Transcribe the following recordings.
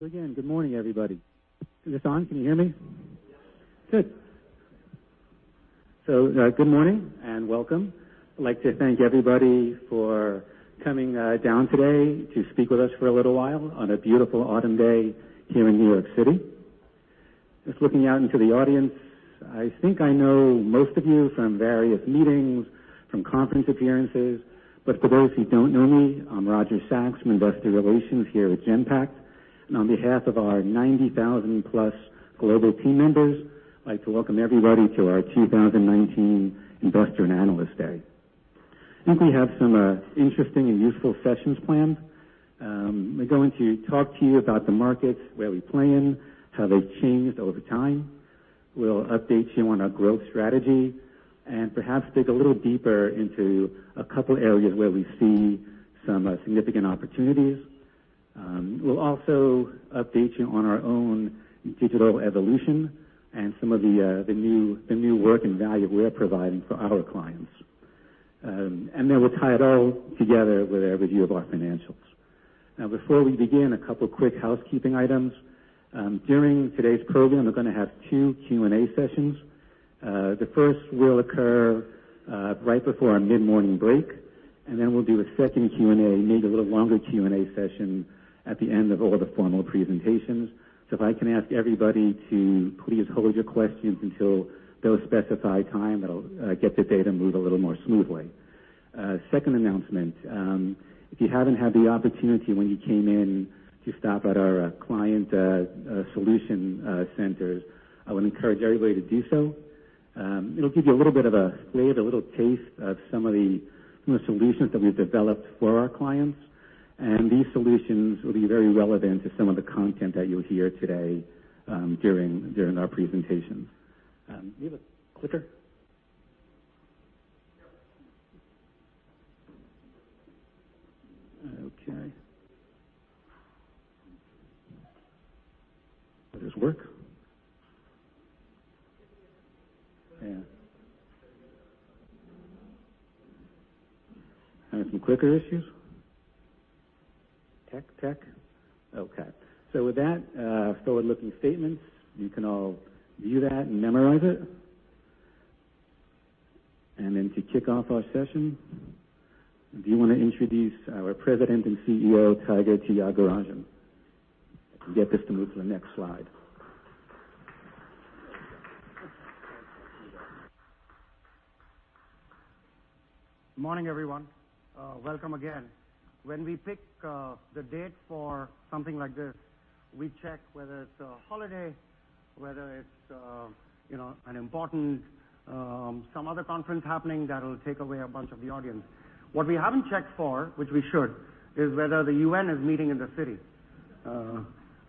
Again, good morning, everybody. Is this on? Can you hear me? Good morning and welcome. I'd like to thank everybody for coming down today to speak with us for a little while on a beautiful autumn day here in New York City. Just looking out into the audience, I think I know most of you from various meetings, from conference appearances, but for those who don't know me, I'm Roger Sachs from investor relations here at Genpact. On behalf of our 90,000+ global team members, I'd like to welcome everybody to our 2019 Investor and Analyst Day. I think we have some interesting and useful sessions planned. We're going to talk to you about the markets, where we play in, how they've changed over time. We'll update you on our growth strategy and perhaps dig a little deeper into a couple areas where we see some significant opportunities. We'll also update you on our own digital evolution and some of the new work and value we're providing for our clients. We'll tie it all together with a review of our financials. Before we begin, a couple quick housekeeping items. During today's program, we're going to have two Q&A sessions. The first will occur right before our mid-morning break. Then we'll do a second Q&A, maybe a little longer Q&A session at the end of all the formal presentations. If I can ask everybody to please hold your questions until those specified time, that'll get the day to move a little more smoothly. Second announcement. If you haven't had the opportunity when you came in to stop at our client solution centers, I would encourage everybody to do so. It'll give you a little bit of a flavor, a little taste of some of the solutions that we've developed for our clients. These solutions will be very relevant to some of the content that you'll hear today during our presentations. With that, forward-looking statements, you can all view that and memorize it. Then to kick off our session, do you want to introduce our President and CEO, Tiger Tyagarajan? If we get this to move to the next slide. Morning, everyone. Welcome again. When we pick the date for something like this, we check whether it's a holiday, whether it's an important, some other conference happening that will take away a bunch of the audience. What we haven't checked for, which we should, is whether the UN is meeting in the city.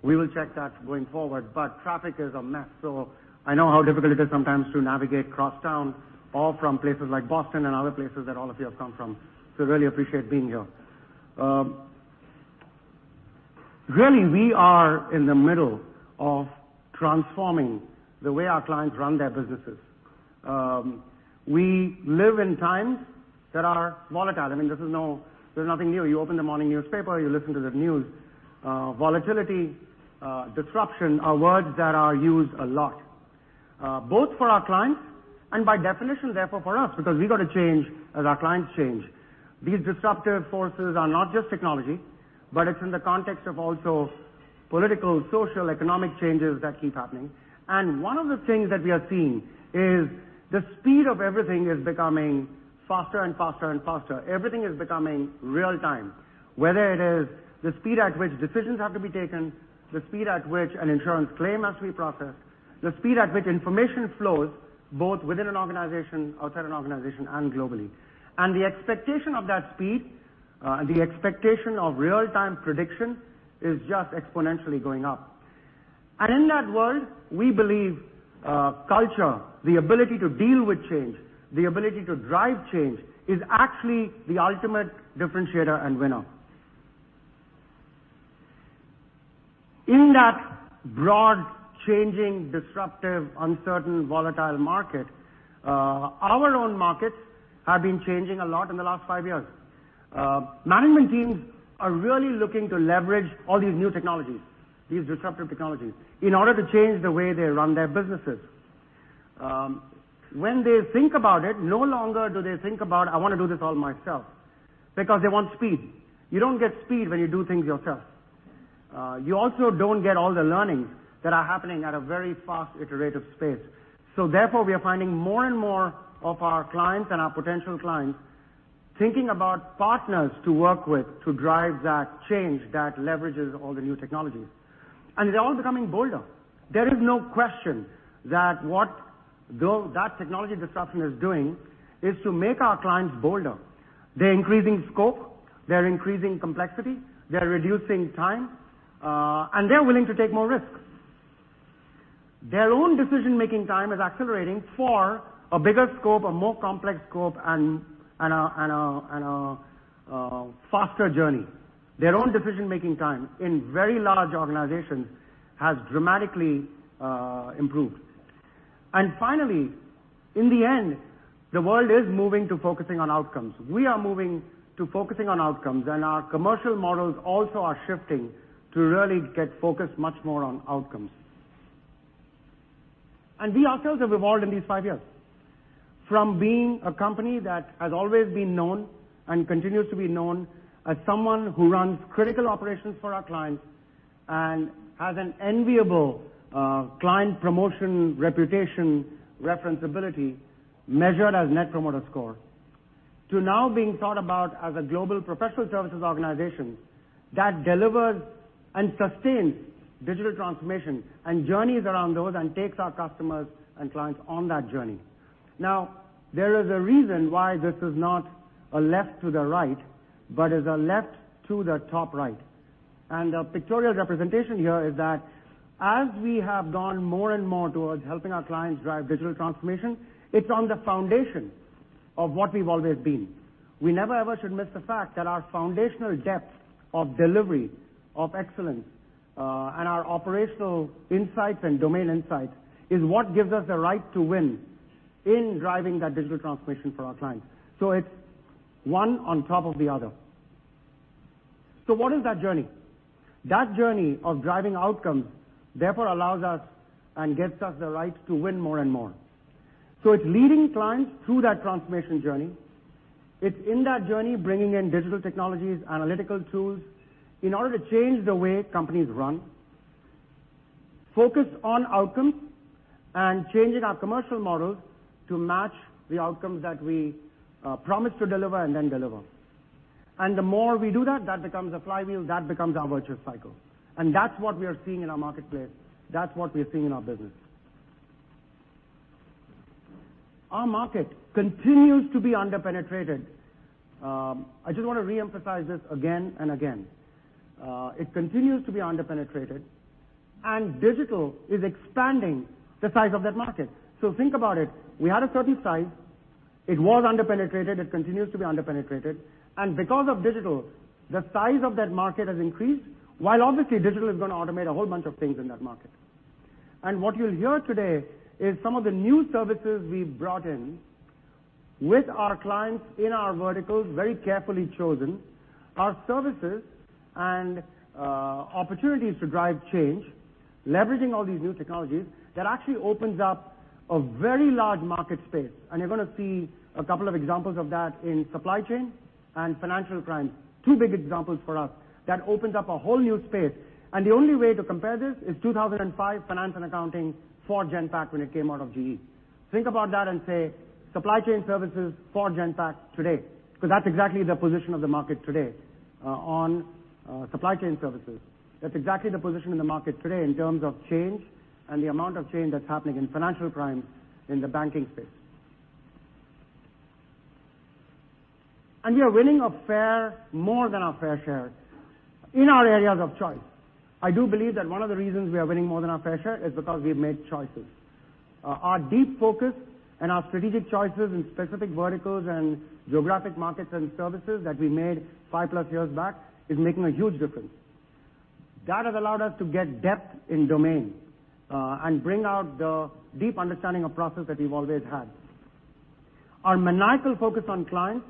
We will check that going forward, but traffic is a mess, so I know how difficult it is sometimes to navigate across town or from places like Boston and other places that all of you have come from. Really appreciate being here. Really, we are in the middle of transforming the way our clients run their businesses. We live in times that are volatile. This is nothing new. You open the morning newspaper, you listen to the news. Volatility, disruption are words that are used a lot, both for our clients and by definition, therefore for us, because we got to change as our clients change. These disruptive forces are not just technology, but it's in the context of also political, social, economic changes that keep happening. One of the things that we are seeing is the speed of everything is becoming faster and faster and faster. Everything is becoming real time, whether it is the speed at which decisions have to be taken, the speed at which an insurance claim has to be processed, the speed at which information flows, both within an organization, outside an organization, and globally. The expectation of that speed, the expectation of real-time prediction is just exponentially going up. In that world, we believe culture, the ability to deal with change, the ability to drive change is actually the ultimate differentiator and winner. In that broad, changing, disruptive, uncertain, volatile market, our own markets have been changing a lot in the last five years. Management teams are really looking to leverage all these new technologies, these disruptive technologies, in order to change the way they run their businesses. When they think about it, no longer do they think about, I want to do this all myself because they want speed. You don't get speed when you do things yourself. You also don't get all the learnings that are happening at a very fast iterative space. Therefore, we are finding more and more of our clients and our potential clients thinking about partners to work with to drive that change that leverages all the new technologies. They're all becoming bolder. There is no question that what that technology disruption is doing is to make our clients bolder. They're increasing scope, they're increasing complexity, they're reducing time, and they're willing to take more risks. Their own decision-making time is accelerating for a bigger scope, a more complex scope, and a faster journey. Their own decision-making time in very large organizations has dramatically improved. Finally, in the end, the world is moving to focusing on outcomes. We are moving to focusing on outcomes, and our commercial models also are shifting to really get focused much more on outcomes. We ourselves have evolved in these five years. From being a company that has always been known and continues to be known as someone who runs critical operations for our clients and has an enviable client promotion reputation, referenceability, measured as Net Promoter Score. To now being thought about as a global professional services organization that delivers and sustains digital transformation and journeys around those and takes our customers and clients on that journey. There is a reason why this is not a left to the right, but is a left to the top right. The pictorial representation here is that as we have gone more and more towards helping our clients drive digital transformation, it's on the foundation of what we've always been. We never, ever should miss the fact that our foundational depth of delivery of excellence, and our operational insights and domain insights is what gives us the right to win in driving that digital transformation for our clients. It's one on top of the other. What is that journey? That journey of driving outcomes therefore allows us and gets us the right to win more and more. It's leading clients through that transformation journey. It's in that journey bringing in digital technologies, analytical tools in order to change the way companies run. Focus on outcomes and changing our commercial models to match the outcomes that we promise to deliver and then deliver. The more we do that becomes a flywheel, that becomes our virtuous cycle. That's what we are seeing in our marketplace. That's what we are seeing in our business. Our market continues to be under-penetrated. I just want to reemphasize this again and again. It continues to be under-penetrated, and digital is expanding the size of that market. Think about it. We had a certain size. It was under-penetrated. It continues to be under-penetrated. Because of digital, the size of that market has increased, while obviously digital is going to automate a whole bunch of things in that market. What you'll hear today is some of the new services we've brought in with our clients in our verticals, very carefully chosen. Our services and opportunities to drive change, leveraging all these new technologies, that actually opens up a very large market space. You're going to see a couple of examples of that in supply chain and financial crime. Two big examples for us that opens up a whole new space. The only way to compare this is 2005 finance and accounting for Genpact when it came out of GE. Think about that and say supply chain services for Genpact today because that's exactly the position of the market today on supply chain services. That's exactly the position in the market today in terms of change and the amount of change that's happening in financial crime in the banking space. We are winning more than our fair share in our areas of choice. I do believe that one of the reasons we are winning more than our fair share is because we've made choices. Our deep focus and our strategic choices in specific verticals and geographic markets and services that we made five-plus years back is making a huge difference. That has allowed us to get depth in domain, and bring out the deep understanding of process that we've always had. Our maniacal focus on clients,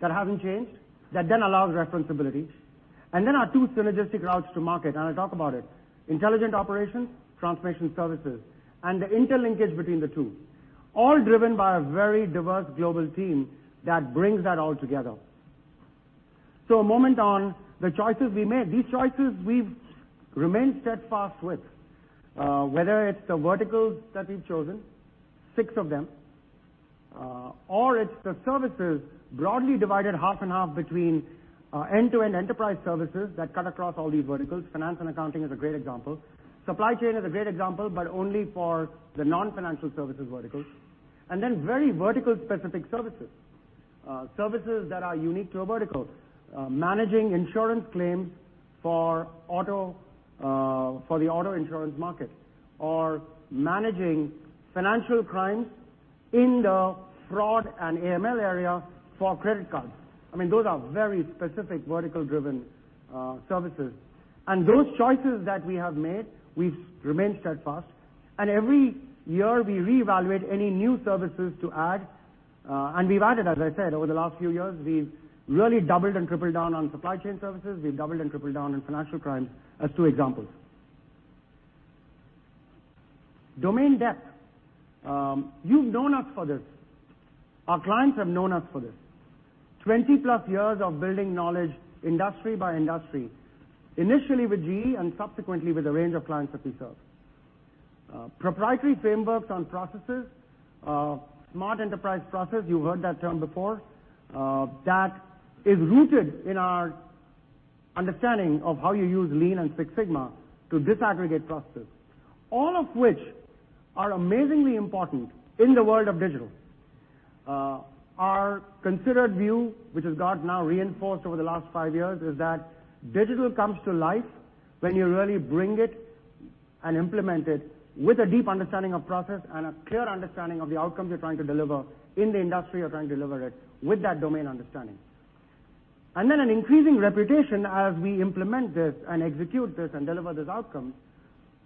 that haven't changed, that then allows referenceability. Then our two synergistic routes to market, and I'll talk about it. Intelligent Operations, Transformation Services, and the interlinkage between the two, all driven by a very diverse global team that brings that all together. A moment on the choices we made. These choices we've remained steadfast with, whether it's the verticals that we've chosen, six of them, or it's the services broadly divided half and half between end-to-end enterprise services that cut across all these verticals. Finance and Accounting is a great example. Supply chain is a great example, but only for the non-financial services verticals. Then very vertical specific services. Services that are unique to a vertical. Managing insurance claims for the auto insurance market or managing financial crimes in the fraud and AML area for credit cards. I mean, those are very specific vertical-driven services. Those choices that we have made, we've remained steadfast. Every year we reevaluate any new services to add. We've added, as I said, over the last few years, we've really doubled and tripled down on supply chain services. We've doubled and tripled down on financial crime as two examples. Domain depth. You've known us for this. Our clients have known us for this. 20-plus years of building knowledge industry by industry. Initially with GE and subsequently with a range of clients that we serve. Proprietary frameworks and processes. Smart Enterprise Processes, you've heard that term before. That is rooted in our understanding of how you use Lean and Six Sigma to disaggregate processes. All of which are amazingly important in the world of digital. Our considered view, which has got now reinforced over the last five years, is that digital comes to life when you really bring it and implement it with a deep understanding of process and a clear understanding of the outcomes you're trying to deliver in the industry you're trying to deliver it with that domain understanding. An increasing reputation as we implement this and execute this and deliver this outcome,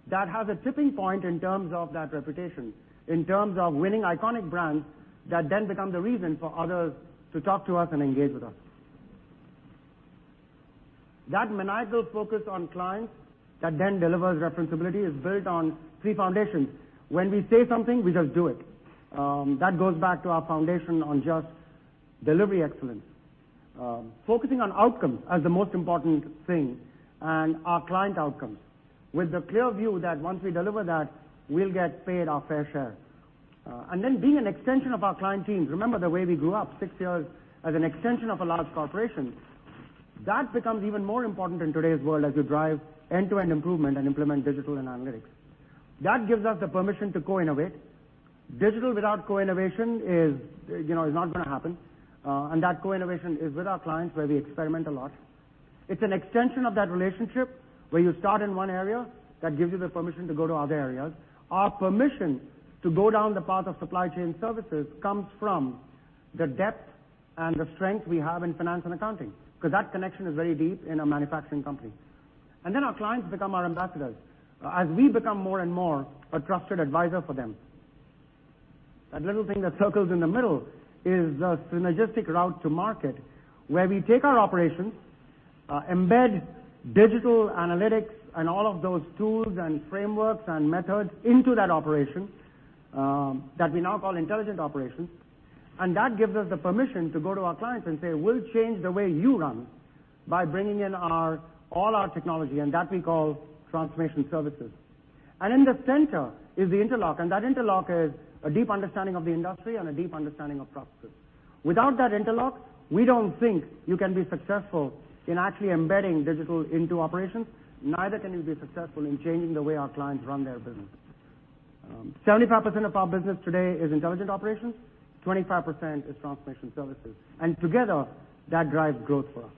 that has a tipping point in terms of that reputation, in terms of winning iconic brands that becomes a reason for others to talk to us and engage with us. That maniacal focus on clients that delivers referenceability is built on three foundations. When we say something, we just do it. That goes back to our foundation on just delivery excellence. Focusing on outcomes as the most important thing, and our client outcomes, with the clear view that once we deliver that, we'll get paid our fair share. Being an extension of our client teams. Remember the way we grew up, six years as an extension of a large corporation. That becomes even more important in today's world as you drive end-to-end improvement and implement digital and analytics. That gives us the permission to co-innovate. Digital without co-innovation is not going to happen. That co-innovation is with our clients, where we experiment a lot. It's an extension of that relationship, where you start in one area, that gives you the permission to go to other areas. Our permission to go down the path of supply chain services comes from the depth and the strength we have in finance and accounting, because that connection is very deep in a manufacturing company. Our clients become our ambassadors as we become more and more a trusted advisor for them. That little thing that circles in the middle is the synergistic route to market, where we take our operations, embed digital analytics and all of those tools and frameworks and methods into that operation, that we now call Intelligent Operations. That gives us the permission to go to our clients and say, "We'll change the way you run by bringing in all our technology," and that we call Transformation Services. In the center is the interlock, and that interlock is a deep understanding of the industry and a deep understanding of processes. Without that interlock, we don't think you can be successful in actually embedding digital into operations, neither can you be successful in changing the way our clients run their businesses. 75% of our business today is Intelligent Operations. 25% is Transformation Services. Together, that drives growth for us.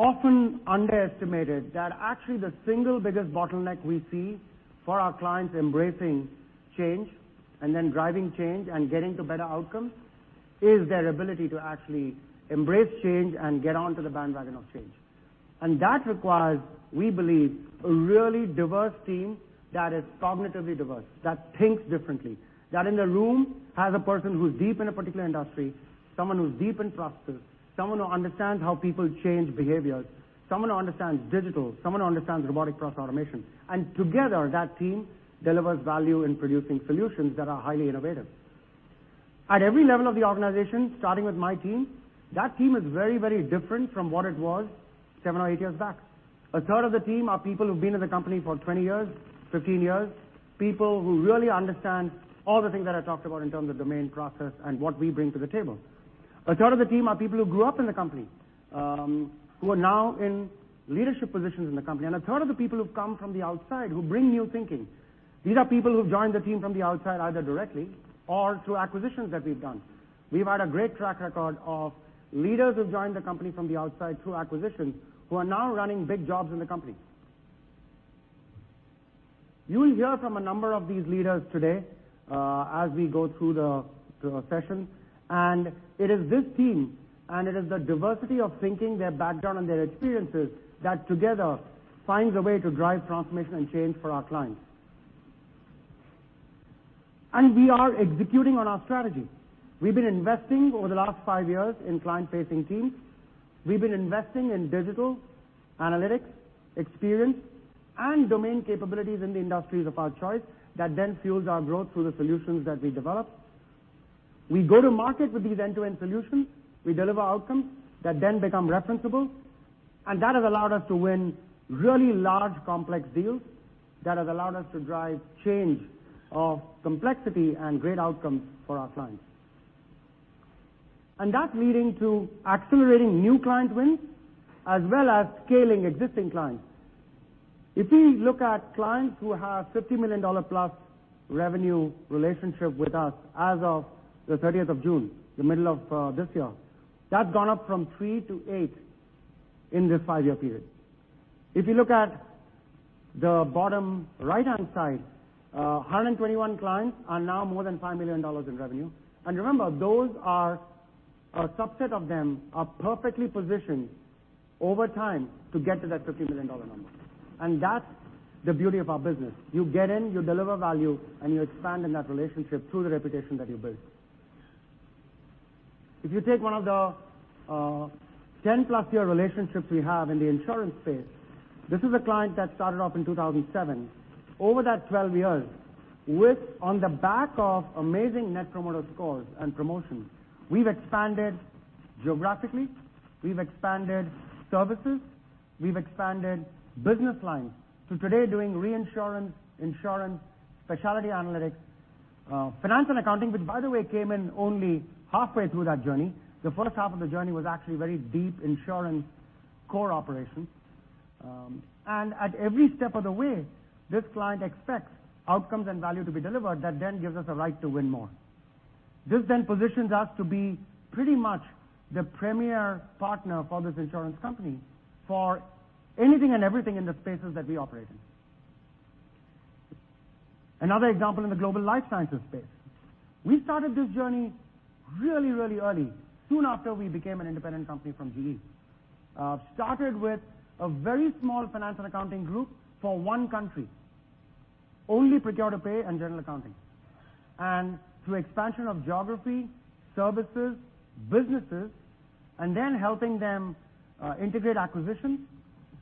Often underestimated, that actually the single biggest bottleneck we see for our clients embracing change and then driving change and getting to better outcomes is their ability to actually embrace change and get onto the bandwagon of change. That requires, we believe, a really diverse team that is cognitively diverse. That thinks differently. That in the room, has a person who's deep in a particular industry, someone who's deep in processes, someone who understands how people change behaviors, someone who understands digital, someone who understands robotic process automation. Together, that team delivers value in producing solutions that are highly innovative. At every level of the organization, starting with my team, that team is very different from what it was seven or eight years back. A third of the team are people who've been in the company for 20 years, 15 years, people who really understand all the things that I talked about in terms of domain process and what we bring to the table. A third of the team are people who grew up in the company, who are now in leadership positions in the company. A third of the people who've come from the outside who bring new thinking. These are people who've joined the team from the outside, either directly or through acquisitions that we've done. We've had a great track record of leaders who've joined the company from the outside through acquisitions, who are now running big jobs in the company. You will hear from a number of these leaders today, as we go through the session. It is this team, and it is the diversity of thinking, their background, and their experiences, that together finds a way to drive transformation and change for our clients. We are executing on our strategy. We've been investing over the last five years in client-facing teams. We've been investing in digital analytics, experience, and domain capabilities in the industries of our choice that then fuels our growth through the solutions that we develop. We go to market with these end-to-end solutions. We deliver outcomes that then become referenceable. That has allowed us to win really large, complex deals. That has allowed us to drive change of complexity and great outcomes for our clients. That leading to accelerating new client wins, as well as scaling existing clients. If we look at clients who have $50 million+ revenue relationship with us as of the 30th of June, the middle of this year, that's gone up from three to eight in this five-year period. If you look at the bottom right-hand side, 121 clients are now more than $5 million in revenue. Remember, a subset of them are perfectly positioned over time to get to that $50 million number. That's the beauty of our business. You get in, you deliver value, and you expand in that relationship through the reputation that you build. If you take one of the, 10+ year relationships we have in the insurance space, this is a client that started off in 2007. Over that 12 years, on the back of amazing Net Promoter Scores and promotions, we've expanded geographically, we've expanded services, we've expanded business lines to today doing reinsurance, insurance, specialty analytics, finance and accounting, which by the way came in only halfway through that journey. The first half of the journey was actually very deep insurance core operations. At every step of the way, this client expects outcomes and value to be delivered that then gives us a right to win more. This positions us to be pretty much the premier partner for this insurance company for anything and everything in the spaces that we operate in. Another example in the global life sciences space. We started this journey really, really early, soon after we became an independent company from GE. Started with a very small finance and accounting group for one country, only procure to pay and general accounting. Through expansion of geography, services, businesses, and then helping them integrate acquisitions,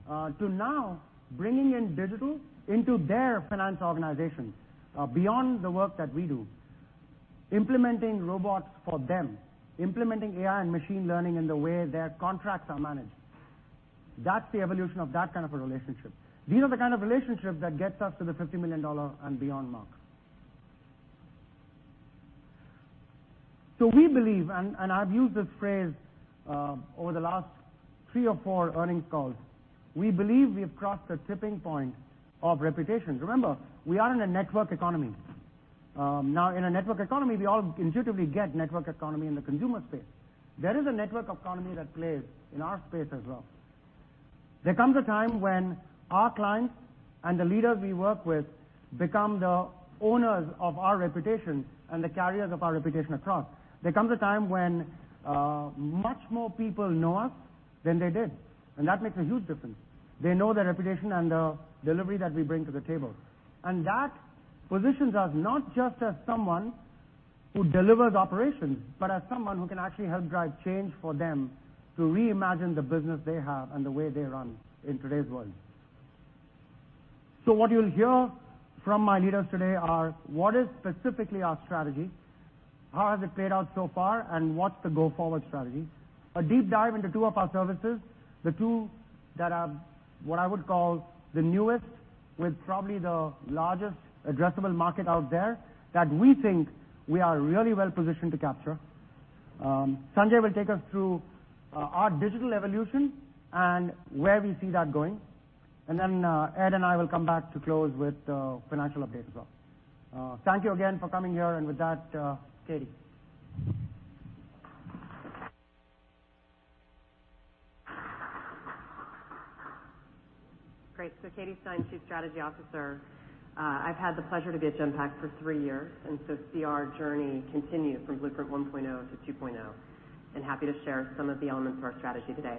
to now bringing in digital into their finance organizations beyond the work that we do. Implementing robots for them, implementing AI and machine learning in the way their contracts are managed. That's the evolution of that kind of a relationship. These are the kind of relationships that gets us to the $50 million and beyond mark. We believe, and I've used this phrase over the last three or four earnings calls, we believe we have crossed the tipping point of reputation. Remember, we are in a network economy. In a network economy, we all intuitively get network economy in the consumer space. There is a network economy that plays in our space as well. There comes a time when our clients and the leaders we work with become the owners of our reputation and the carriers of our reputation across. There comes a time when much more people know us than they did, and that makes a huge difference. They know the reputation and the delivery that we bring to the table. That positions us not just as someone who delivers operations, but as someone who can actually help drive change for them to reimagine the business they have and the way they run in today's world. What you'll hear from my leaders today are what is specifically our strategy, how has it played out so far, and what's the go-forward strategy? A deep dive into two of our services, the two that are what I would call the newest with probably the largest addressable market out there that we think we are really well-positioned to capture. Sanjay will take us through our digital evolution and where we see that going. Ed and I will come back to close with a financial update as well. Thank you again for coming here, and with that, Katie. Great. Katie Stein, Chief Strategy Officer. I've had the pleasure to be at Genpact for three years, see our journey continue from Blueprint 1.0 to 2.0. Happy to share some of the elements of our strategy today.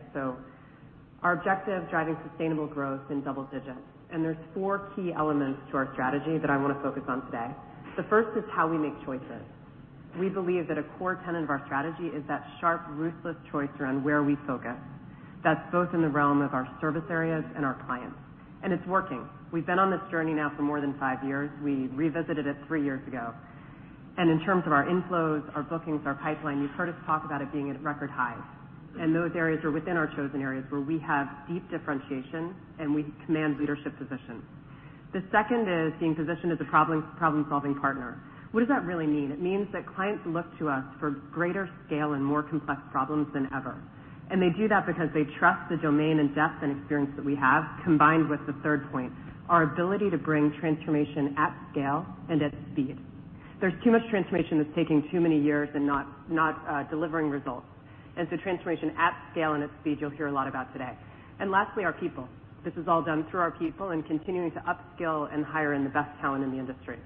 Our objective, driving sustainable growth in double digits. There's four key elements to our strategy that I want to focus on today. The first is how we make choices. We believe that a core tenet of our strategy is that sharp, ruthless choice around where we focus. That's both in the realm of our service areas and our clients. It's working. We've been on this journey now for more than five years. We revisited it three years ago. In terms of our inflows, our bookings, our pipeline, you've heard us talk about it being at record highs. Those areas are within our chosen areas where we have deep differentiation and we command leadership positions. The second is being positioned as a problem-solving partner. What does that really mean? It means that clients look to us for greater scale and more complex problems than ever. They do that because they trust the domain and depth and experience that we have, combined with the third point, our ability to bring transformation at scale and at speed. There's too much transformation that's taking too many years and not delivering results. Transformation at scale and at speed you'll hear a lot about today. Lastly, our people. This is all done through our people and continuing to upskill and hire in the best talent in the industry.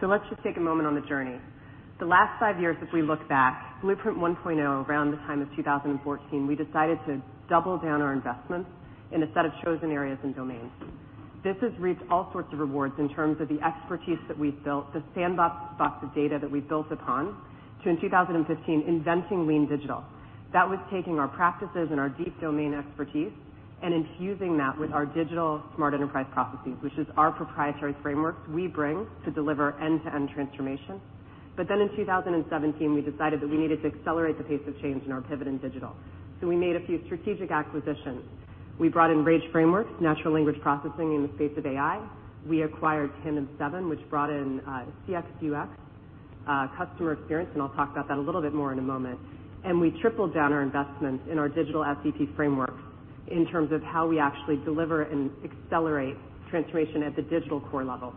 Let's just take a moment on the journey. The last five years, as we look back, Blueprint 1.0, around the time of 2014, we decided to double down our investments in a set of chosen areas and domains. This has reaped all sorts of rewards in terms of the expertise that we've built, the sandbox of data that we've built upon, to in 2015 inventing Lean Digital. That was taking our practices and our deep domain expertise and infusing that with our digital Smart Enterprise Processes, which is our proprietary frameworks we bring to deliver end-to-end transformation. In 2017, we decided that we needed to accelerate the pace of change in our pivot in digital. We made a few strategic acquisitions. We brought in RAGE Frameworks, natural language processing in the space of AI. We acquired TandemSeven, which brought in CX UX, customer experience. I'll talk about that a little bit more in a moment. We tripled down our investments in our digital SDP framework in terms of how we actually deliver and accelerate transformation at the digital core level.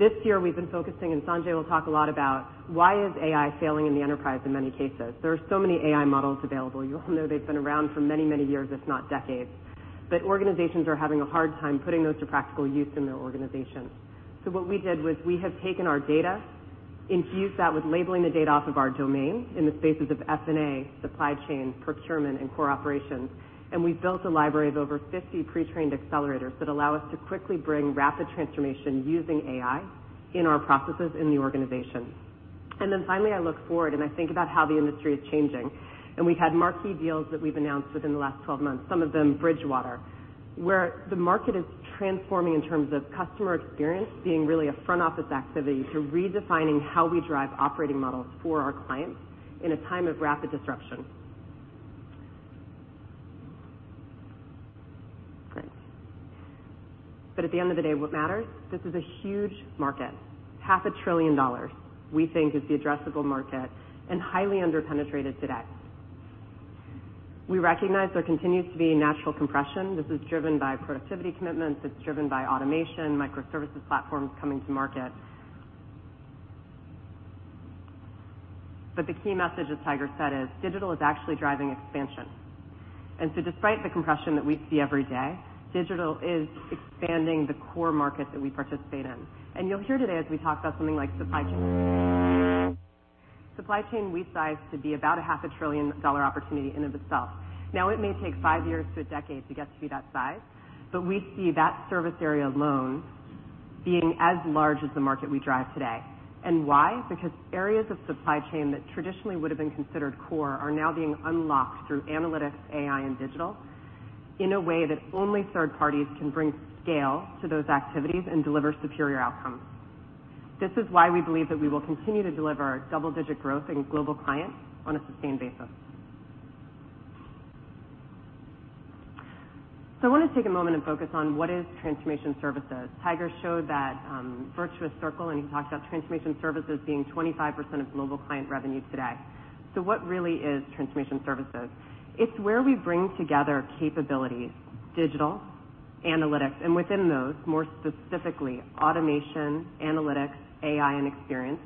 This year we've been focusing, and Sanjay will talk a lot about why is AI failing in the enterprise in many cases? There are so many AI models available. You all know they've been around for many years, if not decades. Organizations are having a hard time putting those to practical use in their organizations. What we did was we have taken our data, infused that with labeling the data off of our domain in the spaces of F&A, supply chain, procurement, and core operations. We built a library of over 50 pre-trained accelerators that allow us to quickly bring rapid transformation using AI in our processes in the organization. Finally, I look forward and I think about how the industry is changing. We've had marquee deals that we've announced within the last 12 months, some of them Bridgewater, where the market is transforming in terms of customer experience being really a front office activity to redefining how we drive operating models for our clients in a time of rapid disruption. Great. At the end of the day, what matters? This is a huge market. Half a trillion dollars we think is the addressable market, and highly under-penetrated today. We recognize there continues to be natural compression. This is driven by productivity commitments. It's driven by automation, microservices platforms coming to market. The key message, as Tiger said, is digital is actually driving expansion. Despite the compression that we see every day, digital is expanding the core markets that we participate in. You'll hear today as we talk about something like supply chain. Supply chain we size to be about a half a trillion dollar opportunity in and of itself. It may take five years to a decade to get to be that size, but we see that service area alone being as large as the market we drive today. Why? Because areas of supply chain that traditionally would have been considered core are now being unlocked through analytics, AI, and digital in a way that only third parties can bring scale to those activities and deliver superior outcomes. This is why we believe that we will continue to deliver our double-digit growth in global clients on a sustained basis. I want to take a moment and focus on what is Transformation Services. Tiger showed that virtuous circle, and he talked about Transformation Services being 25% of mobile client revenue today. What really is Transformation Services? It's where we bring together capabilities, digital, analytics, and within those, more specifically, automation, analytics, AI, and experience,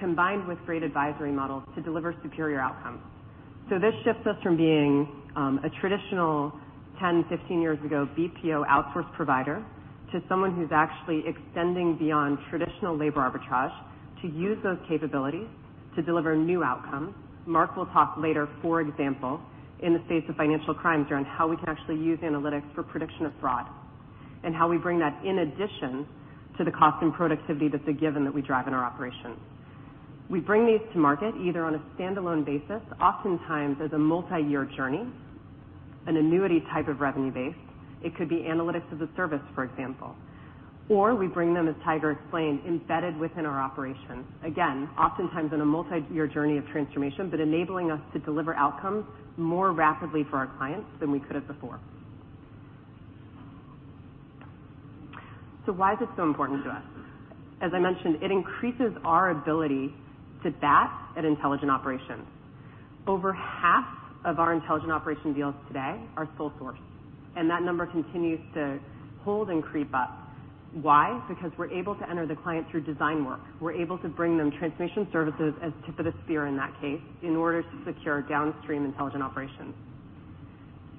combined with great advisory models to deliver superior outcomes. This shifts us from being a traditional, 10, 15 years ago, BPO outsource provider, to someone who's actually extending beyond traditional labor arbitrage to use those capabilities to deliver new outcomes. Mark will talk later, for example, in the space of financial crimes, around how we can actually use analytics for prediction of fraud, and how we bring that in addition to the cost and productivity that's a given that we drive in our operations. We bring these to market either on a standalone basis, oftentimes as a multi-year journey, an annuity type of revenue base. It could be analytics as a service, for example. We bring them, as Tiger explained, embedded within our operations. Again, oftentimes on a multi-year journey of transformation, enabling us to deliver outcomes more rapidly for our clients than we could have before. Why is this so important to us? As I mentioned, it increases our ability to be at Intelligent Operations. Over half of our Intelligent Operations deals today are sole source, and that number continues to hold and creep up. Why? Because we're able to enter the client through design work. We're able to bring them Transformation Services as tip of the spear in that case, in order to secure downstream Intelligent Operations.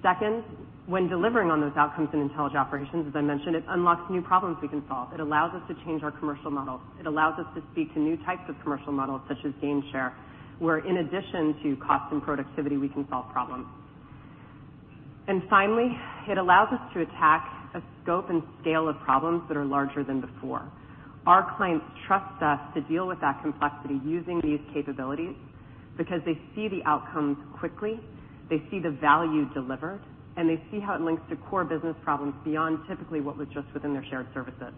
Second, when delivering on those outcomes in Intelligent Operations, as I mentioned, it unlocks new problems we can solve. It allows us to change our commercial models. It allows us to speak to new types of commercial models such as gain share, where in addition to cost and productivity, we can solve problems. Finally, it allows us to attack a scope and scale of problems that are larger than before. Our clients trust us to deal with that complexity using these capabilities because they see the outcomes quickly, they see the value delivered, and they see how it links to core business problems beyond typically what was just within their shared services.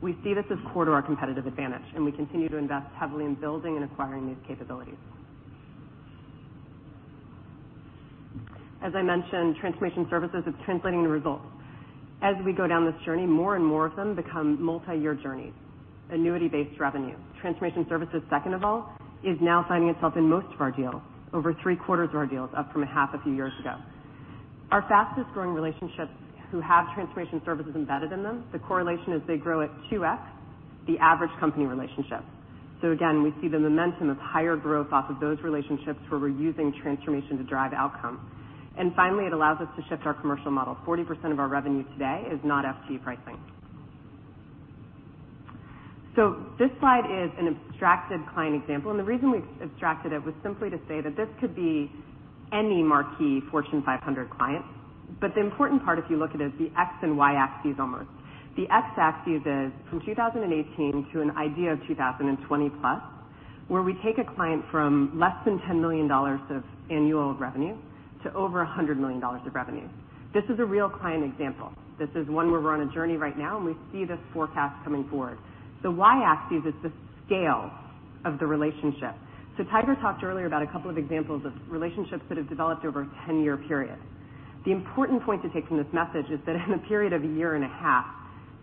We see this as core to our competitive advantage, and we continue to invest heavily in building and acquiring these capabilities. As I mentioned, Transformation Services is translating into results. As we go down this journey, more and more of them become multi-year journeys, annuity-based revenue. Transformation Services, second of all, is now finding itself in most of our deals, over three-quarters of our deals, up from a half a few years ago. Our fastest-growing relationships who have Transformation Services embedded in them, the correlation is they grow at 2x the average company relationship. Again, we see the momentum of higher growth off of those relationships where we're using transformation to drive outcomes. Finally, it allows us to shift our commercial model. 40% of our revenue today is not FTE pricing. This slide is an abstracted client example, and the reason we abstracted it was simply to say that this could be any marquee Fortune 500 client. The important part, if you look at it, is the X and Y axes almost. The X axis is from 2018 to an idea of 2020+, where we take a client from less than $10 million of annual revenue to over $100 million of revenue. This is a real client example. This is one where we're on a journey right now, and we see this forecast coming forward. The Y axis is the scale of the relationship. Tiger talked earlier about a couple of examples of relationships that have developed over a 10-year period. The important point to take from this message is that in a period of a year and a half,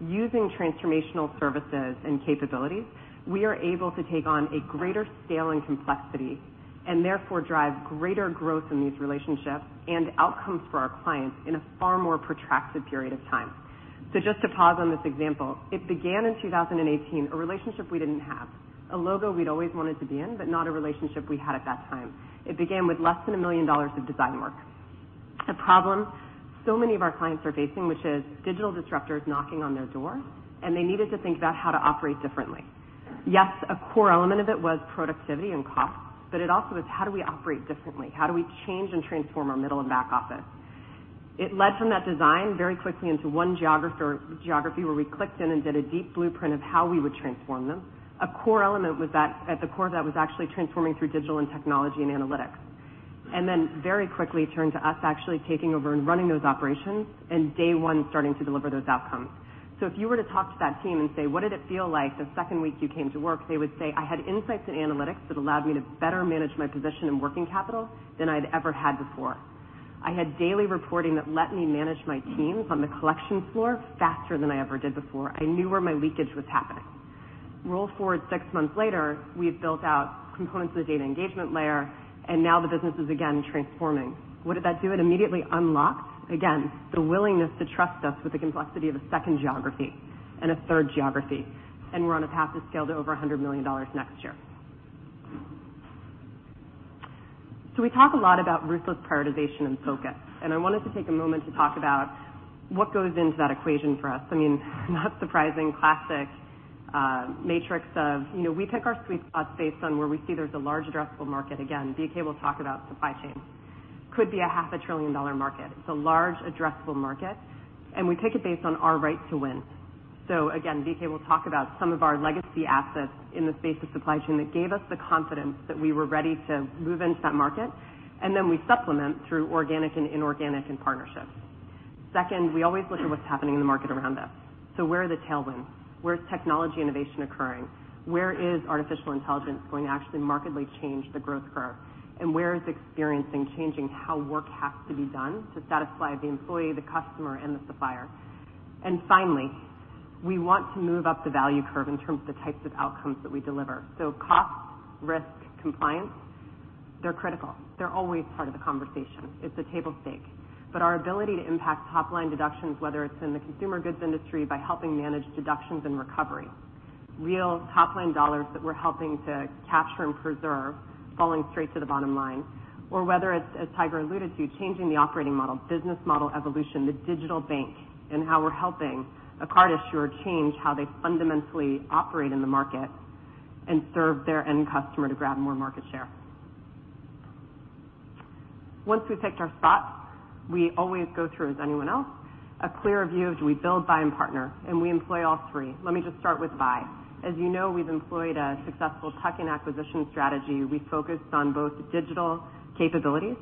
using transformational services and capabilities, we are able to take on a greater scale and complexity, and therefore drive greater growth in these relationships and outcomes for our clients in a far more protracted period of time. Just to pause on this example, it began in 2018, a relationship we didn't have. A logo we'd always wanted to be in, but not a relationship we had at that time. It began with less than $1 million of design work. A problem so many of our clients are facing, which is digital disruptors knocking on their door, and they needed to think about how to operate differently. Yes, a core element of it was productivity and cost, but it also was how do we operate differently? How do we change and transform our middle and back office? It led from that design very quickly into one geography where we clicked in and did a deep Blueprint of how we would transform them. A core element was that at the core of that was actually transforming through digital and technology and analytics. Then very quickly turned to us actually taking over and running those operations and day one starting to deliver those outcomes. If you were to talk to that team and say, "What did it feel like the second week you came to work?" They would say, "I had insights and analytics that allowed me to better manage my position in working capital than I'd ever had before. I had daily reporting that let me manage my teams on the collection floor faster than I ever did before. I knew where my leakage was happening. Roll forward six months later, we had built out components of the data engagement layer. Now the business is again transforming. What did that do? It immediately unlocked, again, the willingness to trust us with the complexity of a second geography and a third geography, and we're on a path to scale to over $100 million next year. We talk a lot about ruthless prioritization and focus, and I wanted to take a moment to talk about what goes into that equation for us. Not surprising, classic matrix of, we pick our sweet spots based on where we see there's a large addressable market. Again, BK will talk about supply chain. Could be a half a trillion dollar market. It's a large addressable market, and we pick it based on our right to win. Again, BK will talk about some of our legacy assets in the space of supply chain that gave us the confidence that we were ready to move into that market, and then we supplement through organic and inorganic and partnerships. Second, we always look at what's happening in the market around us. Where are the tailwinds? Where is technology innovation occurring? Where is artificial intelligence going to actually markedly change the growth curve? And where is experiencing changing how work has to be done to satisfy the employee, the customer, and the supplier? Finally, we want to move up the value curve in terms of the types of outcomes that we deliver. Cost, risk, compliance, they're critical. They're always part of the conversation. It's a table stake. Our ability to impact top-line deductions, whether it's in the consumer goods industry by helping manage deductions and recovery, real top-line dollars that we're helping to capture and preserve, falling straight to the bottom line, or whether it's, as Tiger alluded to, changing the operating model, business model evolution, the digital bank, and how we're helping a card issuer change how they fundamentally operate in the market and serve their end customer to grab more market share. Once we've picked our spots, we always go through, as anyone else, a clear view of do we build, buy, and partner, and we employ all three. Let me just start with buy. As you know, we've employed a successful tuck-in acquisition strategy. We focused on both digital capabilities,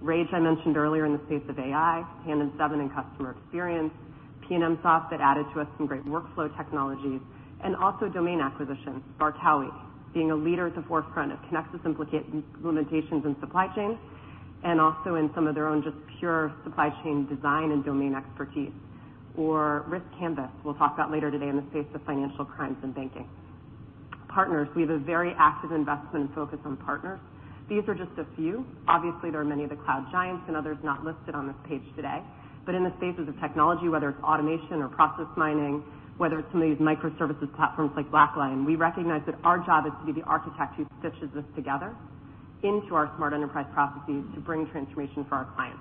RAGE I mentioned earlier in the space of AI, TandemSeven in customer experience, PNMsoft that added to us some great workflow technologies, and also domain acquisitions. Barkawi, being a leader at the forefront of connected simplifications in supply chain, and also in some of their own just pure supply chain design and domain expertise. Or, riskCanvas, we'll talk about later today in the space of financial crimes and banking. Partners, we have a very active investment focus on partners. These are just a few. Obviously, there are many of the cloud giants and others not listed on this page today. In the spaces of technology, whether it's automation or process mining, whether it's some of these microservices platforms like BlackLine, we recognize that our job is to be the architect who stitches this together into our Smart Enterprise Processes to bring transformation for our clients.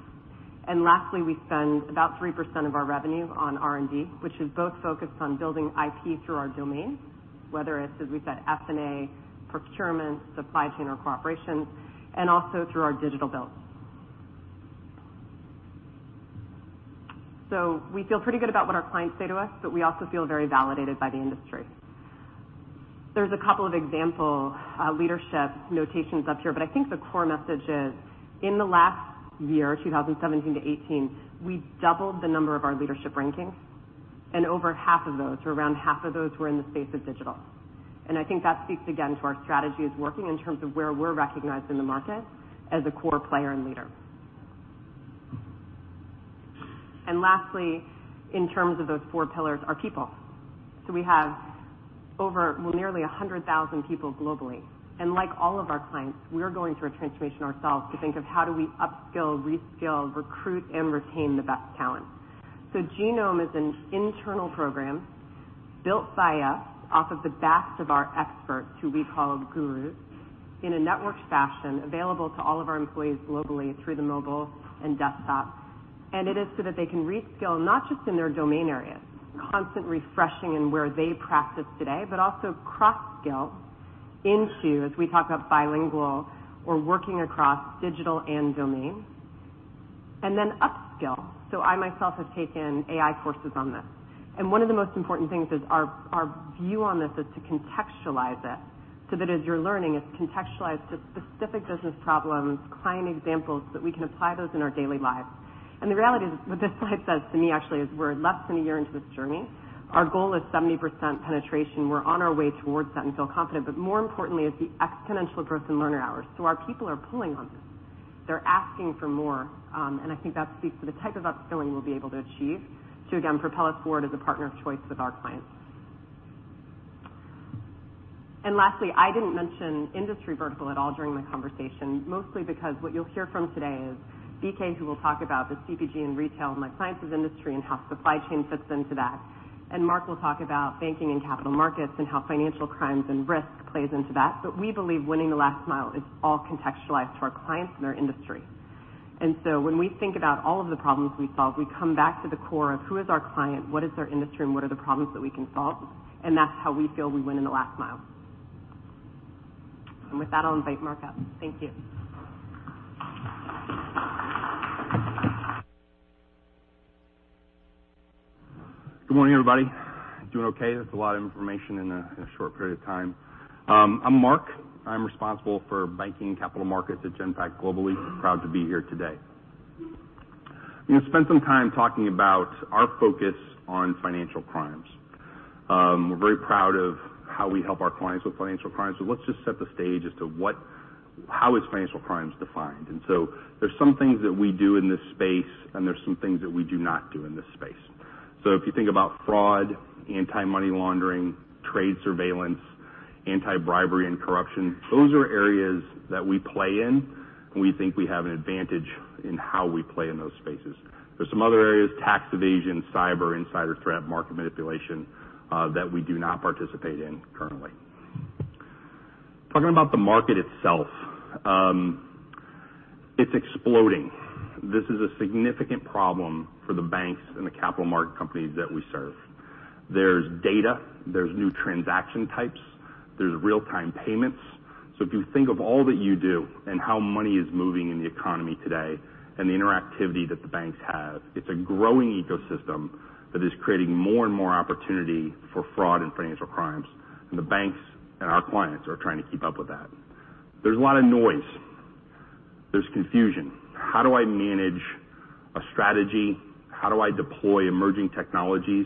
Lastly, we spend about 3% of our revenue on R&D, which is both focused on building IP through our domains, whether it's, as we said, F&A, procurement, supply chain, or cooperation, and also through our digital builds. We feel pretty good about what our clients say to us, but we also feel very validated by the industry. There's a couple of example leadership notations up here, but I think the core message is in the last year, 2017 to 2018, we doubled the number of our leadership rankings, and over half of those, or around half of those, were in the space of digital. I think that speaks again to our strategy as working in terms of where we're recognized in the market as a core player and leader. Lastly, in terms of those four pillars, our people. We have over nearly 100,000 people globally, and like all of our clients, we are going through a transformation ourselves to think of how do we upskill, reskill, recruit, and retain the best talent. Genome is an internal program built by us off of the best of our experts, who we call gurus, in a networked fashion available to all of our employees globally through the mobile and desktop. It is so that they can reskill, not just in their domain areas, constant refreshing in where they practice today, but also cross-skill into, as we talk about bilingual or working across digital and domain. Upskill. I myself have taken AI courses on this. One of the most important things is our view on this is to contextualize it, so that as you're learning, it's contextualized to specific business problems, client examples, that we can apply those in our daily lives. The reality is, what this slide says to me actually is we're less than one year into this journey. Our goal is 70% penetration. We're on our way towards that and feel confident, but more importantly is the exponential growth in learner hours. Our people are pulling on this. They're asking for more, and I think that speaks to the type of upskilling we'll be able to achieve to, again, propel us forward as a partner of choice with our clients. Lastly, I didn't mention industry vertical at all during the conversation, mostly because what you'll hear from today is BK, who will talk about the CPG and retail and life sciences industry and how supply chain fits into that. Mark will talk about banking and capital markets and how financial crimes and risk plays into that. We believe winning the last mile is all contextualized to our clients and their industry. When we think about all of the problems we solve, we come back to the core of who is our client, what is their industry, and what are the problems that we can solve, and that's how we feel we win in the last mile. With that, I'll invite Mark up. Thank you. Good morning, everybody. Doing okay? That's a lot of information in a short period of time. I'm Mark. I'm responsible for banking and capital markets at Genpact globally. Proud to be here today. I'm going to spend some time talking about our focus on financial crimes. We're very proud of how we help our clients with financial crimes. Let's just set the stage as to how is financial crimes defined. There's some things that we do in this space, and there's some things that we do not do in this space. If you think about fraud, anti-money laundering, trade surveillance, anti-bribery and corruption, those are areas that we play in, and we think we have an advantage in how we play in those spaces. There's some other areas, tax evasion, cyber, insider threat, market manipulation, that we do not participate in currently. Talking about the market itself. It's exploding. This is a significant problem for the banks and the capital market companies that we serve. There's data, there's new transaction types, there's real-time payments. If you think of all that you do and how money is moving in the economy today, and the interactivity that the banks have, it's a growing ecosystem that is creating more and more opportunity for fraud and financial crimes. The banks and our clients are trying to keep up with that. There's a lot of noise. There's confusion. How do I manage a strategy? How do I deploy emerging technologies,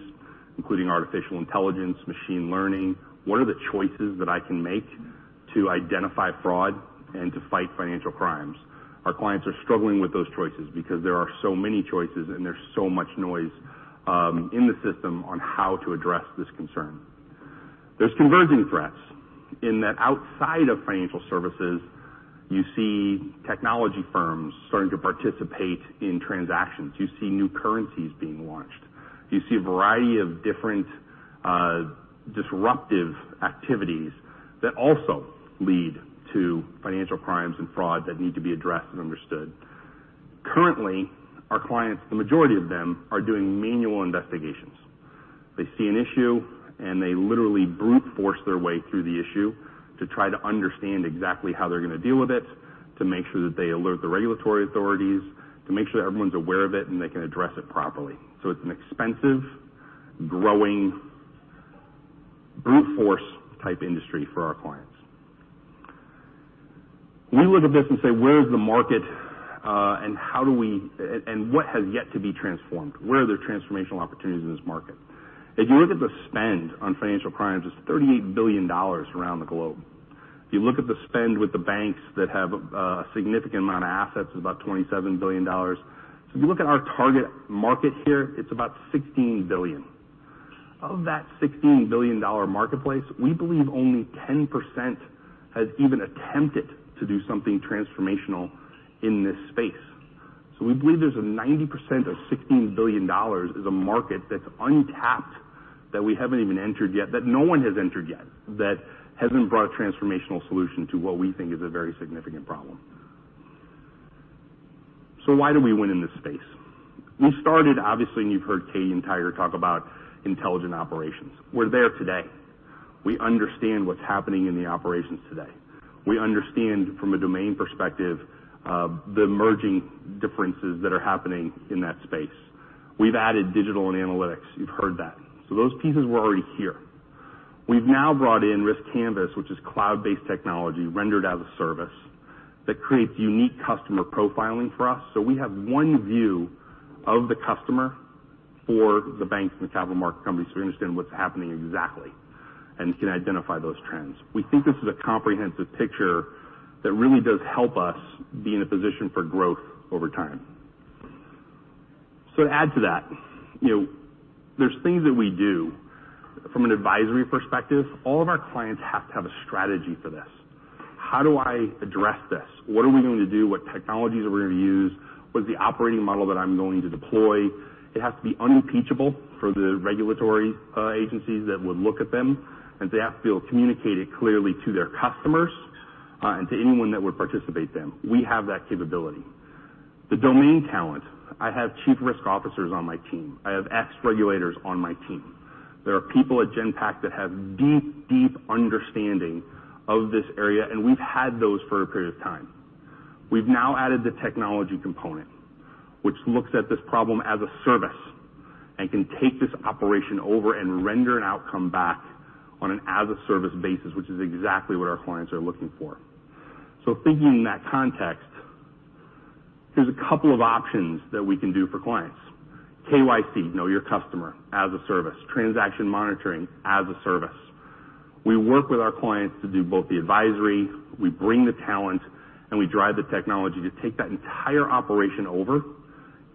including artificial intelligence, machine learning? What are the choices that I can make to identify fraud and to fight financial crimes? Our clients are struggling with those choices because there are so many choices and there's so much noise in the system on how to address this concern. There's converging threats in that outside of financial services, you see technology firms starting to participate in transactions. You see new currencies being launched. You see a variety of different disruptive activities that also lead to financial crimes and fraud that need to be addressed and understood. Currently, our clients, the majority of them, are doing manual investigations. They see an issue, and they literally brute force their way through the issue to try to understand exactly how they're going to deal with it, to make sure that they alert the regulatory authorities, to make sure that everyone's aware of it, and they can address it properly. It's an expensive, growing, brute force type industry for our clients. We look at this and say, "Where is the market? And what has yet to be transformed? Where are there transformational opportunities in this market? If you look at the spend on financial crimes, it's $38 billion around the globe. If you look at the spend with the banks that have a significant amount of assets, it's about $27 billion. If you look at our target market here, it's about $16 billion. Of that $16 billion marketplace, we believe only 10% has even attempted to do something transformational in this space. We believe there's a 90% of $16 billion is a market that's untapped, that we haven't even entered yet, that no one has entered yet, that hasn't brought a transformational solution to what we think is a very significant problem. Why do we win in this space? We started, obviously, and you've heard Katie and Tiger talk about Intelligent Operations. We're there today. We understand what's happening in the operations today. We understand from a domain perspective, the emerging differences that are happening in that space. We've added digital and analytics. You've heard that. Those pieces were already here. We've now brought in riskCanvas, which is cloud-based technology rendered as a service that creates unique customer profiling for us. We have one view of the customer for the banks and the capital market companies, so we understand what's happening exactly and can identify those trends. We think this is a comprehensive picture that really does help us be in a position for growth over time. To add to that, there's things that we do from an advisory perspective. All of our clients have to have a strategy for this. How do I address this? What are we going to do? What technologies are we going to use? What is the operating model that I'm going to deploy? It has to be unimpeachable for the regulatory agencies that would look at them, and they have to be able to communicate it clearly to their customers, and to anyone that would participate them. We have that capability. The domain talent. I have chief risk officers on my team. I have ex-regulators on my team. There are people at Genpact that have deep understanding of this area, and we've had those for a period of time. We've now added the technology component, which looks at this problem as a service and can take this operation over and render an outcome back on an as-a-service basis, which is exactly what our clients are looking for. Thinking in that context, there's a couple of options that we can do for clients. KYC, know your customer as a service, transaction monitoring as a service. We work with our clients to do both the advisory, we bring the talent, and we drive the technology to take that entire operation over,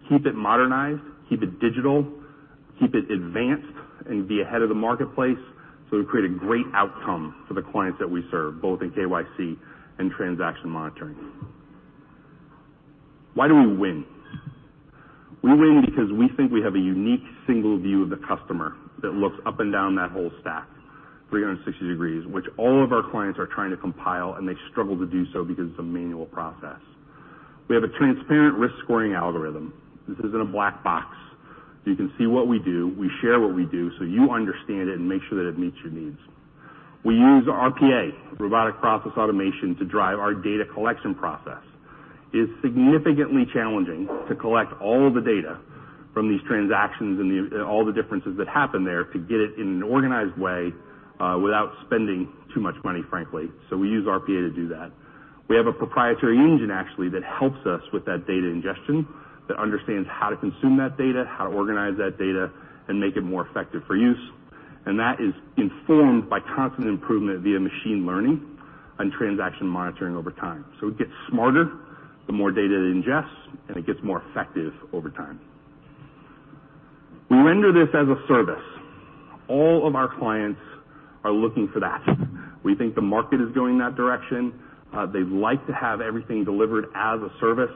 keep it modernized, keep it digital, keep it advanced, and be ahead of the marketplace, so we create a great outcome for the clients that we serve, both in KYC and transaction monitoring. Why do we win? We win because we think we have a unique single view of the customer that looks up and down that whole stack 360 degrees, which all of our clients are trying to compile, and they struggle to do so because it's a manual process. We have a transparent risk scoring algorithm. This isn't a black box. You can see what we do. We share what we do, so you understand it and make sure that it meets your needs. We use RPA, robotic process automation, to drive our data collection process. It's significantly challenging to collect all of the data from these transactions and all the differences that happen there to get it in an organized way without spending too much money, frankly. We use RPA to do that. We have a proprietary engine, actually, that helps us with that data ingestion, that understands how to consume that data, how to organize that data and make it more effective for use. That is informed by constant improvement via machine learning and transaction monitoring over time. It gets smarter. The more data it ingests, and it gets more effective over time. We render this as a service. All of our clients are looking for that. We think the market is going that direction. They like to have everything delivered as a service.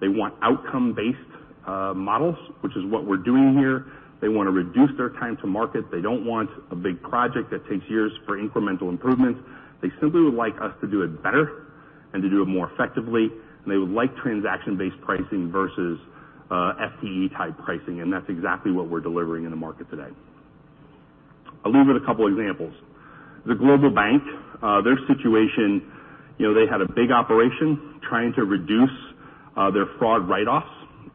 They want outcome-based models, which is what we're doing here. They want to reduce their time to market. They don't want a big project that takes years for incremental improvements. They simply would like us to do it better and to do it more effectively, and they would like transaction-based pricing versus FTE type pricing. That's exactly what we're delivering in the market today. I'll leave with a couple examples. The global bank, their situation, they had a big operation trying to reduce their fraud write-offs.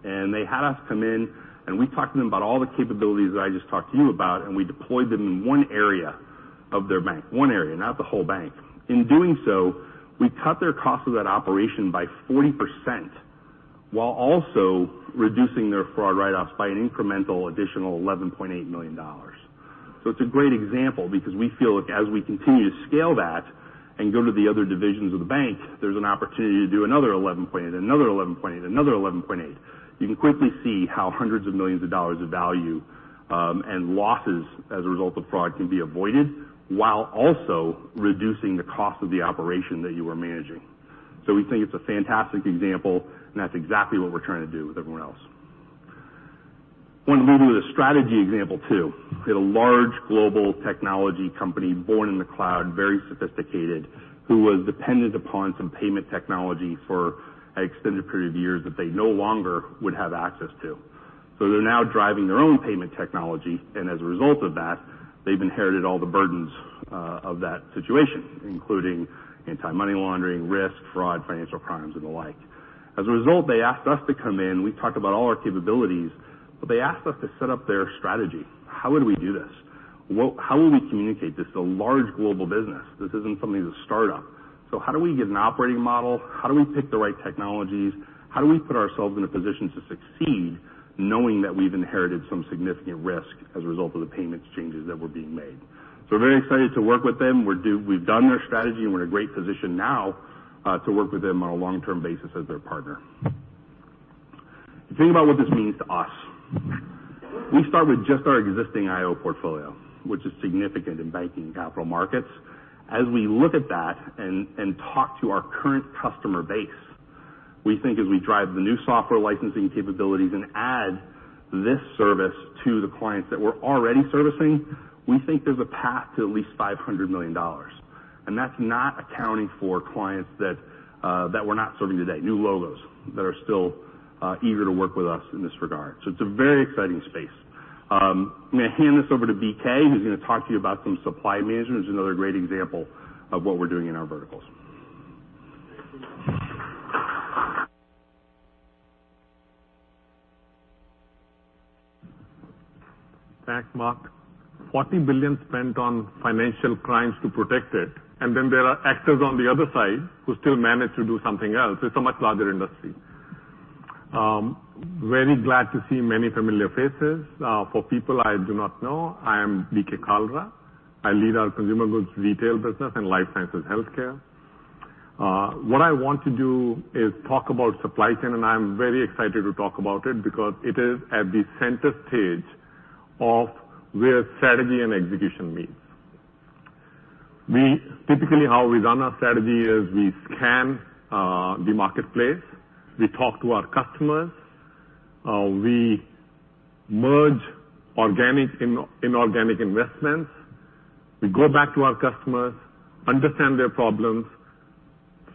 They had us come in, and we talked to them about all the capabilities that I just talked to you about, and we deployed them in one area of their bank. One area, not the whole bank. In doing so, we cut their cost of that operation by 40%, while also reducing their fraud write-offs by an incremental additional $11.8 million. It's a great example because we feel as we continue to scale that and go to the other divisions of the bank, there's an opportunity to do another $11.8 million, another $11.8 million, another $11.8 million. You can quickly see how hundreds of millions of dollars of value, and losses as a result of fraud can be avoided, while also reducing the cost of the operation that you are managing. We think it's a fantastic example, and that's exactly what we're trying to do with everyone else. I want to leave you with a strategy example, too. We had a large global technology company born in the cloud, very sophisticated, who was dependent upon some payment technology for an extended period of years that they no longer would have access to. They're now driving their own payment technology, and as a result of that, they've inherited all the burdens of that situation, including anti-money laundering, risk, fraud, financial crimes, and the like. As a result, they asked us to come in. We talked about all our capabilities. They asked us to set up their strategy. How would we do this? How will we communicate this to a large global business? This isn't something as a startup. How do we get an operating model? How do we pick the right technologies? How do we put ourselves in a position to succeed, knowing that we've inherited some significant risk as a result of the payments changes that were being made? We're very excited to work with them. We've done their strategy. We're in a great position now to work with them on a long-term basis as their partner. Think about what this means to us. We start with just our existing IO portfolio, which is significant in banking and capital markets. As we look at that and talk to our current customer base, we think as we drive the new software licensing capabilities and add this service to the clients that we're already servicing, we think there's a path to at least $500 million. That's not accounting for clients that we're not serving today, new logos that are still eager to work with us in this regard. It's a very exciting space. I'm going to hand this over to BK, who's going to talk to you about some supply management, which is another great example of what we're doing in our verticals. Thanks, Mark. $40 billion spent on financial crimes to protect it, and then there are actors on the other side who still manage to do something else. It's a much larger industry. Very glad to see many familiar faces. For people I do not know, I am BK Kalra. I lead our consumer goods retail business and life sciences healthcare. What I want to do is talk about supply chain, and I'm very excited to talk about it because it is at the center stage of where strategy and execution meets. Typically, how we run our strategy is we scan the marketplace, we talk to our customers, we merge organic, inorganic investments. We go back to our customers, understand their problems,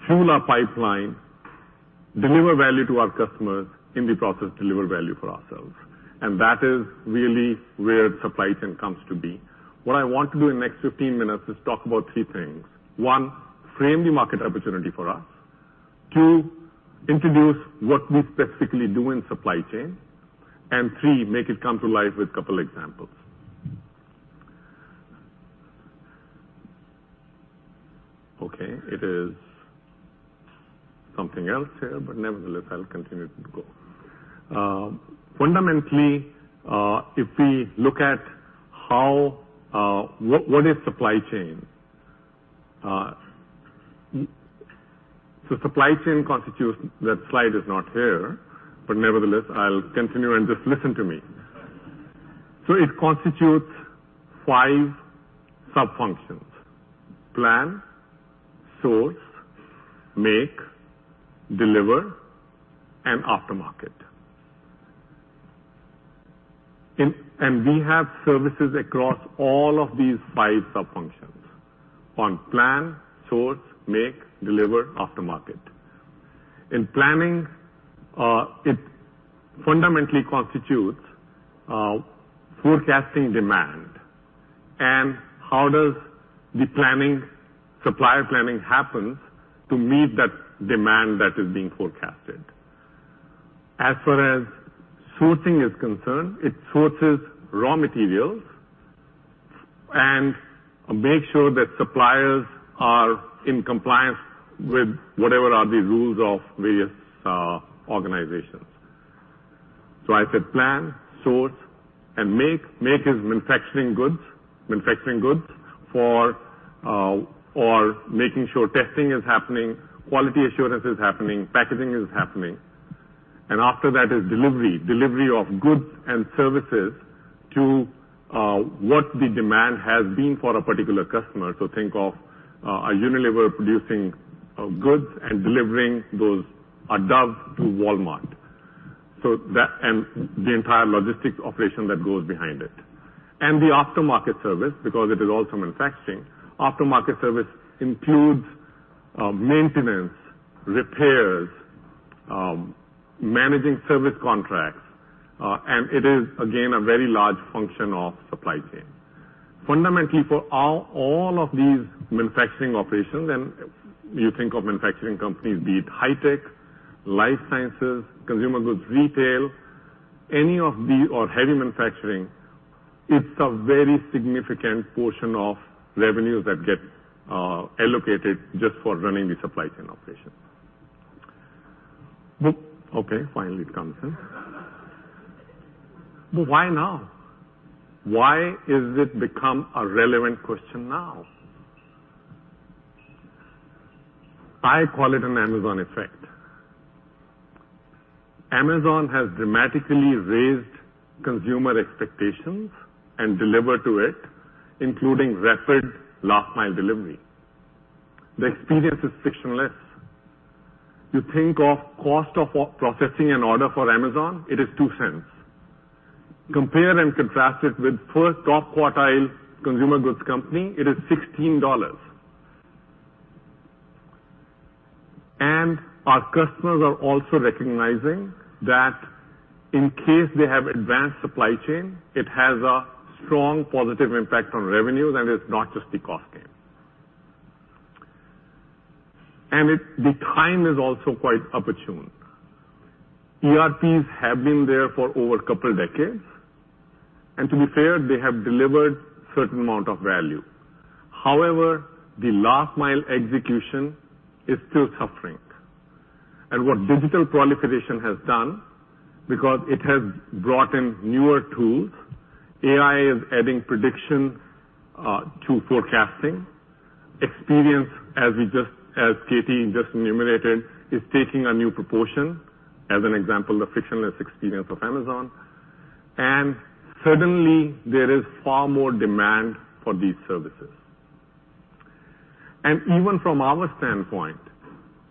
fill our pipeline, deliver value to our customers, in the process, deliver value for ourselves. That is really where supply chain comes to be. What I want to do in the next 15 minutes is talk about three things. One, frame the market opportunity for us. Two, introduce what we specifically do in supply chain. Three, make it come to life with a couple examples. Okay, it is something else here. Nevertheless, I'll continue to go. Fundamentally, if we look at what is supply chain? Supply chain constitutes, that slide is not here. Nevertheless, I'll continue, and just listen to me. It constitutes five sub-functions: plan, source, make, deliver, and aftermarket. We have services across all of these five sub-functions on plan, source, make, deliver, aftermarket. In planning, it fundamentally constitutes forecasting demand and how does the supplier planning happen to meet that demand that is being forecasted. As far as sourcing is concerned, it sources raw materials and makes sure that suppliers are in compliance with whatever are the rules of various organizations. I said plan, source, and make. Make is manufacturing goods, or making sure testing is happening, quality assurance is happening, packaging is happening. After that is delivery of goods and services to what the demand has been for a particular customer. Think of a Unilever producing goods and delivering those, a Dove to Walmart. The entire logistics operation that goes behind it. The aftermarket service, because it is also manufacturing. Aftermarket service includes maintenance, repairs, managing service contracts. It is, again, a very large function of supply chain. Fundamentally, for all of these manufacturing operations, and you think of manufacturing companies, be it high tech, life sciences, consumer goods, retail, any of these, or heavy manufacturing, it's a very significant portion of revenues that get allocated just for running the supply chain operation. Okay, finally it comes in. Why now? Why has it become a relevant question now? I call it an Amazon effect. Amazon has dramatically raised consumer expectations and delivered to it, including rapid last mile delivery. The experience is frictionless. You think of cost of processing an order for Amazon, it is $0.02. Compare and contrast it with first top quartile consumer goods company, it is $16. Our customers are also recognizing that in case they have advanced supply chain, it has a strong positive impact on revenues, and it's not just the cost game. The time is also quite opportune. ERPs have been there for over a couple of decades, to be fair, they have delivered certain amount of value. However, the last mile execution is still suffering. What digital proliferation has done, because it has brought in newer tools, AI is adding prediction to forecasting. Experience, as Katie just enumerated, is taking a new proportion. As an example, the frictionless experience of Amazon. Suddenly, there is far more demand for these services. Even from our standpoint,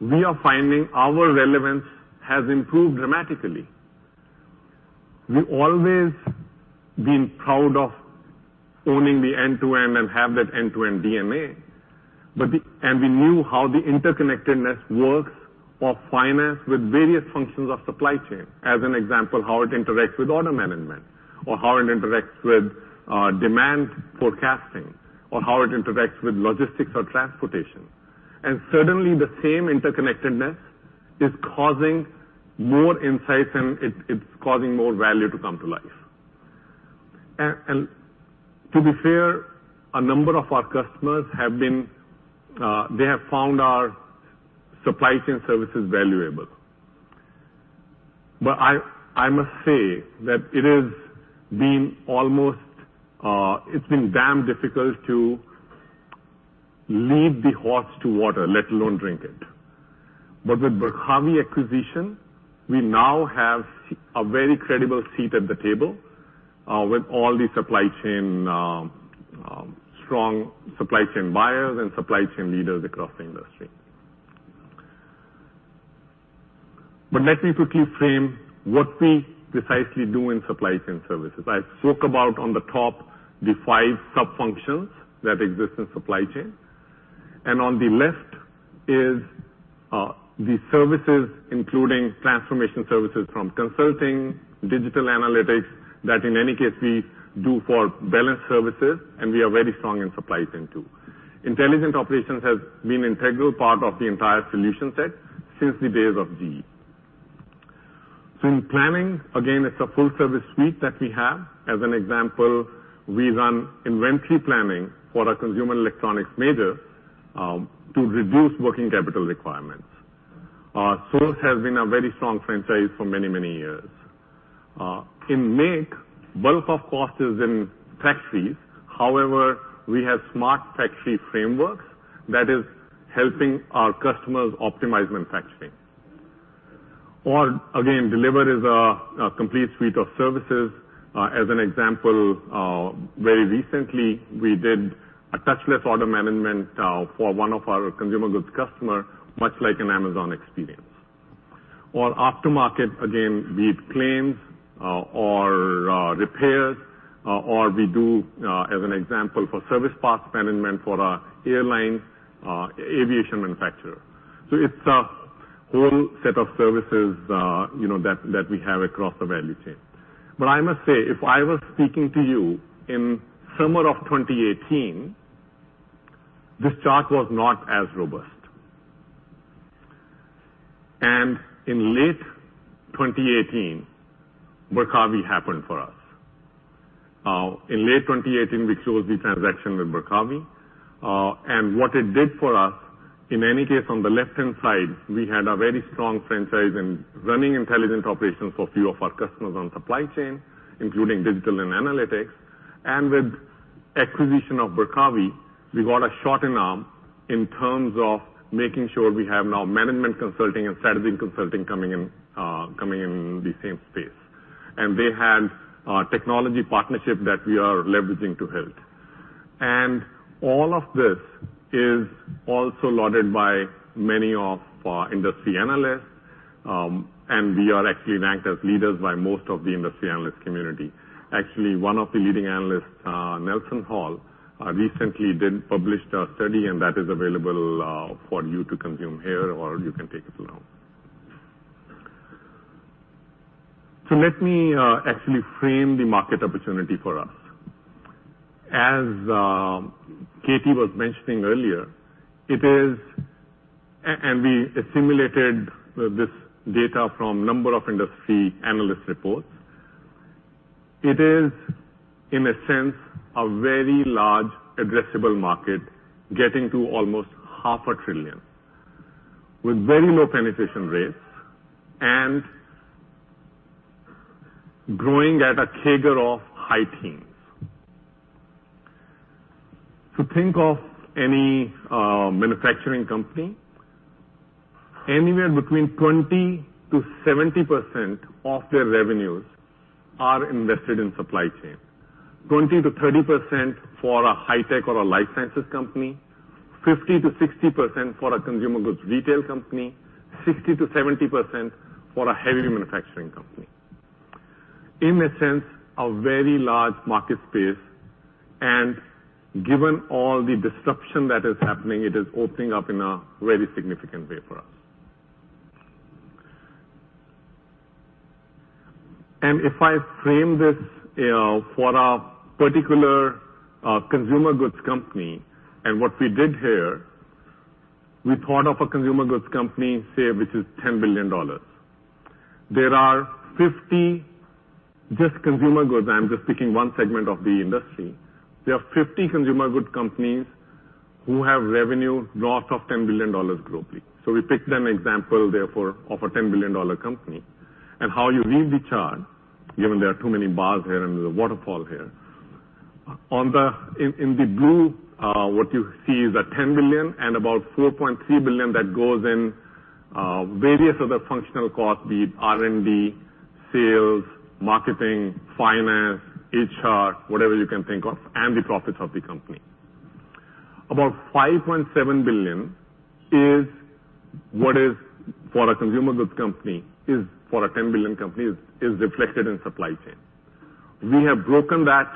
we are finding our relevance has improved dramatically. We always been proud of owning the end-to-end and have that end-to-end DNA. We knew how the interconnectedness works of finance with various functions of supply chain, as an example, how it interacts with order management, or how it interacts with demand forecasting, or how it interacts with logistics or transportation. Suddenly the same interconnectedness is causing more insights, and it's causing more value to come to life. To be fair, a number of our costumers have found our supply chain services valuable. I must say that it's been damn difficult to lead the horse to water, let alone drink it. With Barkawi acquisition, we now have a very credible seat at the table with all the strong supply chain buyers and supply chain leaders across the industry. Let me quickly frame what we precisely do in supply chain services. I spoke about on the top, the five sub-functions that exist in supply chain. On the left is the services, including Transformation Services from consulting, digital analytics, that in any case, we do for balanced services, and we are very strong in supply chain too. Intelligent Operations has been integral part of the entire solution set since the days of GE. In planning, again, it's a full service suite that we have. As an example, we run inventory planning for a consumer electronics major, to reduce working capital requirements. Source has been a very strong franchise for many, many years. In Make, bulk of cost is in tech fees. However, we have smart tech fee frameworks that is helping our customers optimize manufacturing. Again, Deliver is a complete suite of services. As an example, very recently, we did a touchless order management for one of our consumer goods customer, much like an Amazon experience. Aftermarket, again, be it claims or repairs, or we do as an example, for service parts management for a airline aviation manufacturer. It's a whole set of services that we have across the value chain. I must say, if I was speaking to you in summer of 2018, this chart was not as robust. In late 2018, Barkawi happened for us. In late 2018, we closed the transaction with Barkawi. What it did for us, in any case, on the left-hand side, we had a very strong franchise in running Intelligent Operations for few of our customers on supply chain, including digital and analytics. With acquisition of Barkawi, we got a shot in arm in terms of making sure we have now management consulting and strategy consulting coming in the same space. They had a technology partnership that we are leveraging to help. All of this is also lauded by many of our industry analysts, and we are actually ranked as leaders by most of the industry analyst community. Actually, one of the leading analysts, NelsonHall, recently did publish a study, that is available for you to consume here, or you can take it alone. Let me actually frame the market opportunity for us. As Katie was mentioning earlier, we assimilated this data from number of industry analyst reports, it is, in a sense, a very large addressable market getting to almost half a trillion, with very low penetration rates and growing at a CAGR of high teens. Think of any manufacturing company, anywhere between 20%-70% of their revenues are invested in supply chain. 20%-30% for a high tech or a life sciences company, 50%-60% for a consumer goods retail company, 60%-70% for a heavy manufacturing company. In a sense, a very large market space, given all the disruption that is happening, it is opening up in a very significant way for us. If I frame this for a particular consumer goods company, and what we did here, we thought of a consumer goods company, say, which is $10 billion. There are 50 just consumer goods, I'm just picking one segment of the industry. There are 50 consumer goods companies who have revenue north of $10 billion globally. We picked an example, therefore, of a $10 billion company. How you read the chart, given there are too many bars here and there's a waterfall here. In the blue, what you see is that $10 billion and about $4.3 billion that goes in various other functional costs, be it R&D, sales, marketing, finance, HR, whatever you can think of, and the profits of the company. About $5.7 billion is what is for a consumer goods company, is for a $10 billion company, is reflected in supply chain. We have broken that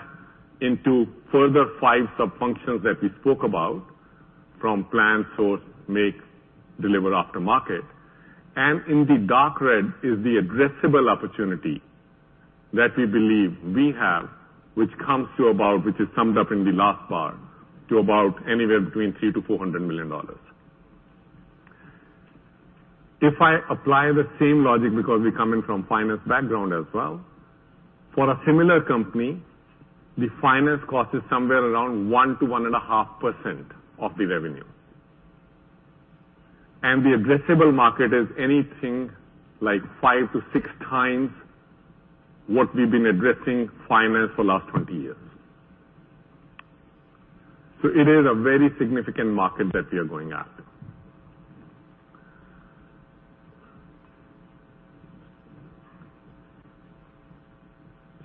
into further five sub-functions that we spoke about, from plan, source, make, deliver, aftermarket. In the dark red is the addressable opportunity that we believe we have, which comes to about, which is summed up in the last bar, to about anywhere between $300 million-$400 million. If I apply the same logic because we coming from finance background as well, for a similar company, the finance cost is somewhere around 1%-1.5% of the revenue. The addressable market is anything like 5x-6x what we've been addressing finance for the last 20 years. It is a very significant market that we are going after.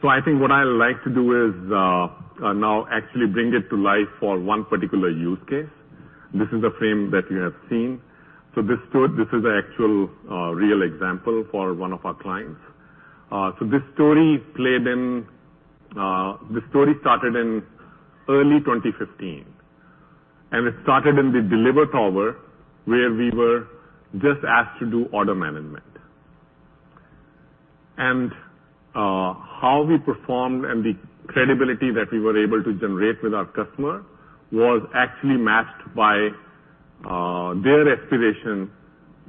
I think what I like to do is, now actually bring it to life for one particular use case. This is a frame that you have seen. This is a actual real example for one of our clients. This story started in early 2015, and it started in the deliver tower, where we were just asked to do order management. How we performed and the credibility that we were able to generate with our customer was actually matched by their aspiration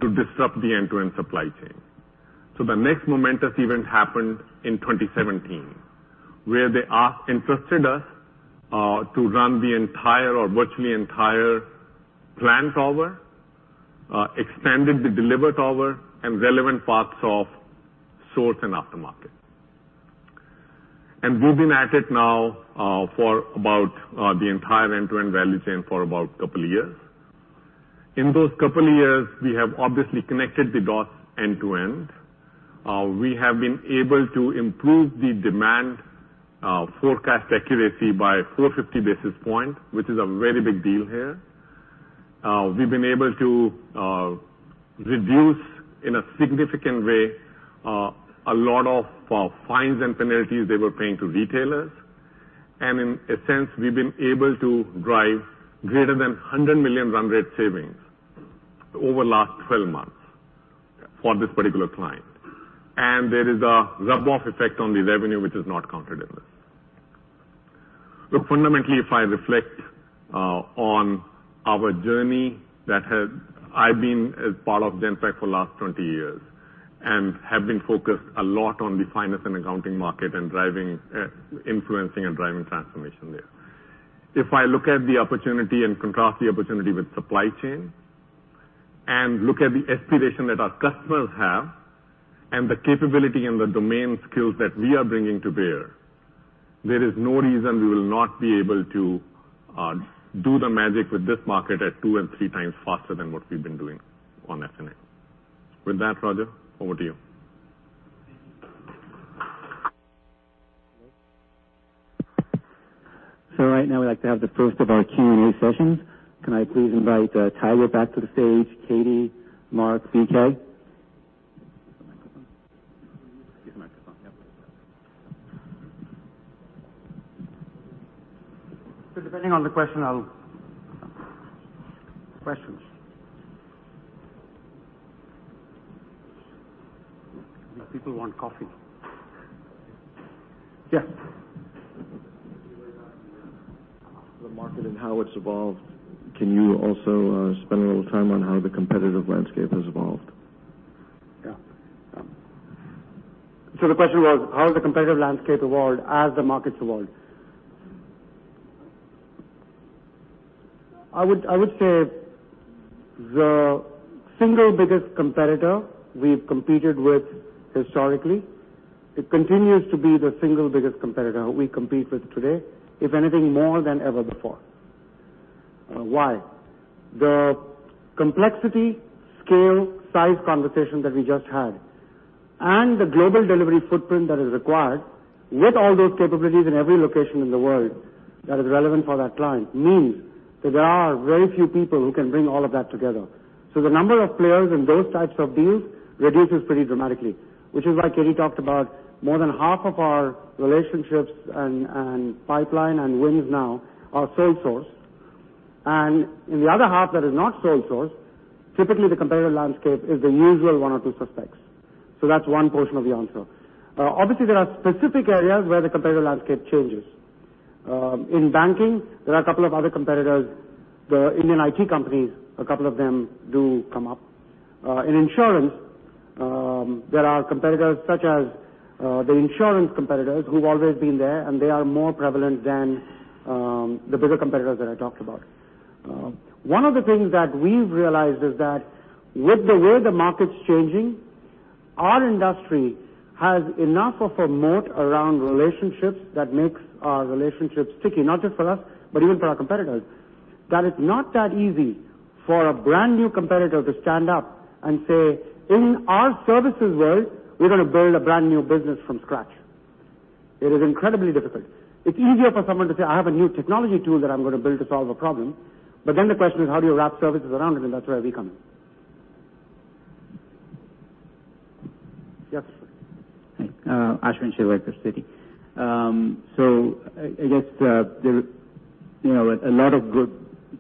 to disrupt the end-to-end supply chain. The next momentous event happened in 2017, where they interested us to run the entire or virtually entire plan tower, extended the deliver tower, and relevant parts of source and aftermarket. We've been at it now for about the entire end-to-end value chain for about couple of years. In those couple of years, we have obviously connected the dots end to end. We have been able to improve the demand forecast accuracy by 450 basis points, which is a very big deal here. We've been able to reduce, in a significant way, a lot of fines and penalties they were paying to retailers. In a sense, we've been able to drive greater than $100 million run rate savings over last 12 months for this particular client. There is a rub-off effect on the revenue, which is not counted in this. Look, fundamentally, if I reflect on our journey that has I've been a part of Genpact for the last 20 years and have been focused a lot on the finance and accounting market and influencing and driving transformation there. If I look at the opportunity and contrast the opportunity with supply chain, and look at the aspiration that our customers have, and the capability and the domain skills that we are bringing to bear, there is no reason we will not be able to do the magic with this market at 2x and 3x faster than what we've been doing on F&A. With that, Roger, over to you. Right now, we'd like to have the first of our Q&A sessions. Can I please invite Tiger back to the stage, Katie, Mark, BK? You talked about the market and how it's evolved. Can you also spend a little time on how the competitive landscape has evolved? Yeah. The question was how has the competitive landscape evolved as the market's evolved. I would say the single biggest competitor we've competed with historically, it continues to be the single biggest competitor we compete with today, if anything, more than ever before. Why? The complexity, scale, size conversation that we just had and the global delivery footprint that is required with all those capabilities in every location in the world that is relevant for that client means that there are very few people who can bring all of that together. The number of players in those types of deals reduces pretty dramatically, which is why Katie talked about more than half of our relationships and pipeline and wins now are sole source. In the other half that is not sole source, typically, the competitive landscape is the usual one or two suspects. That's one portion of the answer. Obviously, there are specific areas where the competitive landscape changes. In banking, there are a couple of other competitors. The Indian IT companies, a couple of them do come up. In insurance, there are competitors such as the insurance competitors who've always been there, and they are more prevalent than the bigger competitors that I talked about. One of the things that we've realized is that with the way the market's changing, our industry has enough of a moat around relationships that makes our relationships sticky, not just for us, but even for our competitors. That it's not that easy for a brand-new competitor to stand up and say, "In our services world, we're going to build a brand-new business from scratch." It is incredibly difficult. It's easier for someone to say, "I have a new technology tool that I'm going to build to solve a problem." The question is, how do you wrap services around it? That's where we come in. Yes. Hi. Ashwin Shirvaikar, Citi. I guess, there a lot of good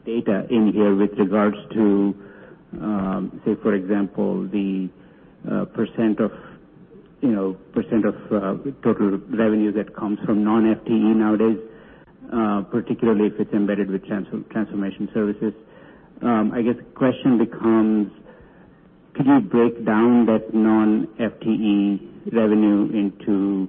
data in here with regards to, say, for example, the percent of total revenue that comes from non-FTE nowadays, particularly if it's embedded with Transformation Services. I guess the question becomes, can you break down that non-FTE revenue into,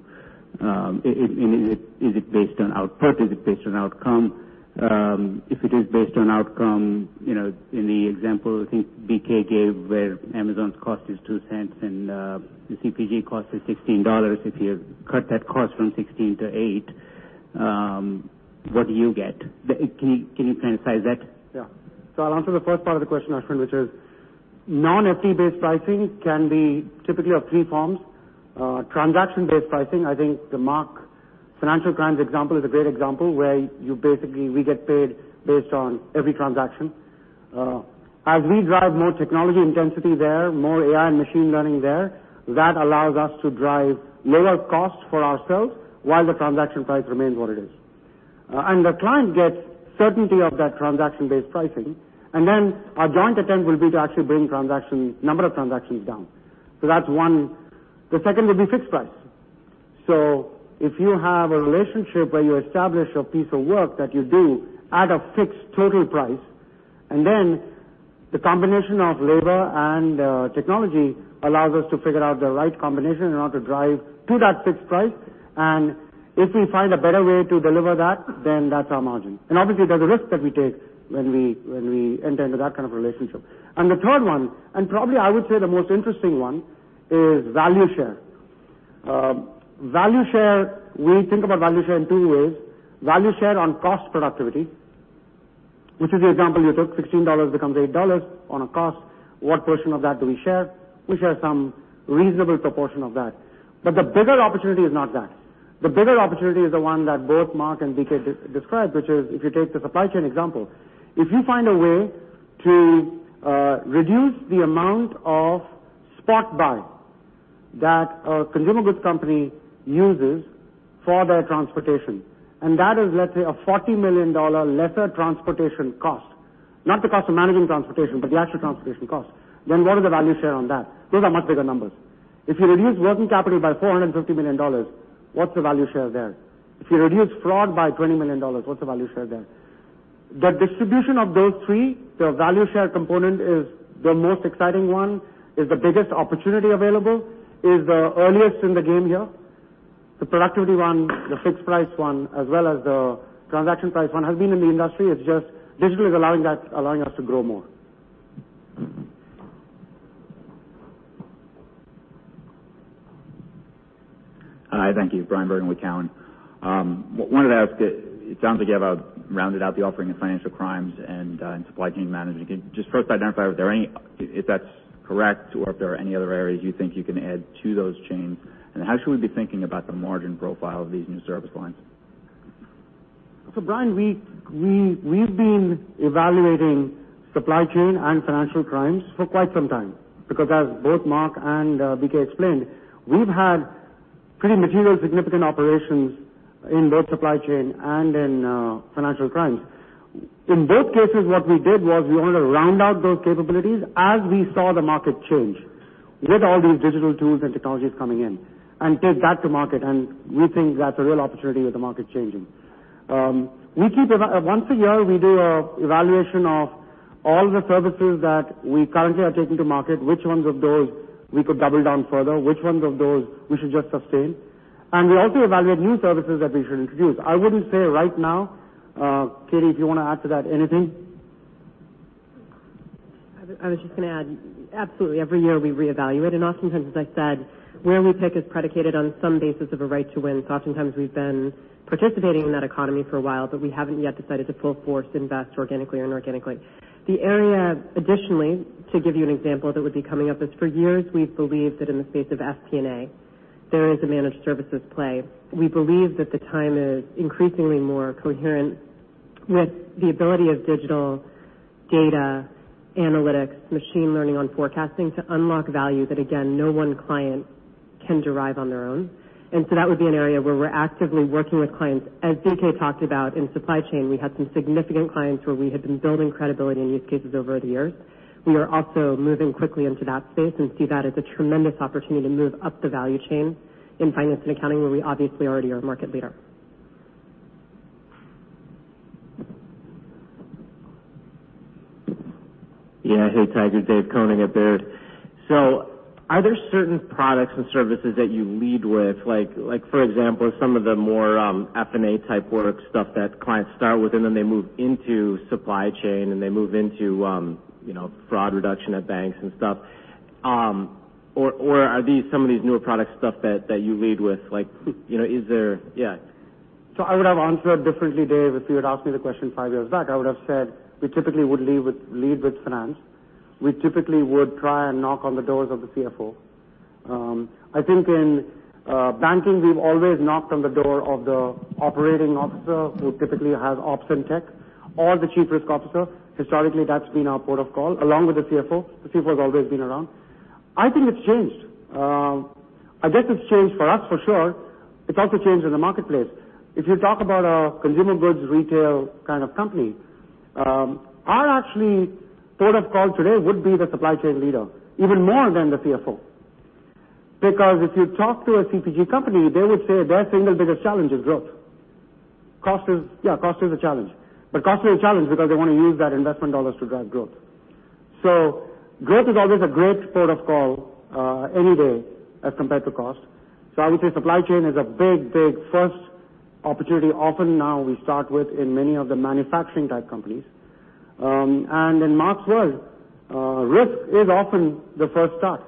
is it based on output? Is it based on outcome? If it is based on outcome, in the example I think BK gave where Amazon's cost is $0.02 and the CPG cost is $16, if you cut that cost from $16 to $8, what do you get? Can you kind of size that? I'll answer the first part of the question, Ashwin, which is non-FTE-based pricing can be typically of three forms. Transaction-based pricing, I think the Mark Financial Crimes example is a great example where basically, we get paid based on every transaction. As we drive more technology intensity there, more AI and machine learning there, that allows us to drive lower costs for ourselves while the transaction price remains what it is. The client gets certainty of that transaction-based pricing, and then our joint attempt will be to actually bring number of transactions down. That's one. The second would be fixed price. If you have a relationship where you establish a piece of work that you do at a fixed total price, and then the combination of labor and technology allows us to figure out the right combination in order to drive to that fixed price. If we find a better way to deliver that, then that's our margin. Obviously, there's a risk that we take when we enter into that kind of relationship. The third one, and probably I would say the most interesting one, is value share. Value share, we think about value share in two ways. Value share on cost productivity, which is the example you took, $16 becomes $8 on a cost. What portion of that do we share? We share some reasonable proportion of that. The bigger opportunity is not that. The bigger opportunity is the one that both Mark and BK described, which is if you take the supply chain example, if you find a way to reduce the amount of spot buy that a consumable goods company uses for their transportation, and that is, let's say, a $40 million lesser transportation cost. Not the cost of managing transportation, but the actual transportation cost. What is the value share on that? Those are much bigger numbers. If you reduce working capital by $450 million, what's the value share there? If you reduce fraud by $20 million, what's the value share there? The distribution of those three, the value share component is the most exciting one, is the biggest opportunity available, is the earliest in the game here. The productivity one, the fixed price one, as well as the transaction price one, has been in the industry. It's just digital is allowing us to grow more. Hi, thank you. Bryan Bergin with Cowen. Wanted to ask, it sounds like you have rounded out the offering of financial crimes and supply chain management. Just first identify if that's correct, or if there are any other areas you think you can add to those chains, and how should we be thinking about the margin profile of these new service lines? Bryan, we've been evaluating supply chain and financial crimes for quite some time because, as both Mark and BK explained, we've had pretty material significant operations in both supply chain and in financial crimes. In both cases, what we did was we wanted to round out those capabilities as we saw the market change with all these digital tools and technologies coming in and take that to market, and we think that's a real opportunity with the market changing. Once a year, we do an evaluation of all the services that we currently are taking to market, which ones of those we could double down further, which ones of those we should just sustain, and we also evaluate new services that we should introduce. I wouldn't say right now. Katie, do you want to add to that anything? I was just going to add, absolutely, every year we reevaluate. Oftentimes, as I said, where we pick is predicated on some basis of a right to win. Oftentimes we've been participating in that economy for a while, but we haven't yet decided to full-force invest organically or inorganically. The area, additionally, to give you an example that would be coming up, is for years we've believed that in the space of FP&A, there is a managed services play. We believe that the time is increasingly more coherent with the ability of digital data, analytics, machine learning on forecasting to unlock value that, again, no one client can derive on their own. That would be an area where we're actively working with clients. As BK talked about in supply chain, we had some significant clients where we had been building credibility in use cases over the years. We are also moving quickly into that space and see that as a tremendous opportunity to move up the value chain in finance and accounting, where we obviously already are a market leader. Yeah. Hey, Tiger. David Koning at Baird. Are there certain products and services that you lead with? Like for example, some of the more F&A type work stuff that clients start with, and then they move into supply chain, and they move into fraud reduction at banks and stuff. Or are these some of these newer product stuff that you lead with? I would have answered differently, Dave, if you had asked me the question five years back. I would have said we typically would lead with finance. We typically would try and knock on the doors of the CFO. I think in banking, we've always knocked on the door of the operating officer, who typically has ops and tech or the Chief Risk Officer. Historically, that's been our port of call, along with the CFO. The CFO has always been around. I think it's changed. I guess it's changed for us for sure. It's also changed in the marketplace. If you talk about a consumer goods, retail kind of company, our actually port of call today would be the supply chain leader even more than the CFO. If you talk to a CPG company, they would say their single biggest challenge is growth. Cost is a challenge, cost is a challenge because they want to use that investment dollars to drive growth. Growth is always a great port of call any day as compared to cost. I would say supply chain is a big, big first opportunity often now we start with in many of the manufacturing type companies. In Mark's world, risk is often the first start.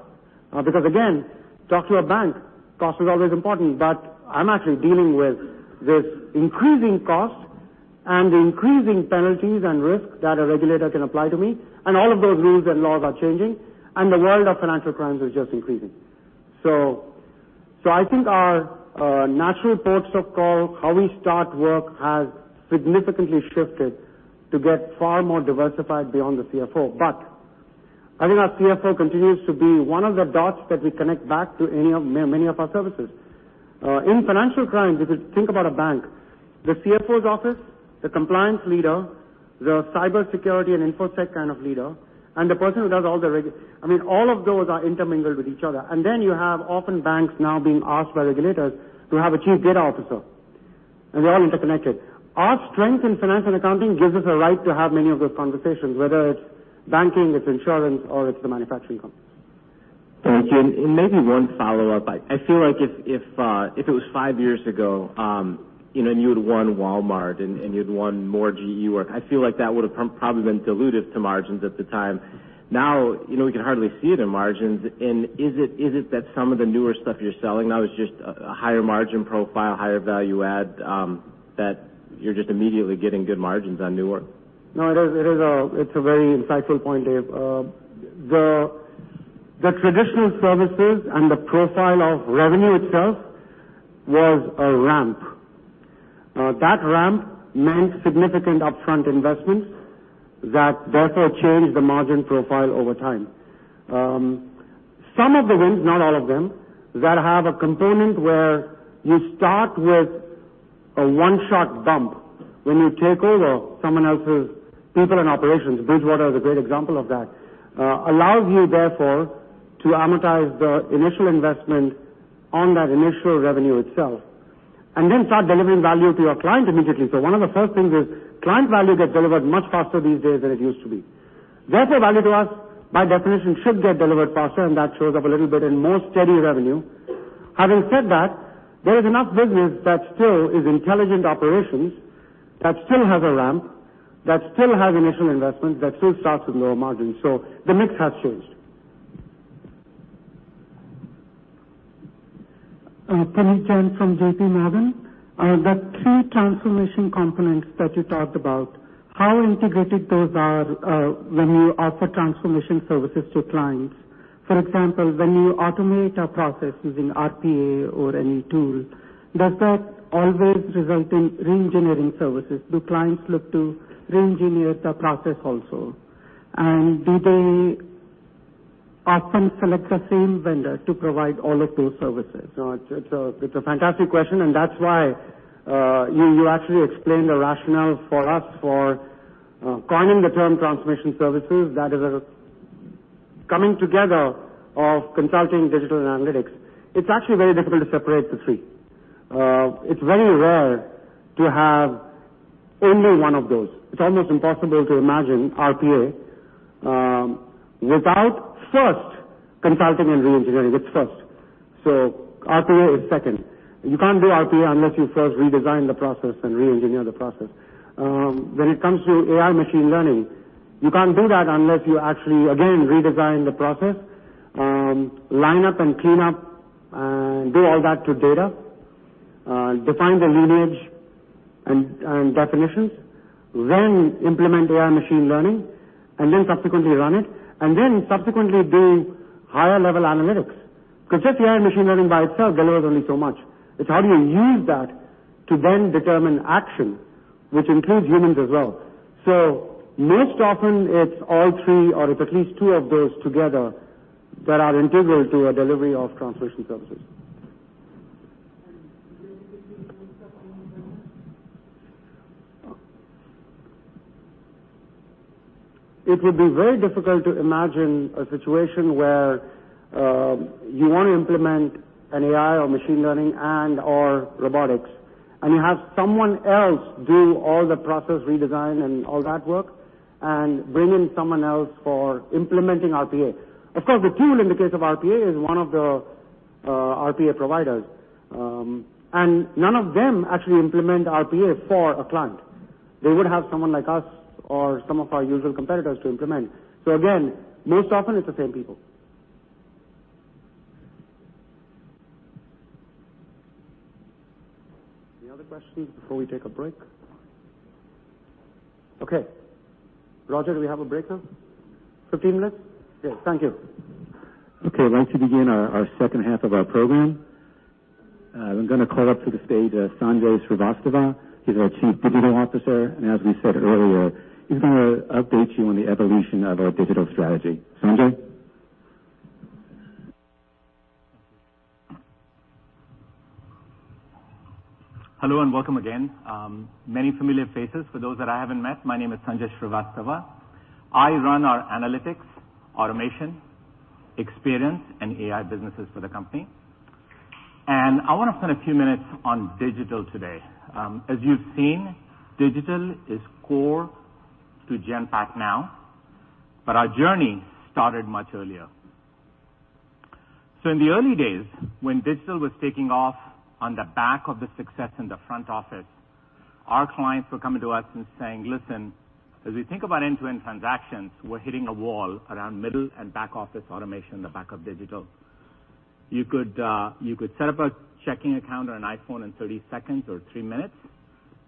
Again, talk to a bank, cost is always important, but I'm actually dealing with this increasing cost and increasing penalties and risk that a regulator can apply to me, and all of those rules and laws are changing, and the world of financial crimes is just increasing. I think our natural ports of call, how we start work, has significantly shifted to get far more diversified beyond the CFO. I think our CFO continues to be one of the dots that we connect back to many of our services. In financial crimes, if you think about a bank, the CFO's office, the compliance leader, the cybersecurity and infosec kind of leader, and the person who does I mean, all of those are intermingled with each other. You have often banks now being asked by regulators to have a Chief Data Officer, and they're all interconnected. Our strength in finance and accounting gives us a right to have many of those conversations, whether it's banking, it's insurance, or it's the manufacturing companies. Thank you. Maybe one follow-up. I feel like if it was five years ago, and you'd won Walmart and you'd won more GE work, I feel like that would have probably been dilutive to margins at the time. Now, we can hardly see it in margins. Is it that some of the newer stuff you're selling now is just a higher margin profile, higher value add, that you're just immediately getting good margins on new work? No, it's a very insightful point, Dave. The traditional services and the profile of revenue itself was a ramp. That ramp meant significant upfront investments that therefore changed the margin profile over time. Some of the wins, not all of them, that have a component where you start with a one-shot bump when you take over someone else's people and operations, Bridgewater is a great example of that, allows you therefore to amortize the initial investment on that initial revenue itself and then start delivering value to your client immediately. One of the first things is client value gets delivered much faster these days than it used to be. Therefore, value to us, by definition, should get delivered faster, and that shows up a little bit in more steady revenue. Having said that, there is enough business that still is Intelligent Operations, that still have a ramp, that still have initial investments, that still starts with lower margins. The mix has changed. Puneet Jain from JPMorgan. The three Transformation Services components that you talked about, how integrated those are when you offer Transformation Services to clients. For example, when you automate a process using RPA or any tool, does that always result in re-engineering services? Do clients look to re-engineer the process also? Do they often select the same vendor to provide all of those services? No, it's a fantastic question, and that's why you actually explained the rationale for us for coining the term Transformation Services. That is a coming together of consulting, digital, and analytics. It's actually very difficult to separate the three. It's very rare to have only one of those. It's almost impossible to imagine RPA without first consulting and re-engineering. It's first. RPA is second. You can't do RPA unless you first redesign the process and re-engineer the process. When it comes to AI machine learning, you can't do that unless you actually, again, redesign the process, line up and clean up, do all that to data, define the lineage and definitions, then implement AI machine learning, and then subsequently run it, and then subsequently do higher-level analytics. Because just AI machine learning by itself delivers only so much. It's how do you use that to then determine action, which includes humans as well. Most often it's all three, or it's at least two of those together that are integral to a delivery of Transformation Services. It would be very difficult to imagine a situation where you want to implement an AI or machine learning and/or robotics, and you have someone else do all the process redesign and all that work and bring in someone else for implementing RPA. Of course, the tool in the case of RPA is one of the RPA providers, and none of them actually implement RPA for a client. They would have someone like us or some of our usual competitors to implement. Again, most often it's the same people. Any other questions before we take a break? Okay. Roger, do we have a break now? 15 minutes? Good. Thank you. Okay, why don't you begin our second half of our program. I'm going to call up to the stage Sanjay Srivastava. He's our Chief Digital Officer, and as we said earlier, he's going to update you on the evolution of our digital strategy. Sanjay? Hello and welcome again. Many familiar faces. For those that I haven't met, my name is Sanjay Srivastava. I run our analytics, automation, experience, and AI businesses for the company. I want to spend a few minutes on digital today. As you've seen, digital is core to Genpact now, but our journey started much earlier. In the early days, when digital was taking off on the back of the success in the front office, our clients were coming to us and saying, "Listen, as we think about end-to-end transactions, we're hitting a wall around middle and back office automation in the back of digital." You could set up a checking account on an iPhone in 30 seconds or three minutes.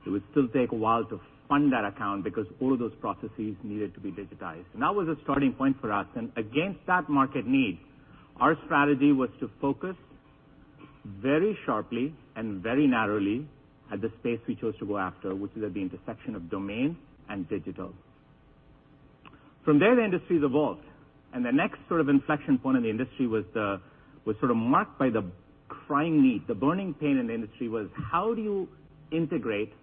It would still take a while to fund that account because all of those processes needed to be digitized. That was a starting point for us. Against that market need, our strategy was to focus very sharply and very narrowly at the space we chose to go after, which is at the intersection of domain and digital. From there, the industry's evolved, and the next sort of inflection point in the industry was sort of marked by the crying need. The burning pain in the industry was how do you integrate all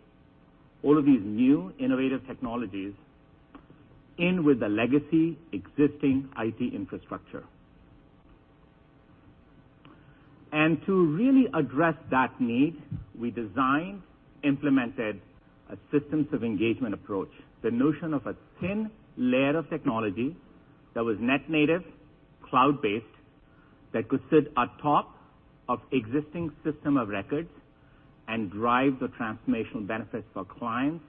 of these new innovative technologies in with the legacy existing IT infrastructure? To really address that need, we designed, implemented a systems of engagement approach. The notion of a thin layer of technology that was net native, cloud-based, that could sit atop of existing system of records and drive the transformational benefits for clients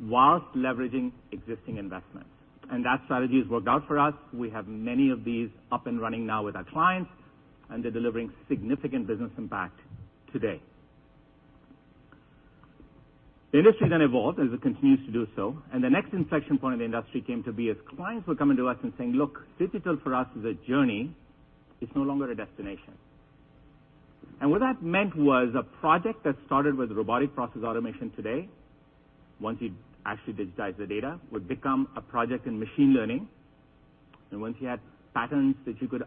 whilst leveraging existing investments. That strategy has worked out for us. We have many of these up and running now with our clients, and they're delivering significant business impact today. The industry then evolved, as it continues to do so, and the next inflection point of the industry came to be as clients were coming to us and saying, "Look, digital for us is a journey. It's no longer a destination. What that meant was a project that started with robotic process automation today, once you actually digitize the data, would become a project in machine learning. Once you had patterns that you could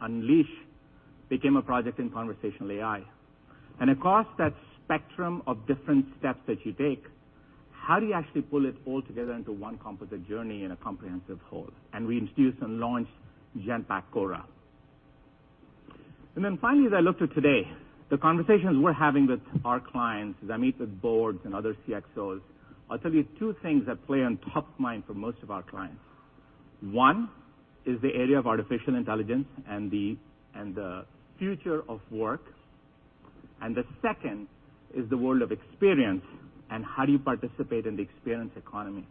unleash, became a project in conversational AI. Across that spectrum of different steps that you take, how do you actually pull it all together into one composite journey in a comprehensive whole? We introduced and launched Genpact Cora. Finally, as I look to today, the conversations we're having with our clients, as I meet with boards and other CXOs, I'll tell you two things that play on top of mind for most of our clients. One is the area of artificial intelligence and the future of work, and the second is the world of experience and how do you participate in the experience economy.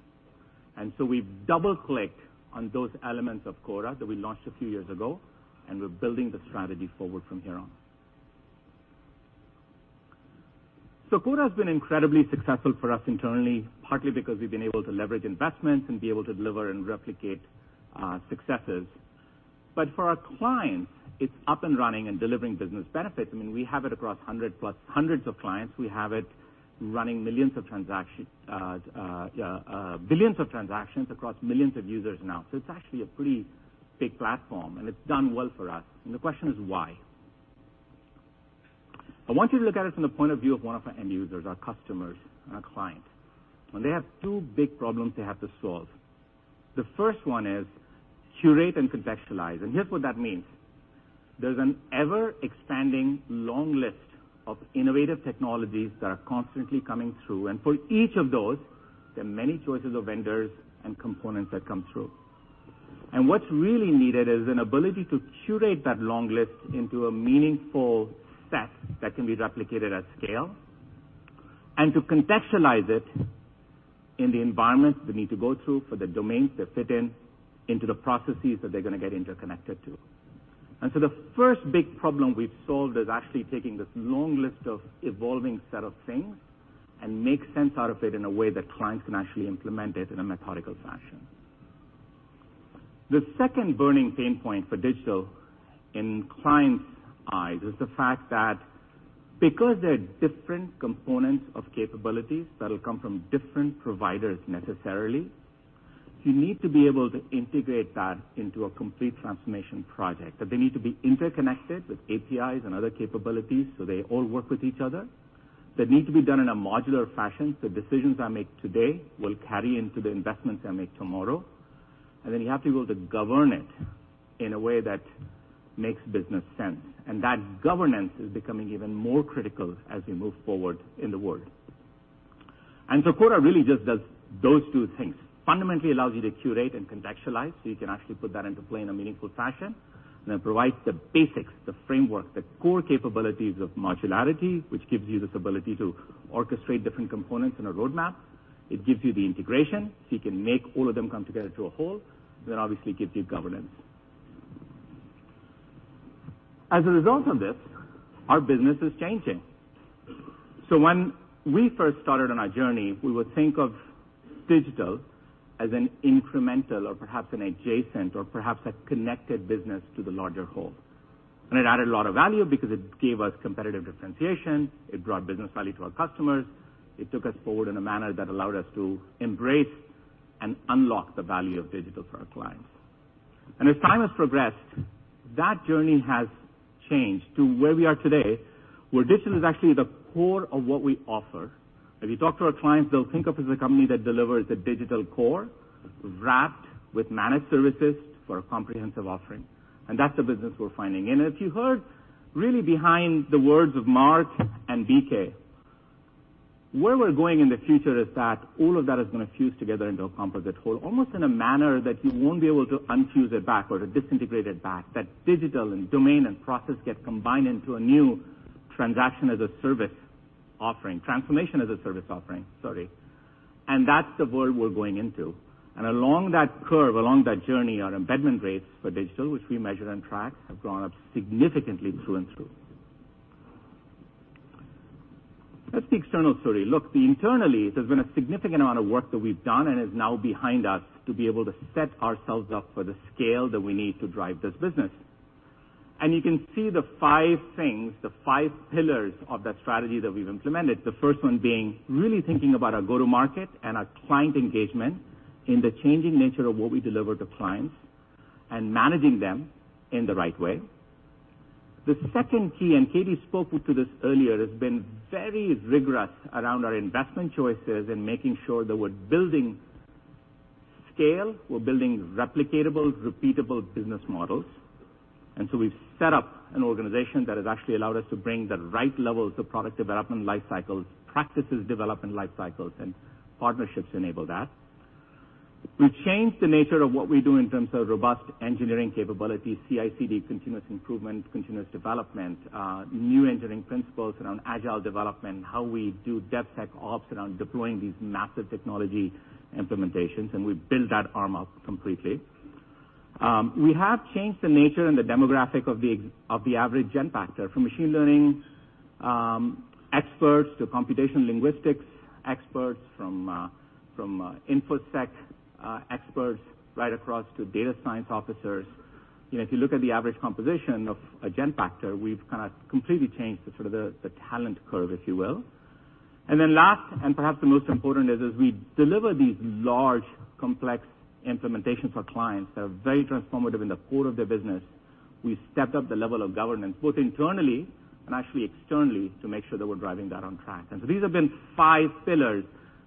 We've double-clicked on those elements of Cora that we launched a few years ago, and we're building the strategy forward from here on. Cora has been incredibly successful for us internally, partly because we've been able to leverage investments and be able to deliver and replicate successes. For our clients, it's up and running and delivering business benefits. I mean, we have it across hundreds of clients. We have it running billions of transactions across millions of users now. It's actually a pretty big platform, and it's done well for us. The question is why? I want you to look at it from the point of view of one of our end users, our customers, and our clients. They have two big problems they have to solve. The first one is curate and contextualize, and here's what that means. There's an ever-expanding long list of innovative technologies that are constantly coming through. For each of those, there are many choices of vendors and components that come through. What's really needed is an ability to curate that long list into a meaningful set that can be replicated at scale, and to contextualize it in the environments they need to go through, for the domains they fit in, into the processes that they're going to get interconnected to. The first big problem we've solved is actually taking this long list of evolving set of things and make sense out of it in a way that clients can actually implement it in a methodical fashion. The second burning pain point for digital in clients' eyes is the fact that because they're different components of capabilities that'll come from different providers necessarily, you need to be able to integrate that into a complete transformation project, that they need to be interconnected with APIs and other capabilities so they all work with each other. That need to be done in a modular fashion, so decisions I make today will carry into the investments I make tomorrow. Then you have to be able to govern it in a way that makes business sense. That governance is becoming even more critical as we move forward in the world. Cora really just does those two things. Fundamentally allows you to curate and contextualize, so you can actually put that into play in a meaningful fashion. It provides the basics, the framework, the core capabilities of modularity, which gives you this ability to orchestrate different components in a roadmap. It gives you the integration, so you can make all of them come together to a whole. Obviously it gives you governance. As a result of this, our business is changing. When we first started on our journey, we would think of digital as an incremental or perhaps an adjacent or perhaps a connected business to the larger whole. It added a lot of value because it gave us competitive differentiation, it brought business value to our customers, it took us forward in a manner that allowed us to embrace and unlock the value of digital for our clients. As time has progressed, that journey has changed to where we are today, where digital is actually the core of what we offer. If you talk to our clients, they'll think of us as a company that delivers a digital core wrapped with managed services for a comprehensive offering. That's the business we're finding. If you heard really behind the words of Mark and BK, where we're going in the future is that all of that is going to fuse together into a composite whole, almost in a manner that you won't be able to unfuse it back or to disintegrate it back. That digital and domain and process get combined into a new transaction as a service offering, transformation as a service offering, sorry. That's the world we're going into. Along that curve, along that journey, our embedment rates for digital, which we measure and track, have gone up significantly through and through. That's the external story. Look, internally, there's been a significant amount of work that we've done and is now behind us to be able to set ourselves up for the scale that we need to drive this business. You can see the five things, the five pillars of that strategy that we've implemented. The first one being really thinking about our go-to-market and our client engagement in the changing nature of what we deliver to clients and managing them in the right way. The second key, and Katie spoke to this earlier, has been very rigorous around our investment choices and making sure that we're building scale, we're building replicable, repeatable business models. We've set up an organization that has actually allowed us to bring the right levels of product development life cycles, practices development life cycles, and partnerships enable that. We've changed the nature of what we do in terms of robust engineering capabilities, CI/CD, continuous improvement, continuous development, new engineering principles around agile development, and how we do DevSecOps around deploying these massive technology implementations, and we've built that arm up completely. We have changed the nature and the demographic of the average Genpacter. From machine learning experts to computational linguistics experts from info sec experts right across to data science officers. If you look at the average composition of a Genpacter, we've kind of completely changed the talent curve, if you will. Last, and perhaps the most important, is as we deliver these large, complex implementations for clients that are very transformative in the core of their business, we stepped up the level of governance, both internally and actually externally, to make sure that we're driving that on track. These have been five pillars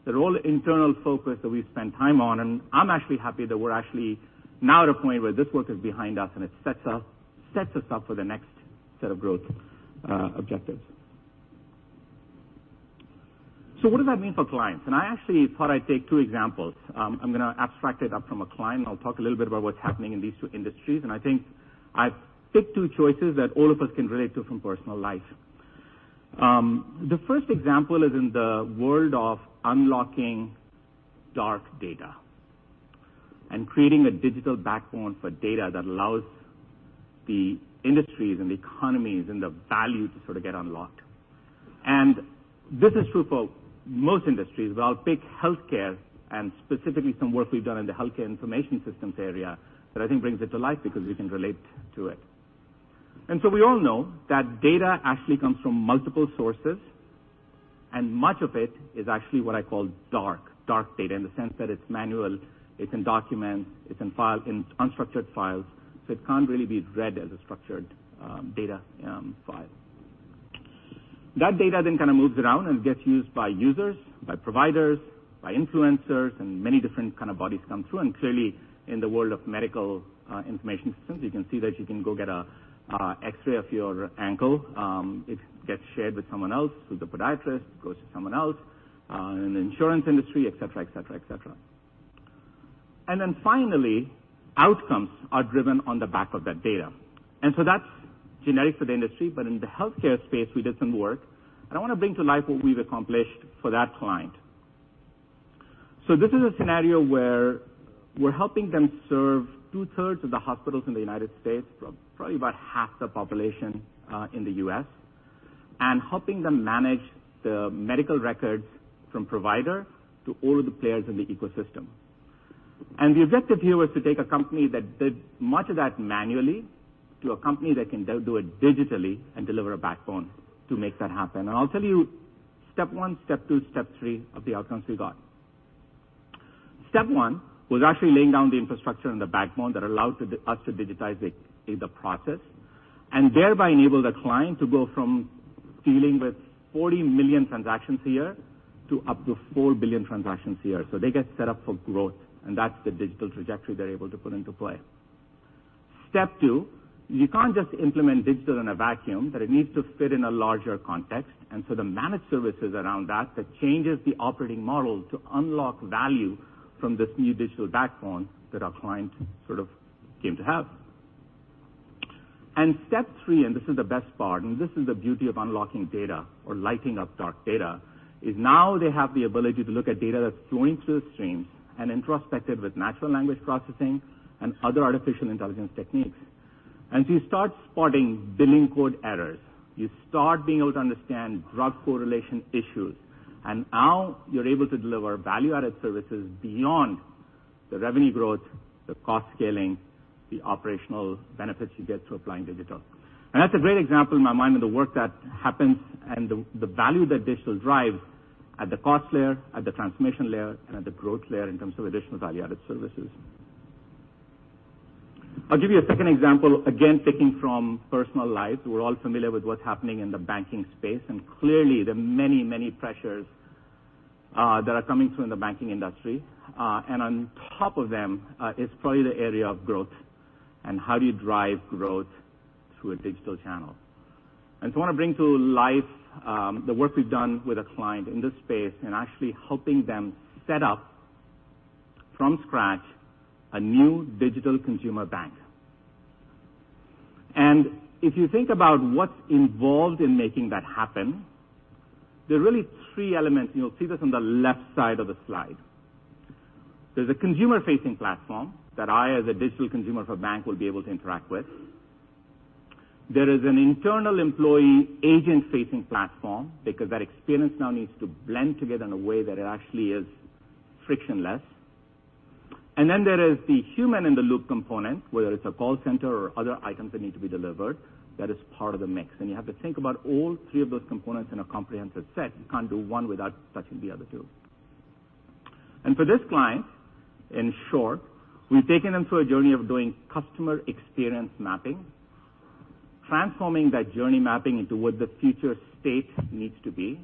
that are all internal focus that we've spent time on, and I'm actually happy that we're actually now at a point where this work is behind us, and it sets us up for the next set of growth objectives. What does that mean for clients? I actually thought I'd take two examples. I'm going to abstract it up from a client, and I'll talk a little bit about what's happening in these two industries. I think I picked two choices that all of us can relate to from personal life. The first example is in the world of unlocking dark data and creating a digital backbone for data that allows the industries and the economies and the value to sort of get unlocked. This is true for most industries, but I'll pick healthcare, and specifically some work we've done in the healthcare information systems area that I think brings it to life because you can relate to it. We all know that data actually comes from multiple sources, and much of it is actually what I call dark data in the sense that it's manual, it's in documents, it's in unstructured files, so it can't really be read as a structured data file. That data kind of moves around and gets used by users, by providers, by influencers, and many different kind of bodies come through. Clearly, in the world of medical information systems, you can see that you can go get an X-ray of your ankle. It gets shared with someone else, to the podiatrist, goes to someone else, in the insurance industry, et cetera. Finally, outcomes are driven on the back of that data. That's generic to the industry, but in the healthcare space, we did some work, and I want to bring to life what we've accomplished for that client. This is a scenario where we're helping them serve 2/3 of the hospitals in the U.S., probably about half the population in the U.S., and helping them manage the medical records from provider to all the players in the ecosystem. The objective here was to take a company that did much of that manually to a company that can do it digitally and deliver a backbone to make that happen. I'll tell you step one, step two, step three of the outcomes we got. Step one was actually laying down the infrastructure and the backbone that allowed us to digitize the process, and thereby enabled a client to go from dealing with 40 million transactions a year to up to 4 billion transactions a year. They get set up for growth, and that's the digital trajectory they're able to put into play. Step two, you can't just implement digital in a vacuum, that it needs to fit in a larger context. The managed services around that changes the operating model to unlock value from this new digital backbone that our client sort of came to have. Step three, and this is the best part, and this is the beauty of unlocking data or lighting up dark data, is now they have the ability to look at data that's flowing through a stream and introspected with natural language processing and other artificial intelligence techniques. You start spotting billing code errors, you start being able to understand drug correlation issues, and now you're able to deliver value-added services beyond the revenue growth, the cost scaling, the operational benefits you get through applying digital. That's a great example in my mind of the work that happens and the value that digital drives at the cost layer, at the transformation layer, and at the growth layer in terms of additional value-added services. I'll give you a second example, again, taking from personal life. We're all familiar with what's happening in the banking space. Clearly, there are many pressures that are coming through in the banking industry. On top of them is probably the area of growth and how do you drive growth through a digital channel. I want to bring to life the work we've done with a client in this space in actually helping them set up from scratch a new digital consumer bank. If you think about what's involved in making that happen, there are really three elements, and you'll see this on the left side of the slide. There's a consumer-facing platform that I, as a digital consumer for bank, will be able to interact with. There is an internal employee agent-facing platform because that experience now needs to blend together in a way that it actually is frictionless. Then there is the human-in-the-loop component, whether it's a call center or other items that need to be delivered that is part of the mix. You have to think about all three of those components in a comprehensive set. You can't do one without touching the other two. For this client, in short, we've taken them through a journey of doing customer experience mapping, transforming that journey mapping into what the future state needs to be.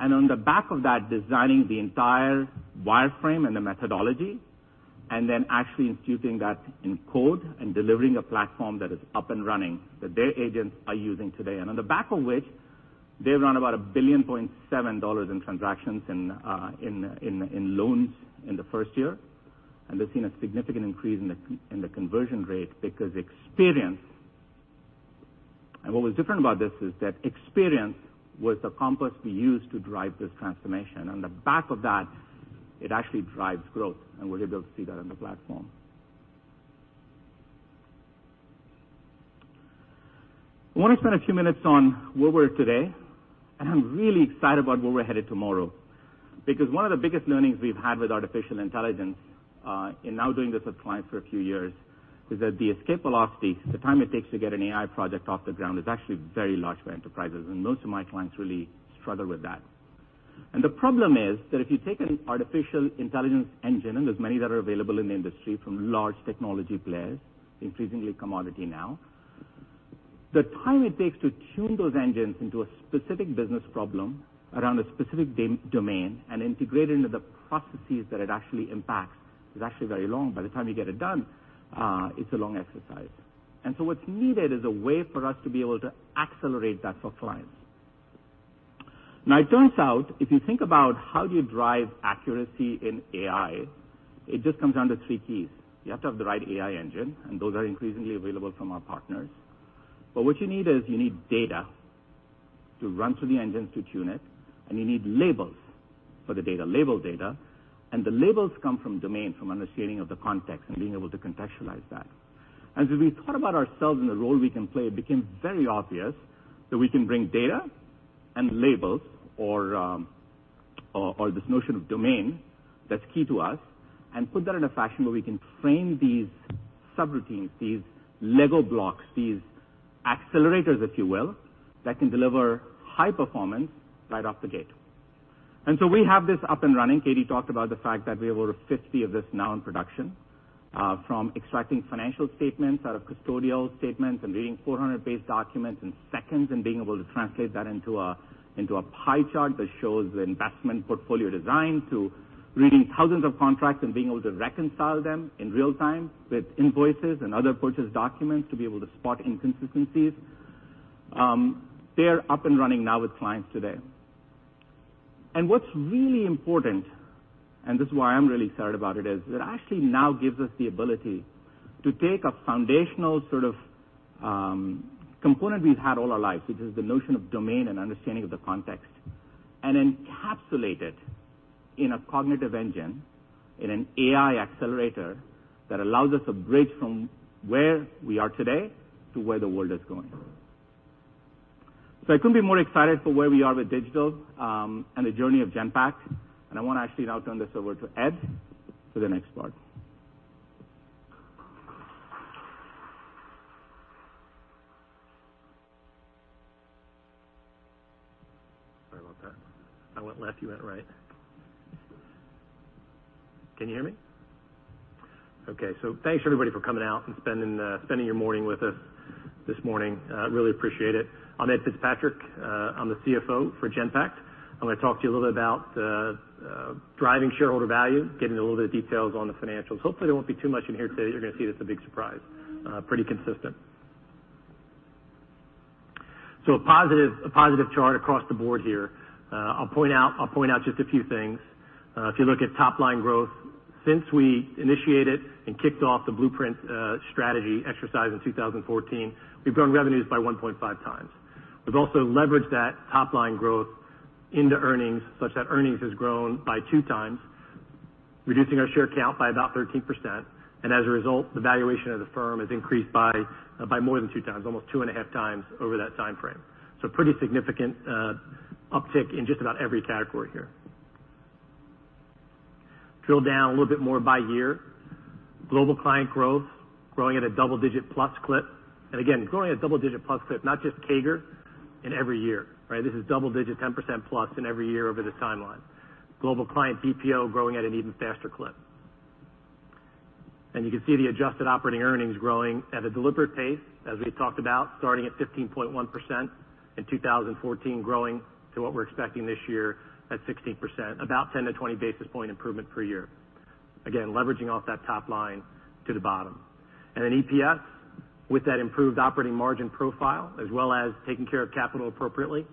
On the back of that, designing the entire wireframe and the methodology, and then actually instituting that in code and delivering a platform that is up and running that their agents are using today. On the back of which they've run about a $1.7 billion in transactions in loans in the first year. They've seen a significant increase in the conversion rate because what was different about this is that experience was the compass we used to drive this transformation. On the back of that, it actually drives growth, and we're able to see that on the platform. I want to spend a few minutes on where we're today, and I'm really excited about where we're headed tomorrow, because one of the biggest learnings we've had with artificial intelligence, in now doing this with clients for a few years, is that the escape velocity, the time it takes to get an AI project off the ground is actually very large for enterprises, and most of my clients really struggle with that. The problem is that if you take an artificial intelligence engine, there's many that are available in the industry from large technology players, increasingly commodity now, the time it takes to tune those engines into a specific business problem around a specific domain and integrate into the processes that it actually impacts is actually very long. By the time you get it done, it's a long exercise. What's needed is a way for us to be able to accelerate that for clients. Now, it turns out, if you think about how do you drive accuracy in AI, it just comes down to three keys. You have to have the right AI engine, and those are increasingly available from our partners. What you need is you need data to run through the engines to tune it, and you need labels for the data, labeled data. The labels come from domain, from understanding of the context and being able to contextualize that. We thought about ourselves and the role we can play, it became very obvious that we can bring data and labels or this notion of domain that's key to us and put that in a fashion where we can frame these subroutines, these Lego blocks, these accelerators, if you will, that can deliver high performance right off the gate. We have this up and running. Katie talked about the fact that we have over 50 of this now in production, from extracting financial statements out of custodial statements and reading 400-page documents in seconds and being able to translate that into a pie chart that shows the investment portfolio design to reading thousands of contracts and being able to reconcile them in real time with invoices and other purchase documents to be able to spot inconsistencies. They're up and running now with clients today. What's really important, and this is why I'm really excited about it, is it actually now gives us the ability to take a foundational sort of component we've had all our life, which is the notion of domain and understanding of the context, and encapsulate it in a cognitive engine, in an AI accelerator that allows us to bridge from where we are today to where the world is going. I couldn't be more excited for where we are with digital and the journey of Genpact. I want to actually now turn this over to Ed for the next part. Sorry about that. I went left, you went right. Can you hear me? Okay, thanks everybody for coming out and spending your morning with us this morning. Really appreciate it. I'm Ed Fitzpatrick. I'm the CFO for Genpact. I'm going to talk to you a little bit about driving shareholder value, getting a little bit of details on the financials. Hopefully, there won't be too much in here today that you're going to see that's a big surprise. Pretty consistent. A positive chart across the board here. I'll point out just a few things. If you look at top-line growth, since we initiated and kicked off the Blueprint strategy exercise in 2014, we've grown revenues by 1.5x. We've also leveraged that top-line growth into earnings such that earnings has grown by 2x, reducing our share count by about 13%. As a result, the valuation of the firm has increased by more than 2x, almost 2.5x over that time frame. Pretty significant uptick in just about every category here. Drill down a little bit more by year. Global client growth growing at a double-digit plus clip. Again, growing at double-digit plus clip, not just CAGR in every year. This is double-digit 10%+ in every year over this timeline. Global client BPO growing at an even faster clip. You can see the adjusted operating earnings growing at a deliberate pace as we had talked about, starting at 15.1% in 2014, growing to what we're expecting this year at 16%, about 10 basis point-20 basis point improvement per year. Again, leveraging off that top line to the bottom. EPS with that improved operating margin profile, as well as taking care of capital appropriately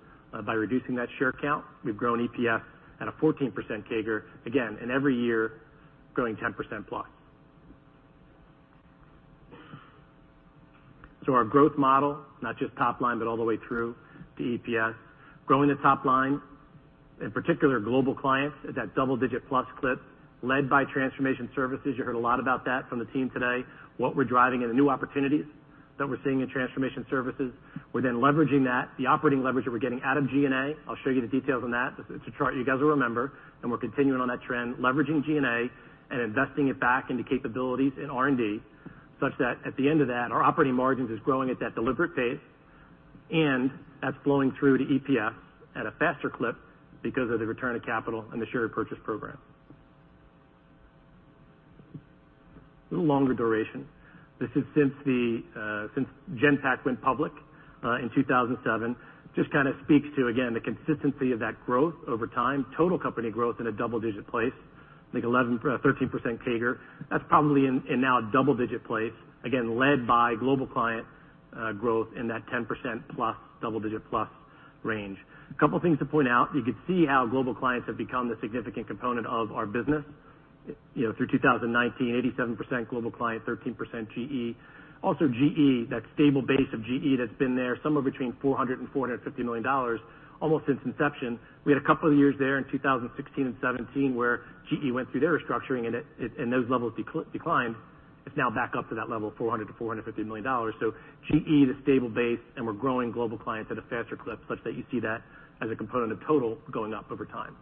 by reducing that share count. We've grown EPS at a 14% CAGR, again, in every year growing 10%+. Our growth model, not just top line, but all the way through to EPS. Growing the top line, in particular global clients at that double-digit plus clip led by Transformation Services. You heard a lot about that from the team today. What we're driving and the new opportunities that we're seeing in Transformation Services. We're leveraging that, the operating leverage that we're getting out of G&A. I'll show you the details on that. It's a chart you guys will remember, and we're continuing on that trend, leveraging G&A and investing it back into capabilities in R&D, such that at the end of that, our operating margins is growing at that deliberate pace, and that's flowing through to EPS at a faster clip because of the return of capital and the share repurchase program. A little longer duration. This is since Genpact went public in 2007. Just kind of speaks to, again, the consistency of that growth over time. Total company growth in a double-digit place, I think 13% CAGR. That's probably in now a double-digit place, again, led by global client growth in that 10%+ double-digit plus range. A couple things to point out. You could see how global clients have become the significant component of our business. Through 2019, 87% global client, 13% GE. GE, that stable base of GE that's been there, somewhere between $400 million-$450 million, almost since inception. We had a couple of years there in 2016 and 2017 where GE went through their restructuring, and those levels declined. It's now back up to that level of $400 million-$450 million. GE is a stable base, and we're growing global clients at a faster clip, such that you see that as a component of total going up over time.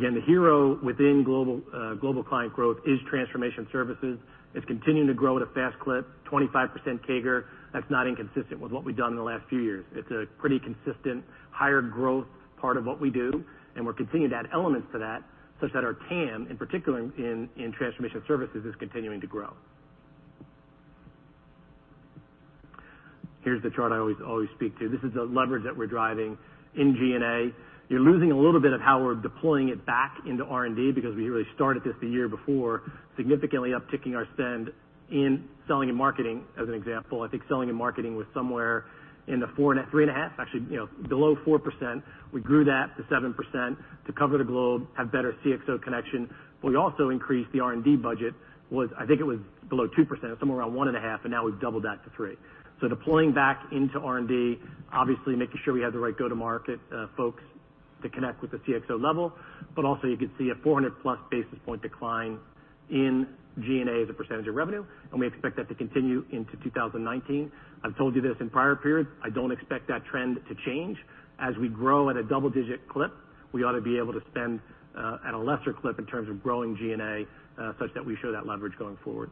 Again, the hero within global client growth is Transformation Services. It's continuing to grow at a fast clip, 25% CAGR. That's not inconsistent with what we've done in the last few years. It's a pretty consistent higher growth part of what we do, and we're continuing to add elements to that, such that our TAM, in particular in Transformation Services, is continuing to grow. Here's the chart I always speak to. This is the leverage that we're driving in G&A. You're losing a little bit of how we're deploying it back into R&D because we really started this the year before, significantly upticking our spend in selling and marketing. As an example, I think selling and marketing was somewhere in the 3.5%, actually below 4%. We grew that to 7% to cover the globe, have better CXO connection. We also increased the R&D budget. I think it was below 2%, somewhere around 1.5%, and now we've doubled that to 3%. Deploying back into R&D, obviously making sure we have the right go-to-market folks to connect with the CXO level. Also you could see a 400+ basis point decline in G&A as a percentage of revenue, and we expect that to continue into 2019. I've told you this in prior periods, I don't expect that trend to change. As we grow at a double-digit clip, we ought to be able to spend at a lesser clip in terms of growing G&A, such that we show that leverage going forward.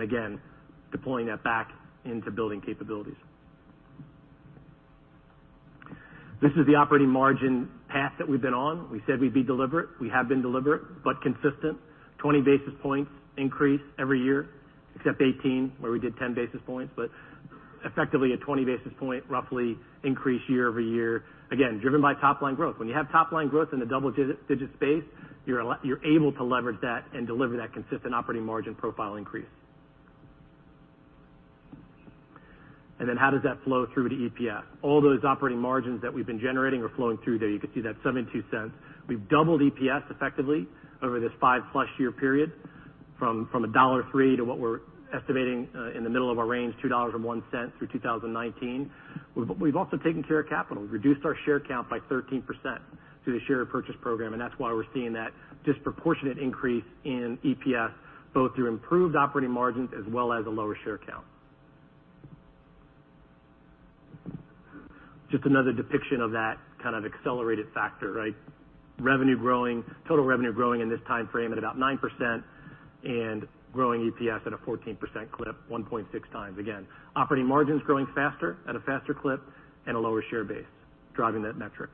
Again, deploying that back into building capabilities. This is the operating margin path that we've been on. We said we'd be deliberate. We have been deliberate, consistent. 20 basis points increase every year, except 2018, where we did 10 basis points. Effectively a 20 basis point, roughly, increase year-over-year. Again, driven by top-line growth. When you have top-line growth in the double-digit space, you're able to leverage that and deliver that consistent operating margin profile increase. How does that flow through to EPS? All those operating margins that we've been generating are flowing through there. You can see that $0.72. We've doubled EPS effectively over this five-plus year period, from $1.03 to what we're estimating in the middle of our range, $2.01 through 2019. We've also taken care of capital. We've reduced our share count by 13% through the share purchase program, and that's why we're seeing that disproportionate increase in EPS, both through improved operating margins as well as a lower share count. Just another depiction of that kind of accelerated factor, right? Total revenue growing in this time frame at about 9% and growing EPS at a 14% clip, 1.6x. Again, operating margins growing faster at a faster clip and a lower share base driving that metric.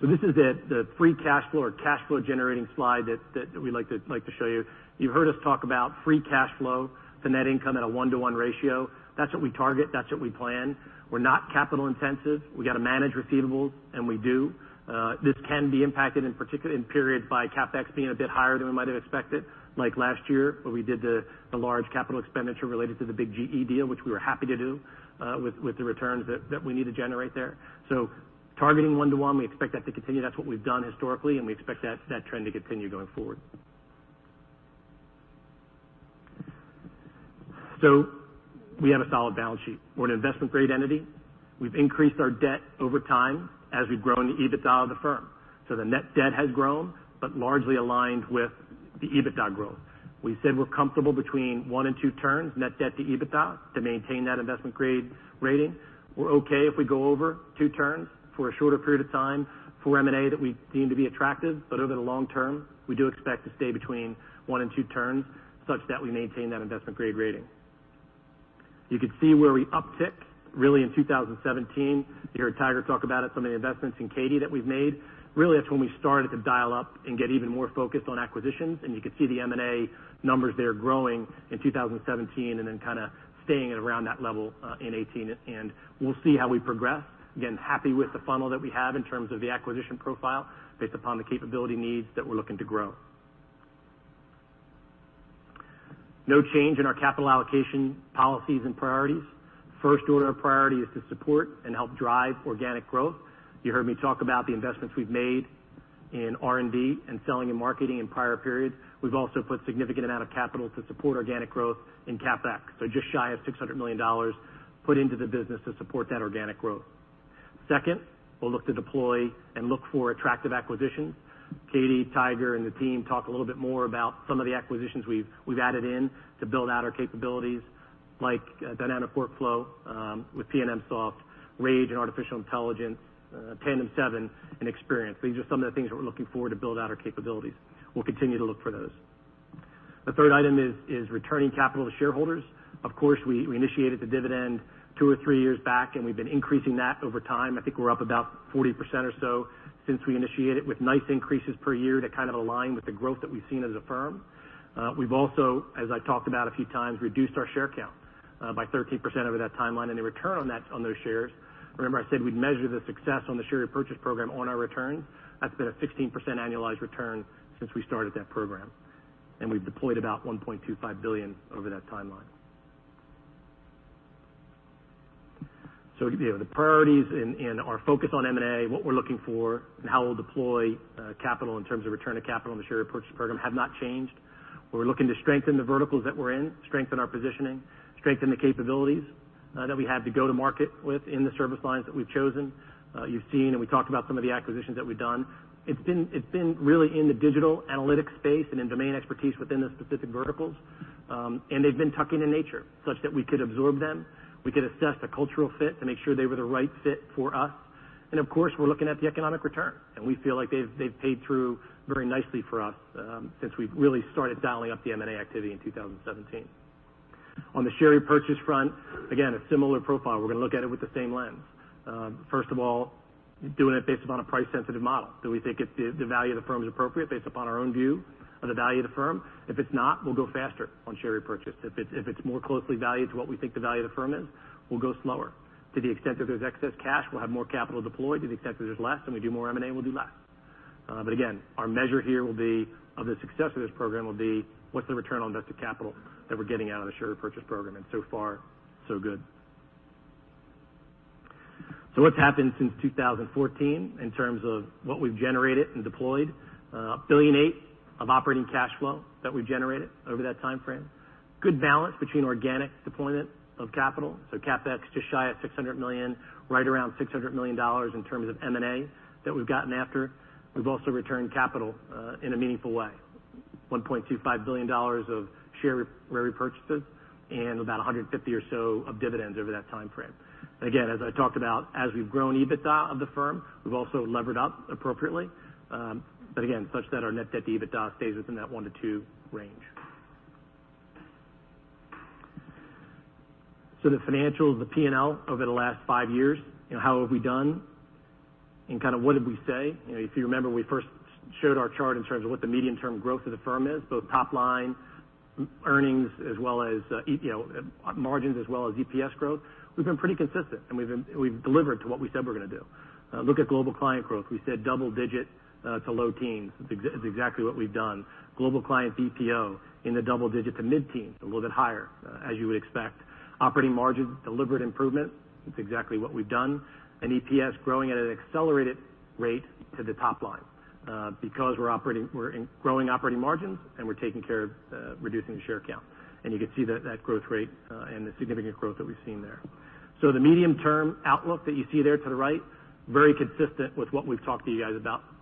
This is the free cash flow or cash flow generating slide that we like to show you. You've heard us talk about free cash flow to net income at a one-to-one ratio. That's what we target. That's what we plan. We're not capital intensive. We got to manage receivables, and we do. This can be impacted in periods by CapEx being a bit higher than we might have expected, like last year, where we did the large capital expenditure related to the big GE deal, which we were happy to do with the returns that we need to generate there. Targeting one-to-one, we expect that to continue. That's what we've done historically, and we expect that trend to continue going forward. We have a solid balance sheet. We're an investment-grade entity. We've increased our debt over time as we've grown the EBITDA of the firm. The net debt has grown, but largely aligned with the EBITDA growth. We said we're comfortable between one and two turns, net debt to EBITDA, to maintain that investment grade rating. We're okay if we go over two turns for a shorter period of time for M&A that we deem to be attractive. Over the long term, we do expect to stay between one and two turns, such that we maintain that investment grade rating. You could see where we uptick really in 2017. You heard Tiger talk about it, some of the investments in Katie that we've made. Really, that's when we started to dial up and get even more focused on acquisitions. You can see the M&A numbers there growing in 2017 and then kind of staying at around that level in 2018. We'll see how we progress. Again, happy with the funnel that we have in terms of the acquisition profile based upon the capability needs that we're looking to grow. No change in our capital allocation policies and priorities. First order of priority is to support and help drive organic growth. You heard me talk about the investments we've made in R&D and selling and marketing in prior periods. We've also put significant amount of capital to support organic growth in CapEx. Just shy of $600 million put into the business to support that organic growth. Second, we'll look to deploy and look for attractive acquisitions. Katie, Tiger, and the team talk a little bit more about some of the acquisitions we've added in to build out our capabilities, like dynamic workflow with PNMsoft, RAGE in artificial intelligence, TandemSeven in experience. These are some of the things that we're looking for to build out our capabilities. We'll continue to look for those. The third item is returning capital to shareholders. Of course, we initiated the dividend two or three years back. We've been increasing that over time. I think we're up about 40% or so since we initiated, with nice increases per year that kind of align with the growth that we've seen as a firm. We've also, as I talked about a few times, reduced our share count by 13% over that timeline. The return on those shares. Remember I said we'd measure the success on the share repurchase program on our return. That's been a 16% annualized return since we started that program. We've deployed about $1.25 billion over that timeline. The priorities and our focus on M&A, what we're looking for, and how we'll deploy capital in terms of return of capital and the share repurchase program have not changed. We're looking to strengthen the verticals that we're in, strengthen our positioning, strengthen the capabilities that we have to go to market with in the service lines that we've chosen. You've seen, we talked about some of the acquisitions that we've done. It's been really in the digital analytics space and in domain expertise within the specific verticals. They've been tuck-in in nature, such that we could absorb them, we could assess the cultural fit to make sure they were the right fit for us, and of course, we're looking at the economic return. We feel like they've paid through very nicely for us since we've really started dialing up the M&A activity in 2017. On the share repurchase front, again, a similar profile. We're going to look at it with the same lens. First of all, doing it based upon a price-sensitive model. Do we think the value of the firm is appropriate based upon our own view of the value of the firm? If it's not, we'll go faster on share repurchase. If it's more closely valued to what we think the value of the firm is, we'll go slower. To the extent that there's excess cash, we'll have more capital deployed. To the extent that there's less and we do more M&A, we'll do less. Again, our measure here of the success of this program will be what's the return on invested capital that we're getting out of the share repurchase program, and so far, so good. What's happened since 2014 in terms of what we've generated and deployed? $1.8 billion of operating cash flow that we've generated over that timeframe. Good balance between organic deployment of capital. CapEx just shy of $600 million, right around $600 million in terms of M&A that we've gotten after. We've also returned capital in a meaningful way. $1.25 billion of share repurchases and about $150 or so of dividends over that timeframe. Again, as I talked about, as we've grown EBITDA of the firm, we've also levered up appropriately. Again, such that our net debt to EBITDA stays within that one to two range. The financials, the P&L over the last five years, how have we done and kind of what did we say? If you remember, we first showed our chart in terms of what the medium-term growth of the firm is, both top-line earnings as well as margins, as well as EPS growth. We've been pretty consistent, and we've delivered to what we said we're going to do. Look at global client growth. We said double-digit to low-teens. It's exactly what we've done. Global client BPO in the double-digit to mid-teens, a little bit higher as you would expect. Operating margins, deliberate improvement. That's exactly what we've done. EPS growing at an accelerated rate to the top line because we're growing operating margins and we're taking care of reducing the share count. You can see that growth rate and the significant growth that we've seen there. The medium-term outlook that you see there to the right, very consistent with what we've talked to you guys about previously.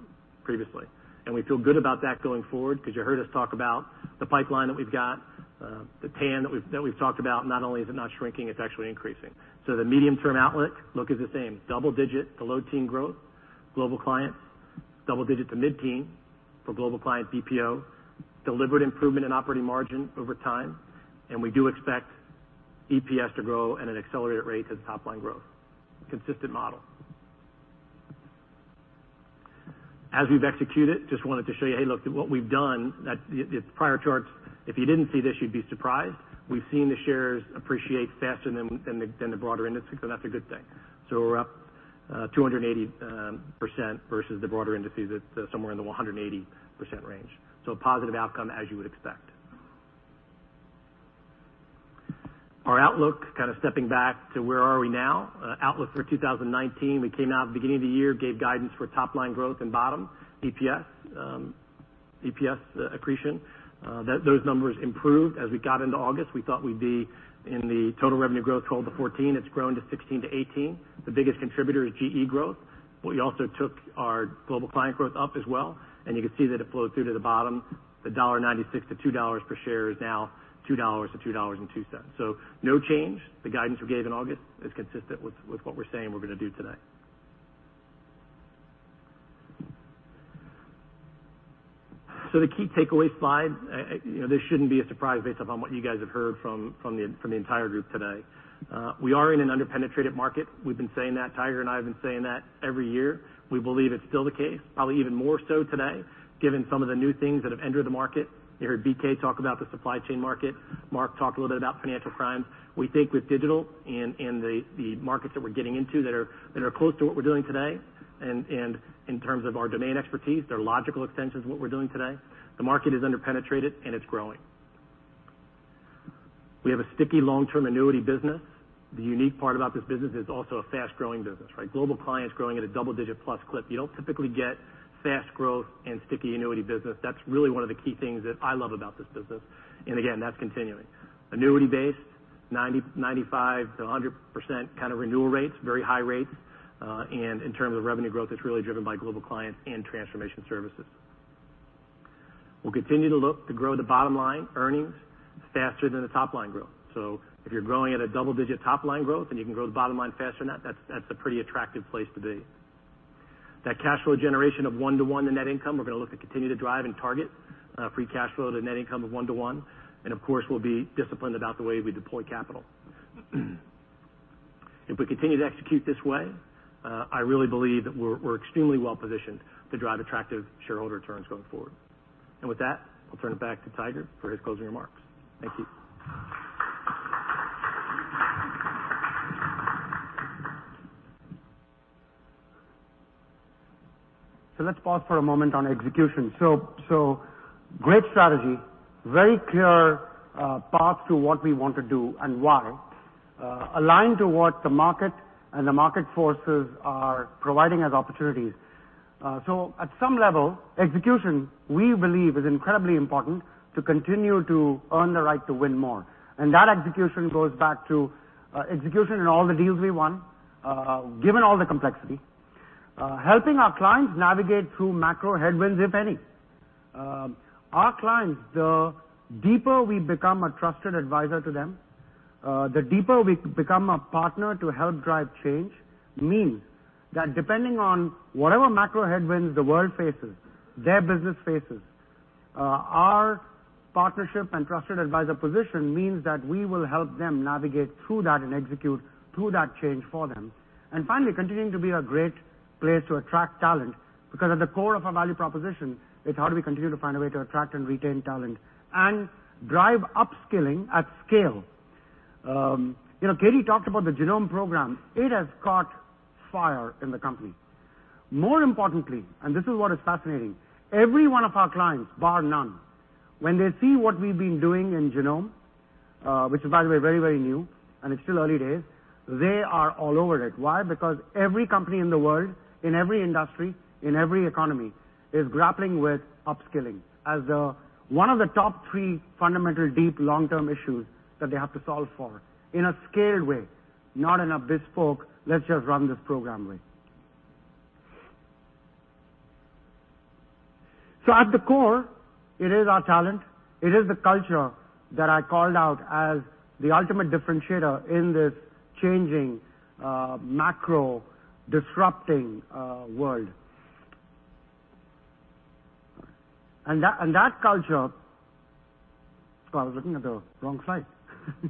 We feel good about that going forward because you heard us talk about the pipeline that we've got, the TAM that we've talked about. Not only is it not shrinking, it's actually increasing. The medium-term outlook is the same. Double-digit to low-teen growth, global clients. Double digit to mid-teen for global clients BPO. Deliberate improvement in operating margin over time. We do expect EPS to grow at an accelerated rate to the top-line growth. Consistent model. As we've executed, just wanted to show you, hey, look what we've done. The prior charts, if you didn't see this, you'd be surprised. We've seen the shares appreciate faster than the broader index, and that's a good thing. We're up 280% versus the broader indices at somewhere in the 180% range. A positive outcome as you would expect. Our outlook, kind of stepping back to where are we now. Outlook for 2019, we came out at the beginning of the year, gave guidance for top-line growth and bottom EPS accretion. Those numbers improved. As we got into August, we thought we'd be in the total revenue growth 12%-14%. It's grown to 16%-18%. The biggest contributor is GE growth. We also took our global client growth up as well, you can see that it flows through to the bottom. The $1.96-$2 per share is now $2-$2.02. No change. The guidance we gave in August is consistent with what we're saying we're going to do today. The key takeaway slide. This shouldn't be a surprise based upon what you guys have heard from the entire group today. We are in an under-penetrated market. We've been saying that. Tiger and I have been saying that every year. We believe it's still the case, probably even more so today given some of the new things that have entered the market. You heard BK talk about the supply chain market. Mark talked a little bit about financial crimes. We think with digital and the markets that we're getting into that are close to what we're doing today, and in terms of our domain expertise, they're logical extensions of what we're doing today. The market is under-penetrated, and it's growing. We have a sticky long-term annuity business. The unique part about this business, it's also a fast-growing business, right? Global clients growing at a double-digit plus clip. You don't typically get fast growth and sticky annuity business. That's really one of the key things that I love about this business. Again, that's continuing. Annuity-based, 95%-100% kind of renewal rates, very high rates. In terms of revenue growth, it's really driven by global clients and Transformation Services. We'll continue to look to grow the bottom-line earnings faster than the top-line growth. If you're growing at a double-digit top-line growth and you can grow the bottom line faster than that's a pretty attractive place to be. That cash flow generation of 1:1 to net income, we're going to look to continue to drive and target free cash flow to net income of 1:1. Of course, we'll be disciplined about the way we deploy capital. If we continue to execute this way, I really believe that we're extremely well-positioned to drive attractive shareholder returns going forward. With that, I'll turn it back to Tiger for his closing remarks. Thank you. Let's pause for a moment on execution. Great strategy, very clear path to what we want to do and why, aligned to what the market and the market forces are providing as opportunities. At some level, execution, we believe, is incredibly important to continue to earn the right to win more. And that execution goes back to execution in all the deals we won, given all the complexity, helping our clients navigate through macro headwinds, if any. Our clients, the deeper we become a trusted adviser to them, the deeper we become a partner to help drive change, means that depending on whatever macro headwinds the world faces, their business faces, our partnership and trusted advisor position means that we will help them navigate through that and execute through that change for them. Finally, continuing to be a great place to attract talent, because at the core of our value proposition, it's how do we continue to find a way to attract and retain talent and drive upskilling at scale. Katie talked about the Genome program. It has caught fire in the company. More importantly, this is what is fascinating, every one of our clients, bar none, when they see what we've been doing in Genome, which is by the way, very new, and it's still early days, they are all over it. Why? Every company in the world, in every industry, in every economy, is grappling with upskilling as one of the top three fundamental, deep, long-term issues that they have to solve for in a scaled way, not in a bespoke, let's just run this program way. At the core, it is our talent, it is the culture that I called out as the ultimate differentiator in this changing, macro-disrupting world. That culture. Sorry, I was looking at the wrong slide.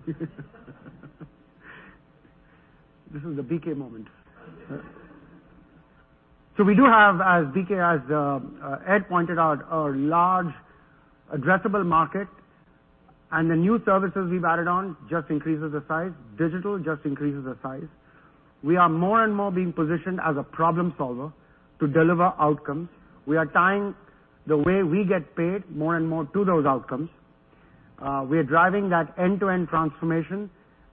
This is a BK moment. We do have, as BK, as Ed pointed out, a large addressable market, and the new services we've added on just increases the size. Digital just increases the size. We are more and more being positioned as a problem solver to deliver outcomes. We are tying the way we get paid more and more to those outcomes. We are driving that end-to-end transformation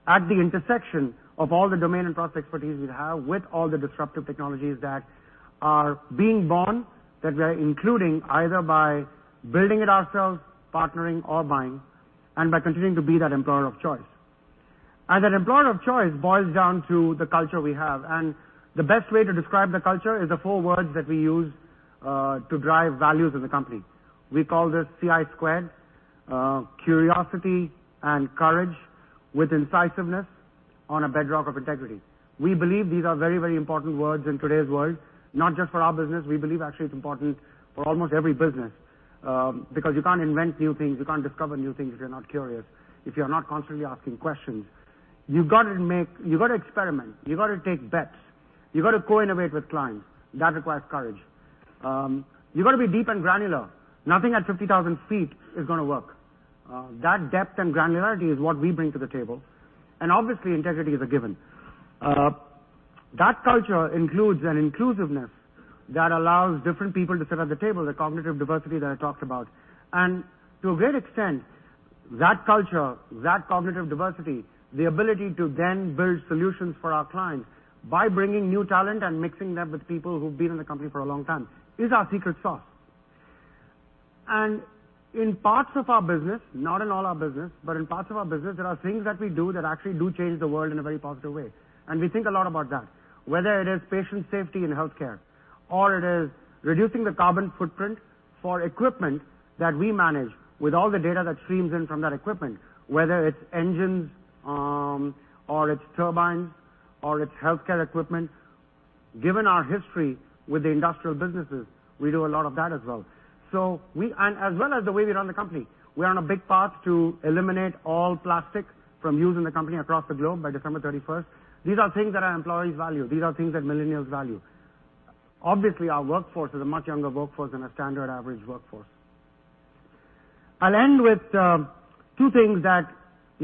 at the intersection of all the domain and process expertise we have with all the disruptive technologies that are being born, that we are including, either by building it ourselves, partnering or buying, and by continuing to be that employer of choice. That employer of choice boils down to the culture we have. The best way to describe the culture is the four words that we use to drive values in the company. We call this CI Squared, curiosity and courage with incisiveness on a bedrock of integrity. We believe these are very important words in today's world, not just for our business. We believe actually it's important for almost every business. You can't invent new things, you can't discover new things if you're not curious, if you're not constantly asking questions. You've got to experiment. You've got to take bets. You've got to co-innovate with clients. That requires courage. You've got to be deep and granular. Nothing at 50,000 ft is going to work. That depth and granularity is what we bring to the table. Obviously, integrity is a given. That culture includes an inclusiveness that allows different people to sit at the table, the cognitive diversity that I talked about. To a great extent, that culture, that cognitive diversity, the ability to then build solutions for our clients by bringing new talent and mixing them with people who've been in the company for a long time is our secret sauce. In parts of our business, not in all our business, but in parts of our business, there are things that we do that actually do change the world in a very positive way. We think a lot about that. Whether it is patient safety in healthcare, or it is reducing the carbon footprint for equipment that we manage with all the data that streams in from that equipment, whether it's engines, or it's turbines, or it's healthcare equipment. Given our history with the industrial businesses, we do a lot of that as well. As well as the way we run the company. We are on a big path to eliminate all plastic from use in the company across the globe by December 31st. These are things that our employees value. These are things that millennials value. Obviously, our workforce is a much younger workforce than a standard average workforce. I'll end with two things that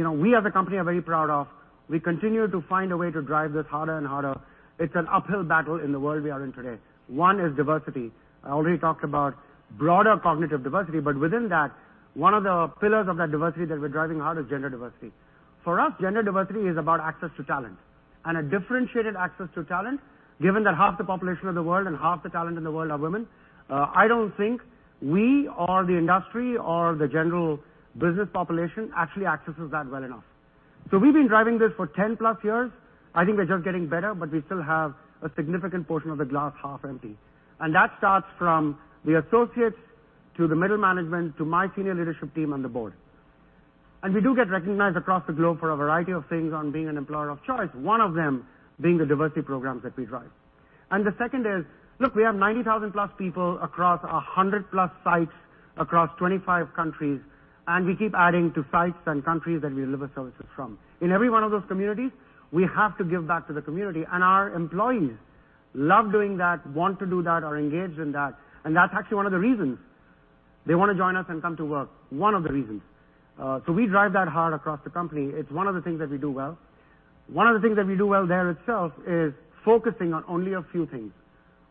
we as a company are very proud of. We continue to find a way to drive this harder and harder. It's an uphill battle in the world we are in today. One is diversity. I already talked about broader cognitive diversity, but within that, one of the pillars of that diversity that we're driving hard is gender diversity. For us, gender diversity is about access to talent and a differentiated access to talent, given that half the population of the world and half the talent in the world are women. I don't think we or the industry or the general business population actually accesses that well enough. We've been driving this for 10+ years. I think we're just getting better, but we still have a significant portion of the glass half empty. That starts from the associates to the middle management to my senior leadership team and the board. We do get recognized across the globe for a variety of things on being an employer of choice, one of them being the diversity programs that we drive. The second is, look, we have 90,000+ people across 100+ sites across 25 countries, and we keep adding to sites and countries that we deliver services from. In every one of those communities, we have to give back to the community, and our employees love doing that, want to do that, are engaged in that, and that's actually one of the reasons. They want to join us and come to work. One of the reasons. We drive that hard across the company. It's one of the things that we do well. One of the things that we do well there itself is focusing on only a few things.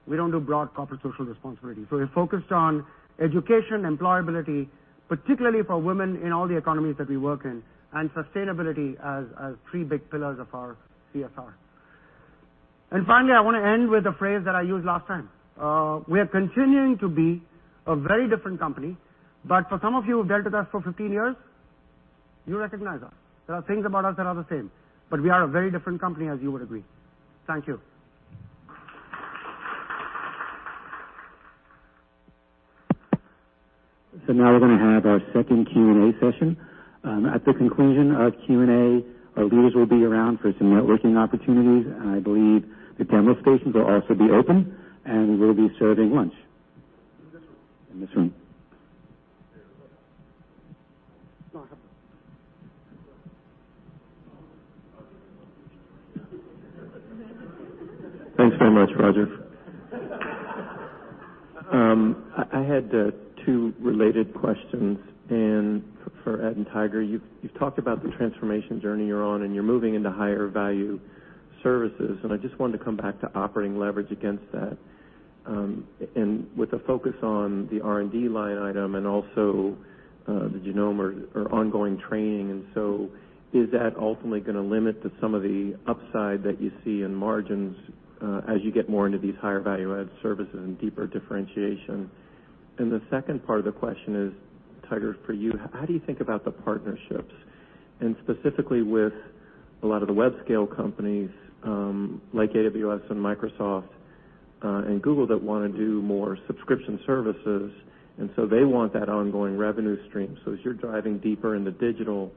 We don't do broad corporate social responsibility. We're focused on education, employability, particularly for women in all the economies that we work in, and sustainability as three big pillars of our CSR. Finally, I want to end with a phrase that I used last time. We are continuing to be a very different company, but for some of you who've dealt with us for 15 years, you recognize us. There are things about us that are the same, but we are a very different company, as you would agree. Thank you. Now we're going to have our second Q&A session. At the conclusion of Q&A, our leaders will be around for some networking opportunities, and I believe the demo stations will also be open, and we'll be serving lunch. Thanks very much, Roger. I had two related questions in for Ed and Tiger. You've talked about the transformation journey you're on. You're moving into higher value services. I just wanted to come back to operating leverage against that. With the focus on the R&D line item and also the Genome or ongoing training, is that ultimately going to limit the some of the upside that you see in margins as you get more into these higher value-add services and deeper differentiation? The second part of the question is, Tiger, for you, how do you think about the partnerships and specifically with a lot of the web-scale companies, like AWS and Microsoft and Google, that want to do more subscription services. They want that ongoing revenue stream. As you're driving deeper into digital,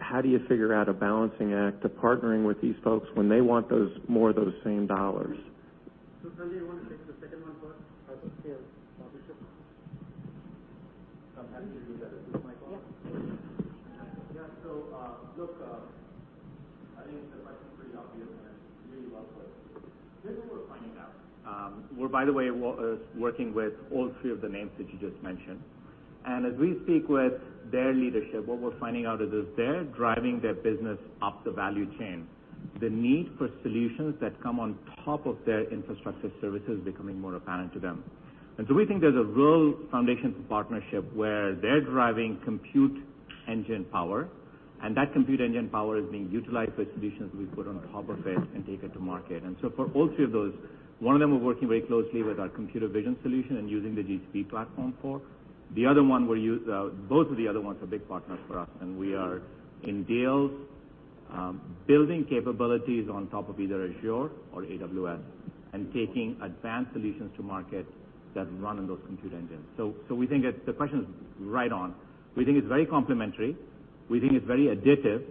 how do you figure out a balancing act to partnering with these folks when they want more of those same dollars? Sanjay, you want to take the second one first? I think so. Partnership. I'm happy to use this. Is this mic on? Yeah. Look, I think the question's pretty obvious. Here's what we're finding out. We're, by the way, working with all three of the names that you just mentioned. As we speak with their leadership, what we're finding out is they're driving their business up the value chain. The need for solutions that come on top of their infrastructure services is becoming more apparent to them. We think there's a real foundation for partnership where they're driving compute engine power, and that compute engine power is being utilized for solutions we put on top of it and take it to market. For all three of those, one of them, we're working very closely with our computer vision solution and using the GCP platform for. Both of the other ones are big partners for us, and we are in deals building capabilities on top of either Azure or AWS and taking advanced solutions to market that run on those compute engines. We think that the question is right on. We think it's very complementary. We think it's very additive.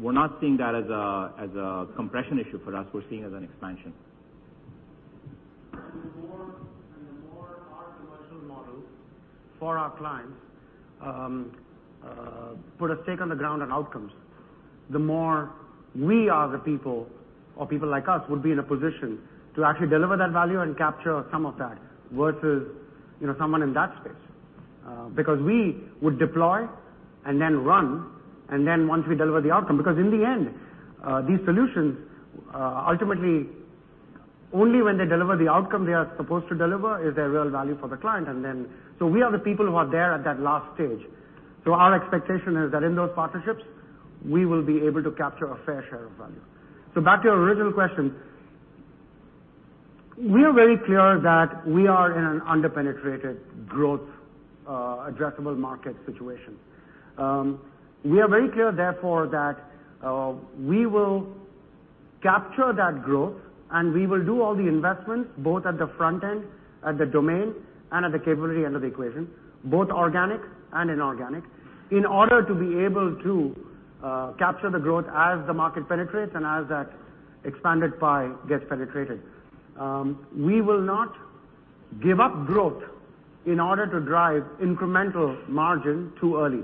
We're not seeing that as a compression issue for us. We're seeing it as an expansion. The more our commercial models for our clients put a stake on the ground on outcomes, the more we are the people or people like us would be in a position to actually deliver that value and capture some of that versus someone in that space. We would deploy and then run, and then once we deliver the outcome. In the end, these solutions ultimately, only when they deliver the outcome they are supposed to deliver is there real value for the client. We are the people who are there at that last stage. Our expectation is that in those partnerships, we will be able to capture a fair share of value. Back to your original question, we are very clear that we are in an an under-penetrated growth addressable market situation. We are very clear, therefore, that we will capture that growth, and we will do all the investments both at the front end, at the domain, and at the capability end of the equation, both organic and inorganic, in order to be able to capture the growth as the market penetrates and as that expanded pie gets penetrated. We will not give up growth in order to drive incremental margin too early.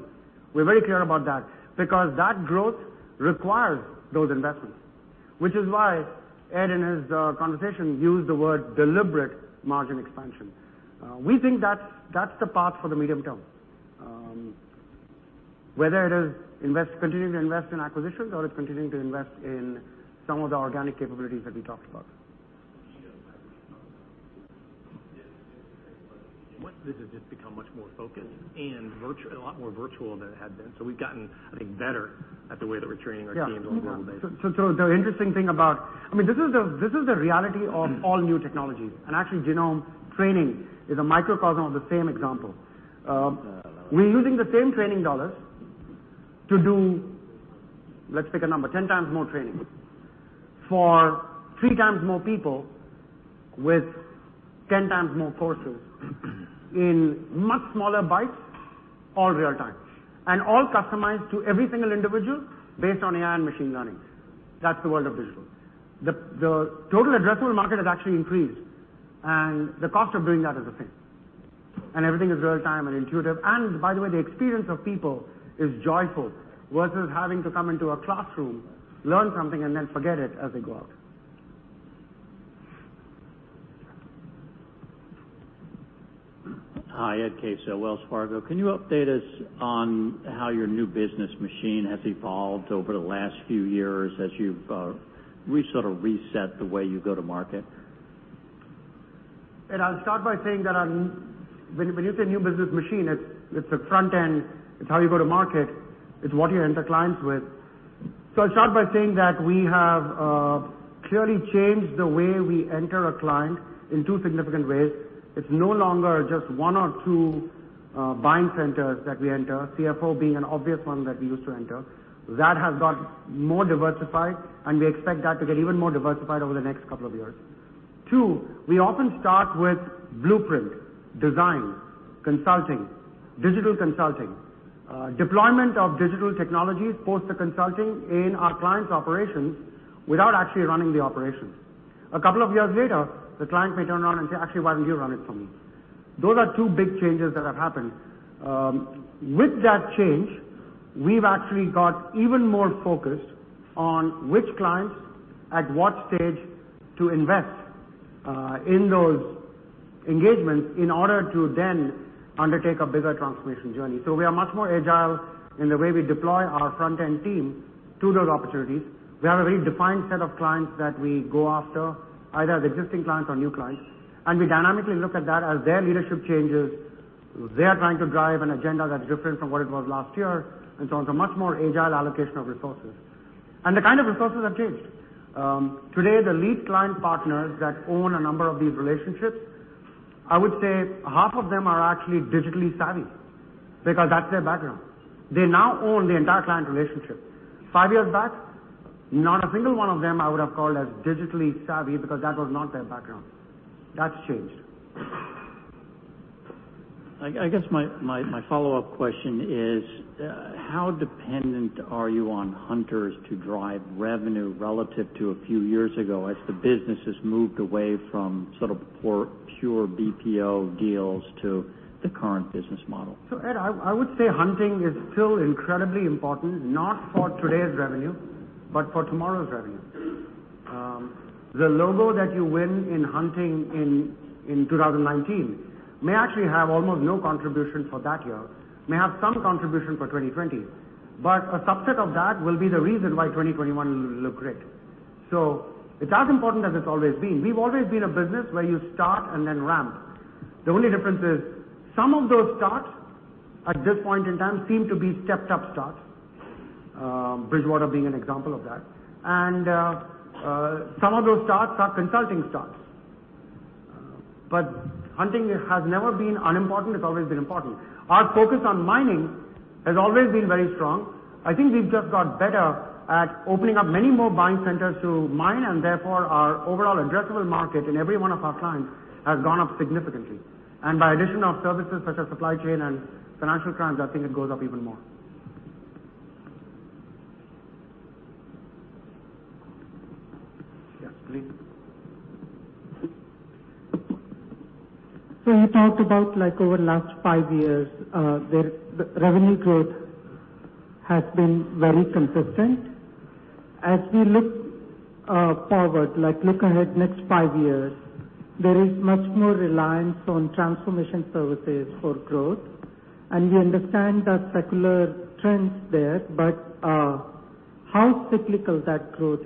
We're very clear about that because that growth requires those investments, which is why Ed, in his conversation, used the word deliberate margin expansion. We think that's the path for the medium term, whether it is continuing to invest in acquisitions or it's continuing to invest in some of the organic capabilities that we talked about. This has just become much more focused and a lot more virtual than it had been. We've gotten, I think, better at the way that we're training our teams over a global basis. Yeah. This is the reality of all new technologies, and actually Genome training is a microcosm of the same example. We're using the same training dollars to do, let's pick a number, 10x more training for 3x more people with 10x more courses in much smaller bites, all real-time, and all customized to every single individual based on AI and machine learning. That's the world of digital. The total addressable market has actually increased, and the cost of doing that is the same, and everything is real-time and intuitive. By the way, the experience of people is joyful versus having to come into a classroom, learn something, and then forget it as they go out. Hi, Ed Caso, Wells Fargo. Can you update us on how your new business machine has evolved over the last few years as you've sort of reset the way you go to market? Ed, I'll start by saying that when you say new business machine, it's the front end. It's how you go to market. It's what you enter clients with. I'll start by saying that we have clearly changed the way we enter a client in two significant ways. It's no longer just one or two buying centers that we enter, CFO being an obvious one that we used to enter. That has got more diversified, and we expect that to get even more diversified over the next couple of years. Two, we often start with blueprint design, consulting, digital consulting, deployment of digital technologies post the consulting in our clients' operations without actually running the operations. A couple of years later, the client may turn around and say, "Actually, why don't you run it for me?" Those are two big changes that have happened. With that change, we've actually got even more focused on which clients at what stage to invest in those engagements in order to then undertake a bigger transformation journey. We are much more agile in the way we deploy our front-end team to those opportunities. We have a very defined set of clients that we go after, either as existing clients or new clients, and we dynamically look at that as their leadership changes. They are trying to drive an agenda that's different from what it was last year. It's a much more agile allocation of resources. The kind of resources have changed. Today, the lead client partners that own a number of these relationships, I would say half of them are actually digitally savvy because that's their background. They now own the entire client relationship. Five years back, not a single one of them I would have called as digitally savvy because that was not their background. That's changed. I guess my follow-up question is, how dependent are you on hunters to drive revenue relative to a few years ago as the business has moved away from sort of pure BPO deals to the current business model? Ed, I would say hunting is still incredibly important, not for today's revenue, but for tomorrow's revenue. The logo that you win in hunting in 2019 may actually have almost no contribution for that year, may have some contribution for 2020. A subset of that will be the reason why 2021 will look great. It's as important as it's always been. We've always been a business where you start and then ramp. The only difference is some of those starts at this point in time seem to be stepped-up starts, Bridgewater being an example of that, and some of those starts are consulting starts. Hunting has never been unimportant. It's always been important. Our focus on mining has always been very strong. I think we've just got better at opening up many more buying centers to mine, and therefore our overall addressable market in every one of our clients has gone up significantly. By addition of services such as supply chain and financial crimes, I think it goes up even more. Yes, please. You talked about over the last five years, the revenue growth has been very consistent. As we look forward, look ahead next five years, there is much more reliance on Transformation Services for growth. We understand the secular trends there, but how cyclical that growth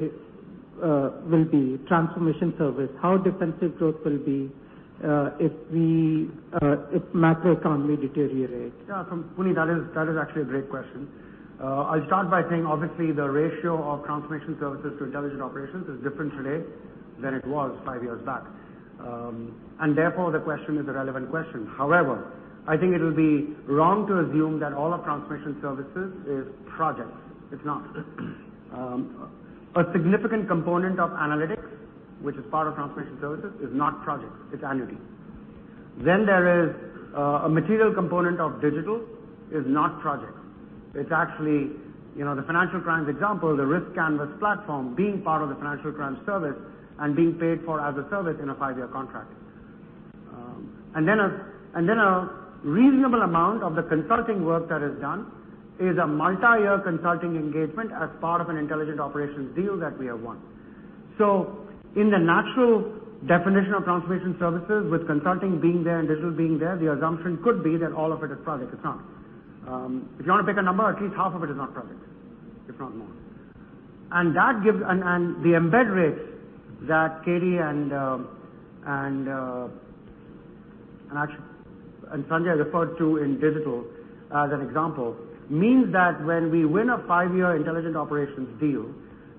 will be, Transformation Services, how defensive growth will be if macroeconomy deteriorates? Yeah, Puneet, that is actually a great question. I'll start by saying obviously the ratio of Transformation Services to Intelligent Operations is different today than it was five years back. Therefore, the question is a relevant question. However, I think it will be wrong to assume that all of Transformation Services is projects. It's not. A significant component of analytics, which is part of Transformation Services, is not projects. It's annuity. There is a material component of digital is not projects. It's actually the financial crimes example, the riskCanvas platform being part of the financial crimes service and being paid for as a service in a five-year contract. A reasonable amount of the consulting work that is done is a multi-year consulting engagement as part of an Intelligent Operations deal that we have won. In the natural definition of Transformation Services, with consulting being there and digital being there, the assumption could be that all of it is project. It's not. If you want to pick a number, at least half of it is not project. If not more. The embed rates that Katie and Sanjay referred to in digital as an example means that when we win a five-year Intelligent Operations deal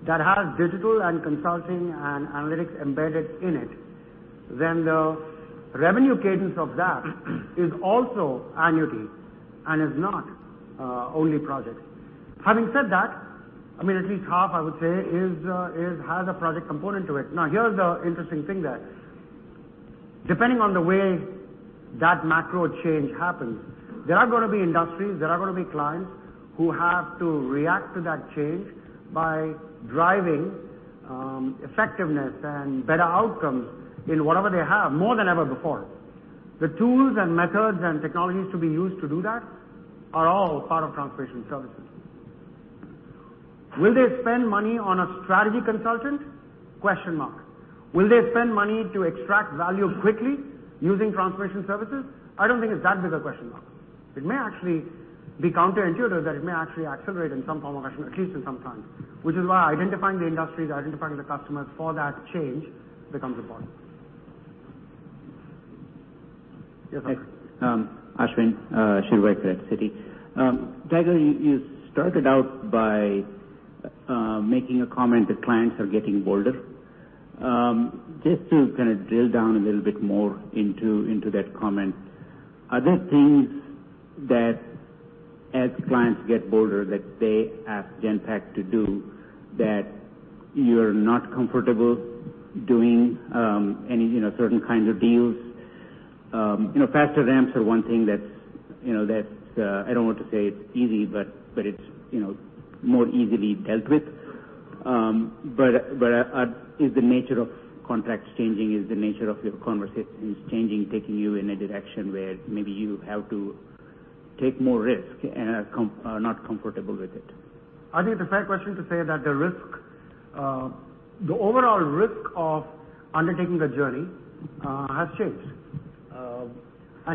that has digital and consulting and analytics embedded in it, then the revenue cadence of that is also annuity and is not only project. Having said that, at least half, I would say, has a project component to it. Here's the interesting thing there. Depending on the way that macro change happens, there are going to be industries, there are going to be clients who have to react to that change by driving effectiveness and better outcomes in whatever they have, more than ever before. The tools and methods and technologies to be used to do that are all part of Transformation Services. Will they spend money on a strategy consultant? Question mark. Will they spend money to extract value quickly using Transformation Services? I don't think it's that big a question mark. It may actually be counterintuitive that it may actually accelerate in some form or fashion, at least in some times. Identifying the industries, identifying the customers for that change becomes important. Yes. Ashwin Shirvaikar at Citi. Tiger, you started out by making a comment that clients are getting bolder. Just to kind of drill down a little bit more into that comment. Are there things that as clients get bolder, that they ask Genpact to do that you're not comfortable doing any, certain kinds of deals? Faster ramps are one thing that, I don't want to say it's easy, but it's more easily dealt with. Is the nature of contracts changing? Is the nature of your conversations changing, taking you in a direction where maybe you have to take more risk and are not comfortable with it? I think it's a fair question to say that the overall risk of undertaking the journey has changed.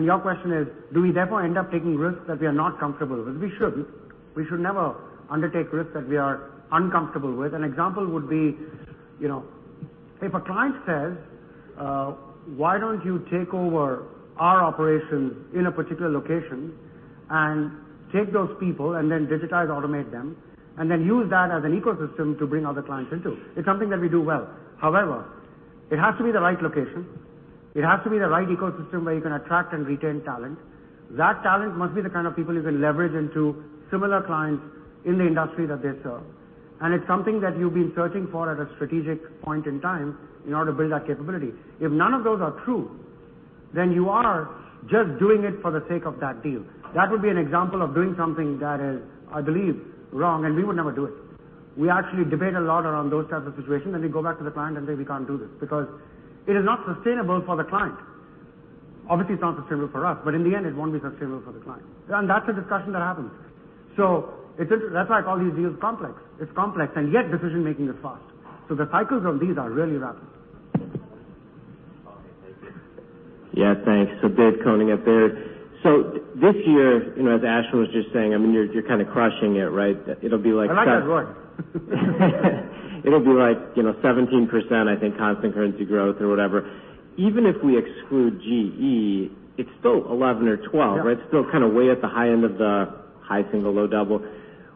Your question is, do we therefore end up taking risks that we are not comfortable with? We shouldn't. We should never undertake risks that we are uncomfortable with. An example would be, if a client says, "Why don't you take over our operations in a particular location and take those people and then digitize, automate them, and then use that as an ecosystem to bring other clients into?" It's something that we do well. However, it has to be the right location. It has to be the right ecosystem where you can attract and retain talent. That talent must be the kind of people you can leverage into similar clients in the industry that they serve. It's something that you've been searching for at a strategic point in time in order to build that capability. If none of those are true, you are just doing it for the sake of that deal. That would be an example of doing something that is, I believe, wrong, and we would never do it. We actually debate a lot around those types of situations. We go back to the client and say, "We can't do this because it is not sustainable for the client." Obviously, it's not sustainable for us, but in the end it won't be sustainable for the client. That's a discussion that happens. That's why I call these deals complex. It's complex, and yet decision-making is fast. The cycles on these are really rapid. Okay, thank you. Yeah, thanks. David Koning with Baird. This year, as Ashwin was just saying, you're kind of crushing it, right? I'm not going to run. It'll be like 17%, I think, constant currency growth or whatever. Even if we exclude GE, it's still 11% or 12%, right? Yeah. Still way at the high end of the high single, low double.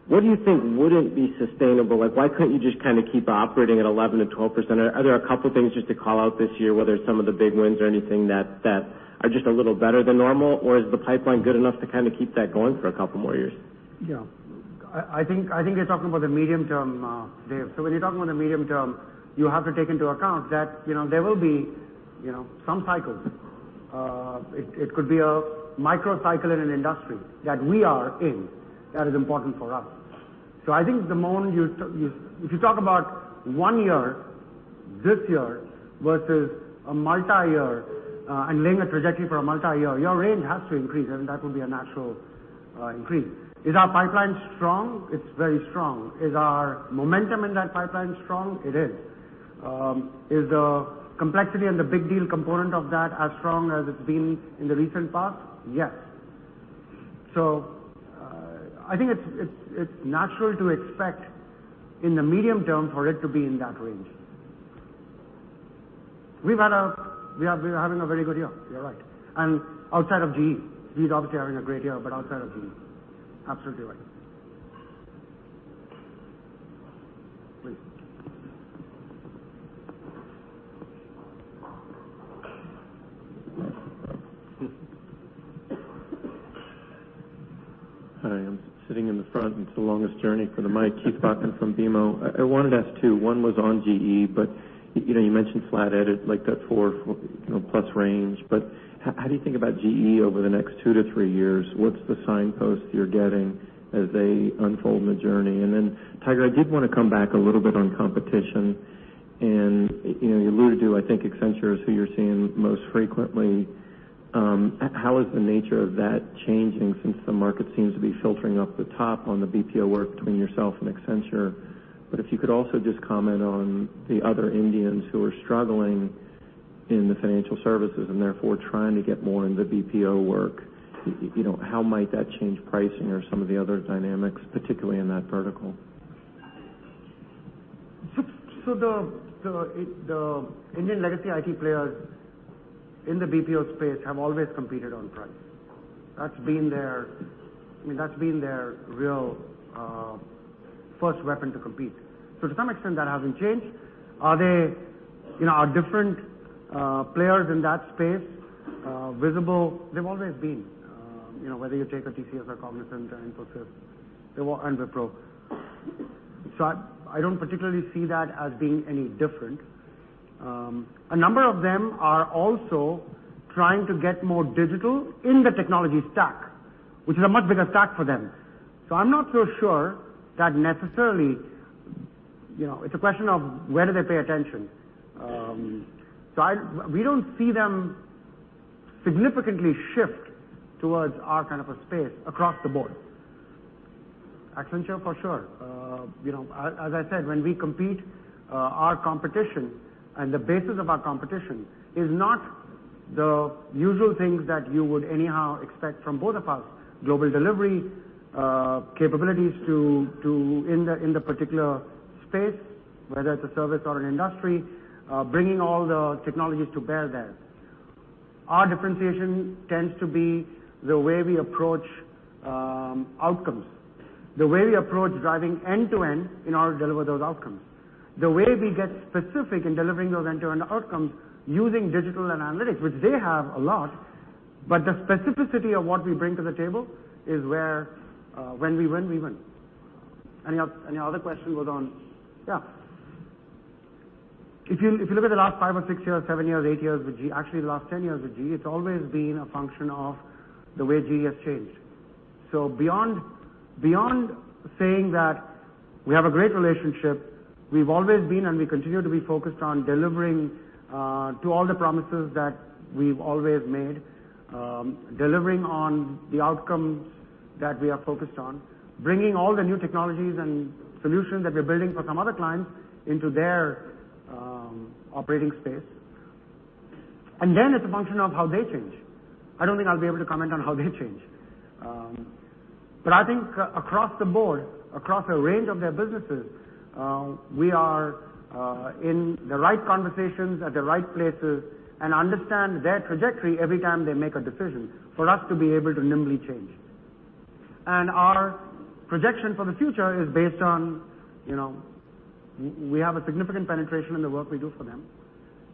What do you think wouldn't be sustainable? Why can't you just keep operating at 11%-12%? Are there a couple things just to call out this year, whether it's some of the big wins or anything that are just a little better than normal, or is the pipeline good enough to keep that going for a couple more years? I think you're talking about the medium term, Dave. When you're talking about the medium term, you have to take into account that there will be some cycles. It could be a microcycle in an industry that we are in that is important for us. I think if you talk about one year, this year, versus a multi-year, and laying a trajectory for a multi-year, your range has to increase, and that will be a natural increase. Is our pipeline strong? It's very strong. Is our momentum in that pipeline strong? It is. Is the complexity and the big deal component of that as strong as it's been in the recent past? Yes. I think it's natural to expect in the medium term for it to be in that range. We're having a very good year. You're right. Outside of GE. GE is obviously having a great year, but outside of GE. Absolutely right. Please. Hi, I'm sitting in the front, and it's the longest journey for the mic. Keith Bachman from BMO. I wanted to ask two. One was on GE, you mentioned flat EBITDA, like that four-plus range. How do you think about GE over the next two to three years? What's the signpost you're getting as they unfold the journey? Tiger, I did want to come back a little bit on competition. You alluded to, I think Accenture is who you're seeing most frequently. How is the nature of that changing since the market seems to be filtering up the top on the BPO work between yourself and Accenture? If you could also just comment on the other Indians who are struggling in the financial services and therefore trying to get more into BPO work. How might that change pricing or some of the other dynamics, particularly in that vertical? The Indian legacy IT players in the BPO space have always competed on price. That's been their real first weapon to compete. To some extent, that hasn't changed. Are different players in that space visible? They've always been. Whether you take a TCS or Cognizant or Infosys and Wipro. I don't particularly see that as being any different. A number of them are also trying to get more digital in the technology stack, which is a much bigger stack for them. I'm not so sure that necessarily, it's a question of where do they pay attention? We don't see them significantly shift towards our kind of a space across the board. Accenture, for sure. As I said, when we compete, our competition and the basis of our competition is not the usual things that you would anyhow expect from both of us, global delivery capabilities in the particular space, whether it's a service or an industry, bringing all the technologies to bear there. Our differentiation tends to be the way we approach outcomes, the way we approach driving end-to-end in order to deliver those outcomes. The way we get specific in delivering those end-to-end outcomes using digital and analytics, which they have a lot, but the specificity of what we bring to the table is where when we win, we win. Your other question was on, yeah. If you look at the last five or six years, seven years, eight years with GE, actually the last 10 years with GE, it's always been a function of the way GE has changed. Beyond saying that we have a great relationship, we've always been, and we continue to be focused on delivering to all the promises that we've always made, delivering on the outcomes that we are focused on, bringing all the new technologies and solutions that we're building for some other clients into their operating space. Then it's a function of how they change. I don't think I'll be able to comment on how they change. I think across the board, across a range of their businesses, we are in the right conversations at the right places and understand their trajectory every time they make a decision for us to be able to nimbly change. Our projection for the future is based on, we have a significant penetration in the work we do for them,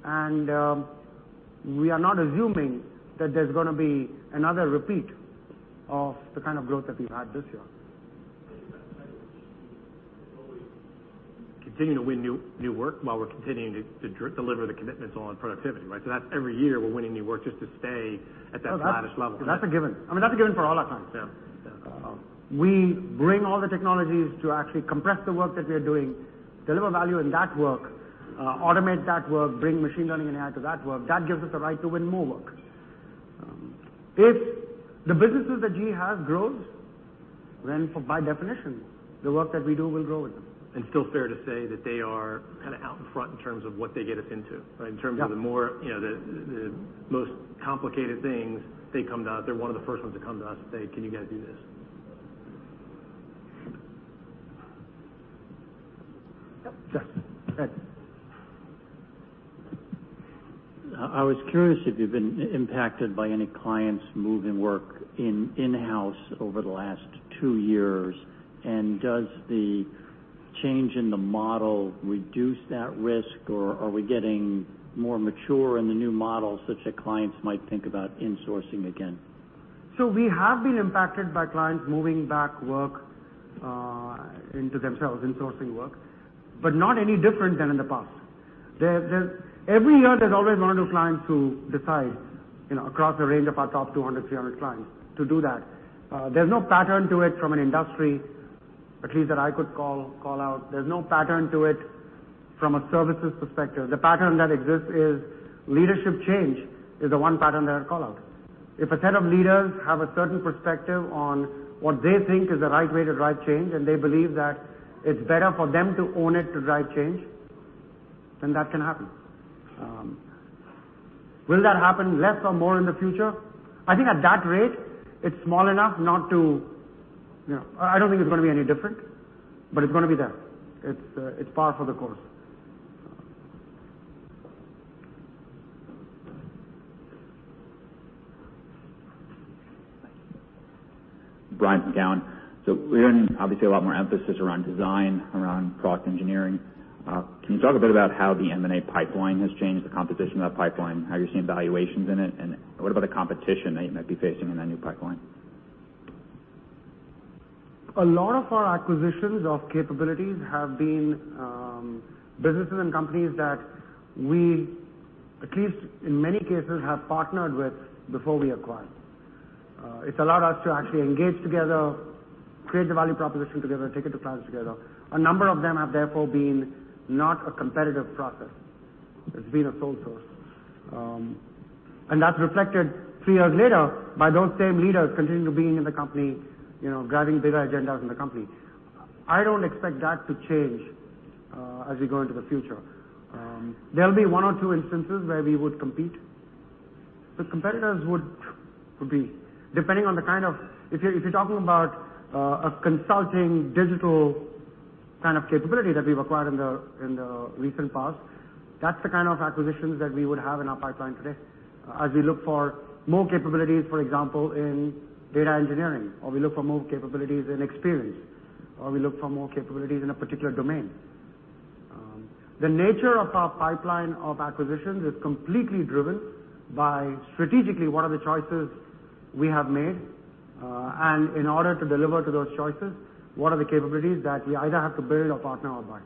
and we are not assuming that there's going to be another repeat of the kind of growth that we've had this year. Continue to win new work while we're continuing to deliver the commitments on productivity, right? That's every year we're winning new work just to stay at that flattish level. That's a given. I mean, that's a given for all our clients. We bring all the technologies to actually compress the work that we are doing, deliver value in that work, automate that work, bring machine learning and AI to that work. That gives us the right to win more work. If the businesses that GE has grows, then by definition, the work that we do will grow with them. Still fair to say that they are kind of out in front in terms of what they get us into, right? In terms of the most complicated things, they're one of the first ones to come to us and say, "Can you guys do this"? Yes. Go ahead. I was curious if you've been impacted by any clients moving work in-house over the last two years, and does the change in the model reduce that risk, or are we getting more mature in the new model such that clients might think about insourcing again? We have been impacted by clients moving back work into themselves, insourcing work, but not any different than in the past. Every year, there's always one or two clients who decide, across a range of our top 200, 300 clients, to do that. There's no pattern to it from an industry, at least that I could call out. There's no pattern to it from a services perspective. The pattern that exists is leadership change, is the one pattern that I'd call out. If a set of leaders have a certain perspective on what they think is the right way to drive change, and they believe that it's better for them to own it to drive change, then that can happen. Will that happen less or more in the future? I think at that rate, it's small enough. I don't think it's going to be any different, but it's going to be there. It's par for the course. Bryan from Cowen. We're hearing obviously a lot more emphasis around design, around product engineering. Can you talk a bit about how the M&A pipeline has changed the composition of that pipeline? How are you seeing valuations in it, and what about the competition that you might be facing in that new pipeline? A lot of our acquisitions of capabilities have been businesses and companies that we, at least in many cases, have partnered with before we acquire. It's allowed us to actually engage together, create the value proposition together, take it to clients together. A number of them have therefore been not a competitive process. It's been a sole source. That's reflected three years later by those same leaders continuing to being in the company, driving bigger agendas in the company. I don't expect that to change as we go into the future. There'll be one or two instances where we would compete. Competitors would be, depending on if you're talking about a consulting digital kind of capability that we've acquired in the recent past, that's the kind of acquisitions that we would have in our pipeline today as we look for more capabilities, for example, in data engineering, or we look for more capabilities in experience, or we look for more capabilities in a particular domain. The nature of our pipeline of acquisitions is completely driven by strategically what are the choices we have made, and in order to deliver to those choices, what are the capabilities that we either have to build or partner or buy.